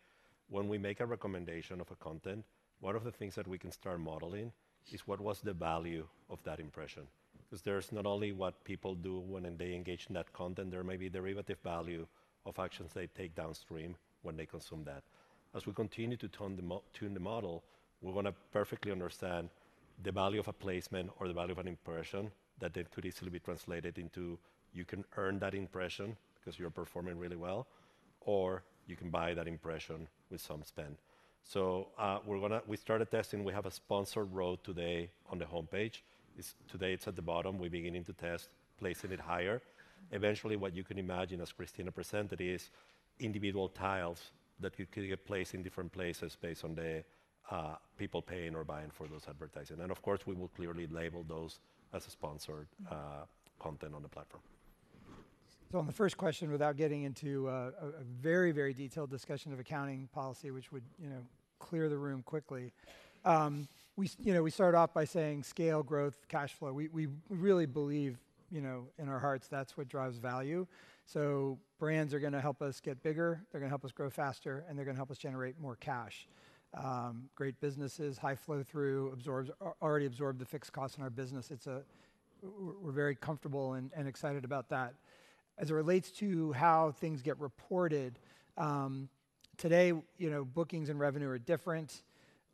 when we make a recommendation of a content, one of the things that we can start modeling is what was the value of that impression. 'Cause there's not only what people do when they engage in that content, there may be derivative value of actions they take downstream when they consume that. As we continue to tune the model, we wanna perfectly understand the value of a placement or the value of an impression, that it could easily be translated into, you can earn that impression because you're performing really well, or you can buy that impression with some spend. So, we started testing. We have a sponsored row today on the homepage. It's today, it's at the bottom. We're beginning to test placing it higher. Eventually, what you can imagine, as Christina presented, is individual tiles that you could get placed in different places based on the people paying or buying for those advertising. And of course, we will clearly label those as a sponsored content on the platform. So on the first question, without getting into a very, very detailed discussion of accounting policy, which would, you know, clear the room quickly, you know, we started off by saying scale, growth, cash flow. We really believe, you know, in our hearts, that's what drives value. So brands are gonna help us get bigger, they're gonna help us grow faster, and they're gonna help us generate more cash. Great businesses, high flow through, absorbs already absorbed the fixed costs in our business. It's, we're very comfortable and excited about that. As it relates to how things get reported, today, you know, bookings and revenue are different.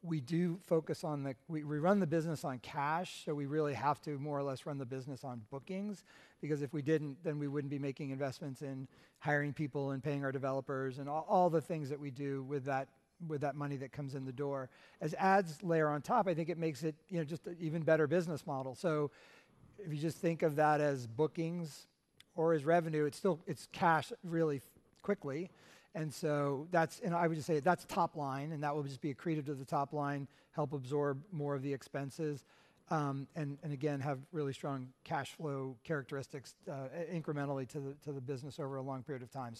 We do focus on we run the business on cash, so we really have to more or less run the business on bookings, because if we didn't, then we wouldn't be making investments in hiring people and paying our developers, and all the things that we do with that money that comes in the door. As ads layer on top, I think it makes it, you know, just an even better business model. So if you just think of that as bookings or as revenue, it's still cash really quickly. And so that's, and I would just say that's top line, and that will just be accreted to the top line, help absorb more of the expenses, and again, have really strong cash flow characteristics, incrementally to the business over a long period of time.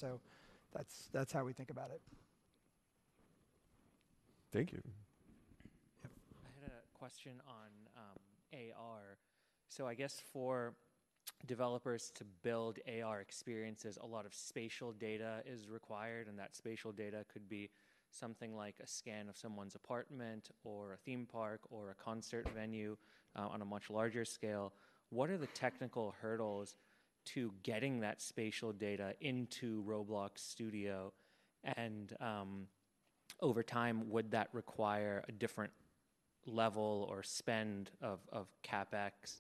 That's, that's how we think about it. Thank you. Yep. I had a question on AR. So I guess for developers to build AR experiences, a lot of spatial data is required, and that spatial data could be something like a scan of someone's apartment or a theme park or a concert venue on a much larger scale. What are the technical hurdles to getting that spatial data into Roblox Studio? And over time, would that require a different level or spend of CapEx, and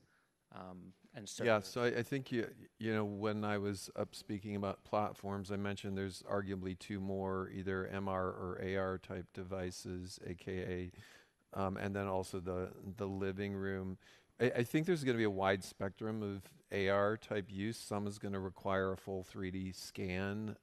so- Yeah. So I think you know, when I was up speaking about platforms, I mentioned there's arguably two more, either MR or AR-type devices, aka, and then also the living room. I think there's gonna be a wide spectrum of AR-type use. Some is gonna require a full 3D scan,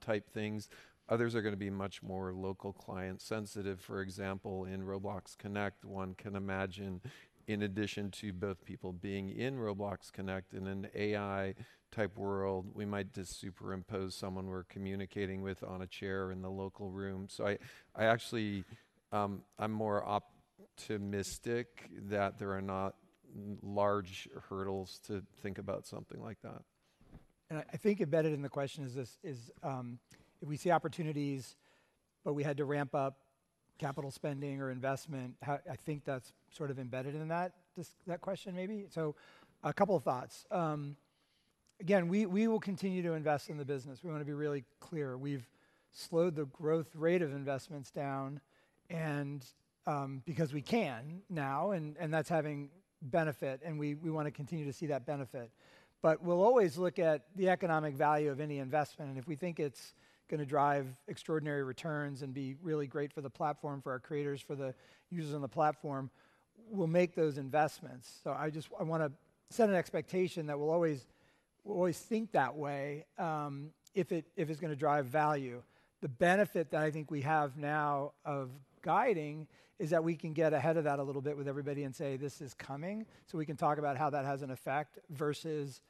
type things. Others are gonna be much more local, client sensitive. For example, in Roblox Connect, one can imagine, in addition to both people being in Roblox Connect in an AI-type world, we might just superimpose someone we're communicating with on a chair in the local room. So I actually, I'm more optimistic that there are not large hurdles to think about something like that. And I think embedded in the question is this, if we see opportunities, but we had to ramp up capital spending or investment, how—I think that's sort of embedded in that question, maybe. So a couple of thoughts. Again, we will continue to invest in the business. We want to be really clear. We've slowed the growth rate of investments down, and because we can now, and that's having benefit, and we wanna continue to see that benefit. But we'll always look at the economic value of any investment, and if we think it's gonna drive extraordinary returns and be really great for the platform, for our creators, for the users on the platform, we'll make those investments. So I just... I wanna set an expectation that we'll always think that way, if it's gonna drive value. The benefit that I think we have now of guiding is that we can get ahead of that a little bit with everybody and say, "This is coming," so we can talk about how that has an effect versus,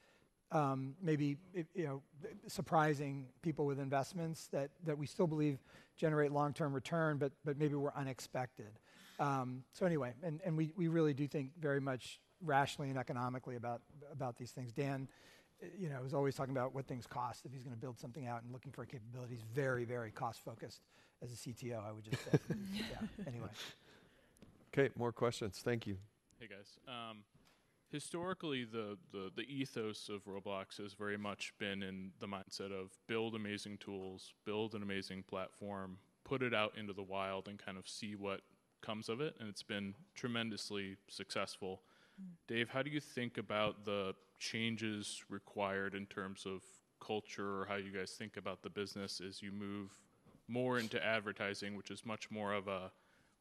maybe, you know, surprising people with investments that we still believe generate long-term return, but maybe were unexpected. So anyway, and we really do think very much rationally and economically about these things. Dan, you know, is always talking about what things cost, if he's gonna build something out and looking for a capability. He's very, very cost-focused as a CTO, I would just say. Yeah. Anyway. Okay, more questions. Thank you. Hey, guys. Historically, the ethos of Roblox has very much been in the mindset of build amazing tools, build an amazing platform, put it out into the wild, and kind of see what comes of it, and it's been tremendously successful. Dave, how do you think about the changes required in terms of culture or how you guys think about the business as you move more into advertising, which is much more of a,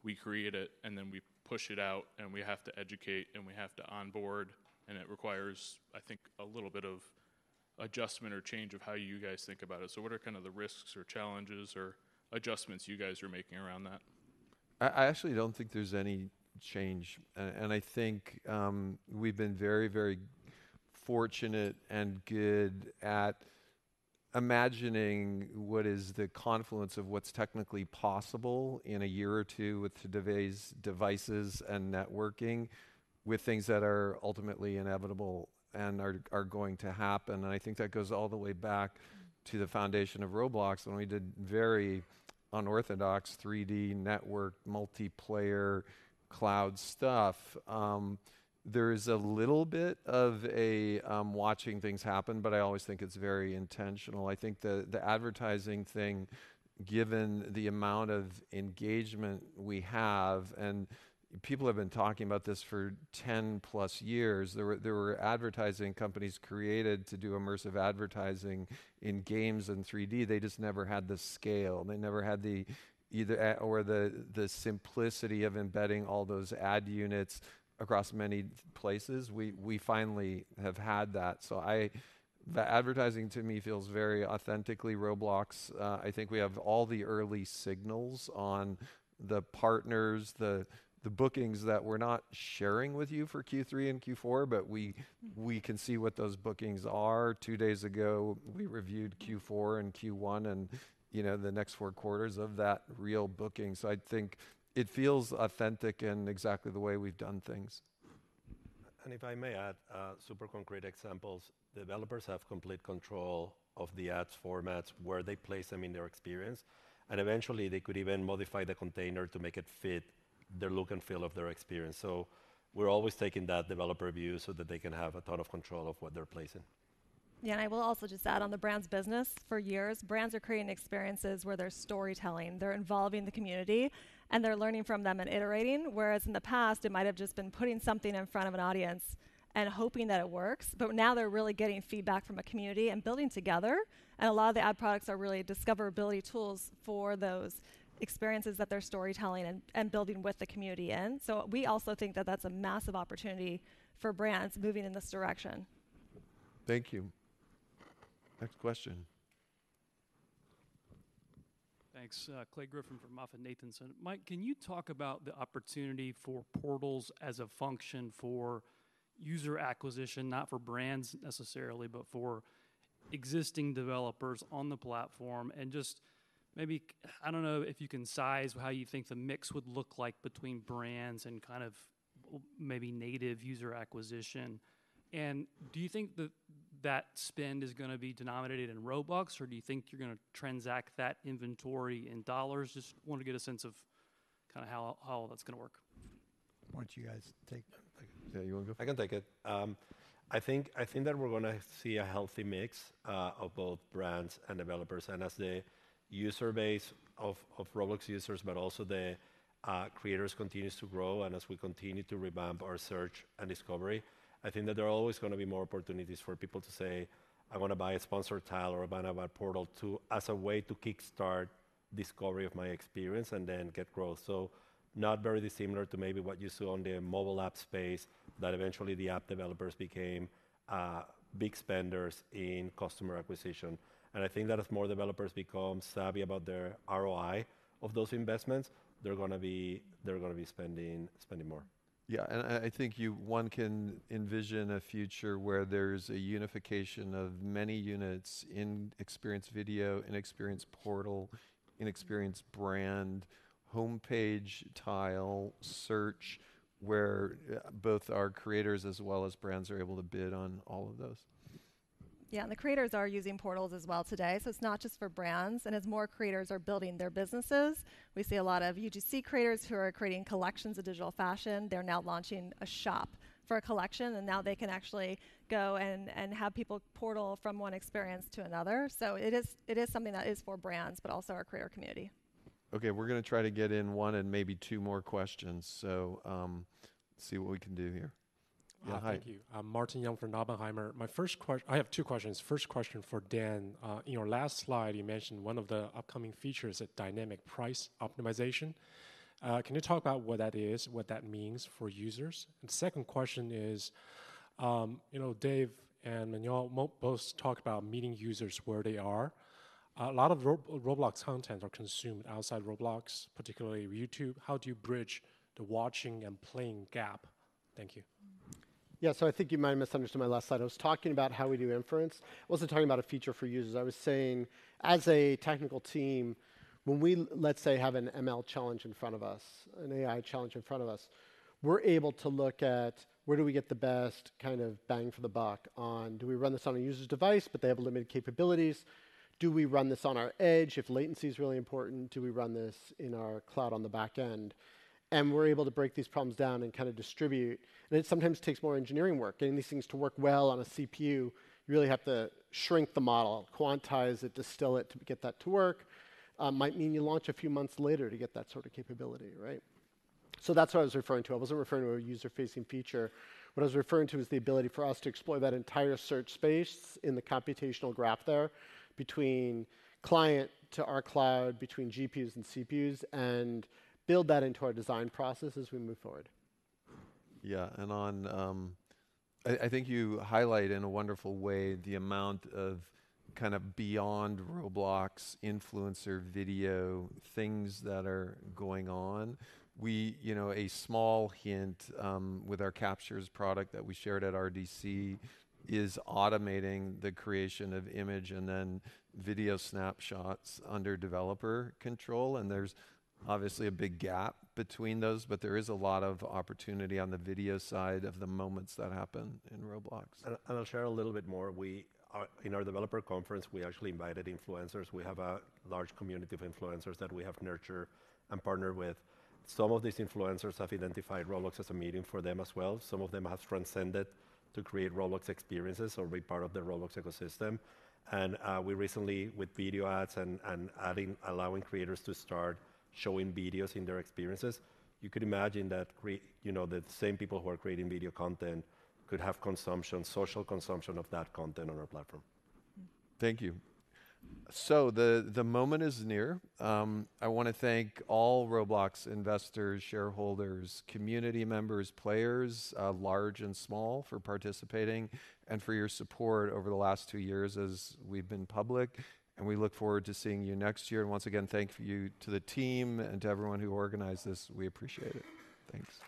we create it, and then we push it out, and we have to educate, and we have to onboard, and it requires, I think, a little bit of adjustment or change of how you guys think about it? So what are kind of the risks or challenges or adjustments you guys are making around that? I actually don't think there's any change. And I think we've been very, very fortunate and good at imagining what is the confluence of what's technically possible in a year or two with devices and networking, with things that are ultimately inevitable and are going to happen. And I think that goes all the way back to the foundation of Roblox, when we did very unorthodox 3D network, multiplayer, cloud stuff. There is a little bit of a watching things happen, but I always think it's very intentional. I think the advertising thing, given the amount of engagement we have, and people have been talking about this for 10+ years. There were advertising companies created to do immersive advertising in games in 3D. They just never had the scale. They never had the either/or, the simplicity of embedding all those ad units across many places. We finally have had that, so the advertising to me feels very authentically Roblox. I think we have all the early signals on the partners, the bookings that we're not sharing with you for Q3 and Q4, but we can see what those bookings are. Two days ago, we reviewed Q4 and Q1, and, you know, the next four quarters of that real booking. So I think it feels authentic and exactly the way we've done things. If I may add, super concrete examples, developers have complete control of the ad formats, where they place them in their experience, and eventually, they could even modify the container to make it fit the look and feel of their experience. We're always taking that developer view so that they can have a ton of control of what they're placing. Yeah, and I will also just add, on the brands business, for years, brands are creating experiences where they're storytelling, they're involving the community, and they're learning from them and iterating, whereas in the past, it might have just been putting something in front of an audience and hoping that it works. But now they're really getting feedback from a community and building together, and a lot of the ad products are really discoverability tools for those experiences that they're storytelling and building with the community in. So we also think that that's a massive opportunity for brands moving in this direction. Thank you... Next question. Thanks. Clay Griffin from MoffettNathanson. Mike, can you talk about the opportunity for portals as a function for user acquisition, not for brands necessarily, but for existing developers on the platform? And just maybe, I don't know if you can size how you think the mix would look like between brands and kind of or maybe native user acquisition. And do you think that that spend is gonna be denominated in Robux, or do you think you're gonna transact that inventory in dollars? Just want to get a sense of kinda how, how that's gonna work. Why don't you guys take that? Yeah, you wanna go? I can take it. I think, I think that we're gonna see a healthy mix of both brands and developers. And as the user base of Roblox users, but also the creators continues to grow, and as we continue to revamp our search and discovery, I think that there are always gonna be more opportunities for people to say, "I wanna buy a sponsored tile or buy an advert Portal to, as a way to kickstart discovery of my experience and then get growth." So not very similar to maybe what you saw on the mobile app space, that eventually the app developers became big spenders in customer acquisition. And I think that as more developers become savvy about their ROI of those investments, they're gonna be, they're gonna be spending, spending more. Yeah, and I, I think you, one can envision a future where there's a unification of many units In-Experience Video, In-Experience Portal, In-Experience Brand, homepage, tile, search, where both our creators as well as brands are able to bid on all of those. Yeah, and the creators are using portals as well today, so it's not just for brands. And as more creators are building their businesses, we see a lot of UGC creators who are creating collections of digital fashion. They're now launching a shop for a collection, and now they can actually go and have people portal from one experience to another. So it is something that is for brands, but also our creator community. Okay, we're gonna try to get in one and maybe two more questions, so, let's see what we can do here. Yeah, hi. Thank you. I'm Martin Yang from Oppenheimer. My first question—I have two questions. First question for Dan. In your last slide, you mentioned one of the upcoming features at Dynamic Price Optimization. Can you talk about what that is, what that means for users? And second question is, you know, Dave and Manuel both talked about meeting users where they are. A lot of Roblox content are consumed outside Roblox, particularly YouTube. How do you bridge the watching and playing gap? Thank you. Yeah, so I think you might have misunderstood my last slide. I was talking about how we do inference. I wasn't talking about a feature for users. I was saying, as a technical team, when we, let's say, have an ML challenge in front of us, an AI challenge in front of us, we're able to look at where do we get the best kind of bang for the buck on... Do we run this on a user's device, but they have limited capabilities? Do we run this on our edge? If latency is really important, do we run this in our cloud on the back end? And we're able to break these problems down and kind of distribute. And it sometimes takes more engineering work. Getting these things to work well on a CPU, you really have to shrink the model, quantize it, distill it to get that to work. Might mean you launch a few months later to get that sort of capability, right? So that's what I was referring to. I wasn't referring to a user-facing feature. What I was referring to is the ability for us to explore that entire search space in the computational graph there between client to our cloud, between GPUs and CPUs, and build that into our design process as we move forward. Yeah, and on, I think you highlight in a wonderful way the amount of kind of beyond Roblox influencer video things that are going on. We, you know, a small hint, with our Captures product that we shared at RDC, is automating the creation of image and then video snapshots under developer control, and there's obviously a big gap between those, but there is a lot of opportunity on the video side of the moments that happen in Roblox. I'll share a little bit more. In our developer conference, we actually invited influencers. We have a large community of influencers that we have nurtured and partnered with. Some of these influencers have identified Roblox as a medium for them as well. Some of them have transcended to create Roblox experiences or be part of the Roblox ecosystem. And we recently, with video ads and adding, allowing creators to start showing videos in their experiences, you could imagine that you know, the same people who are creating video content could have consumption, social consumption of that content on our platform. Thank you. So the moment is near. I wanna thank all Roblox investors, shareholders, community members, players, large and small, for participating and for your support over the last two years as we've been public, and we look forward to seeing you next year. And once again, thank you to the team and to everyone who organized this. We appreciate it. Thanks.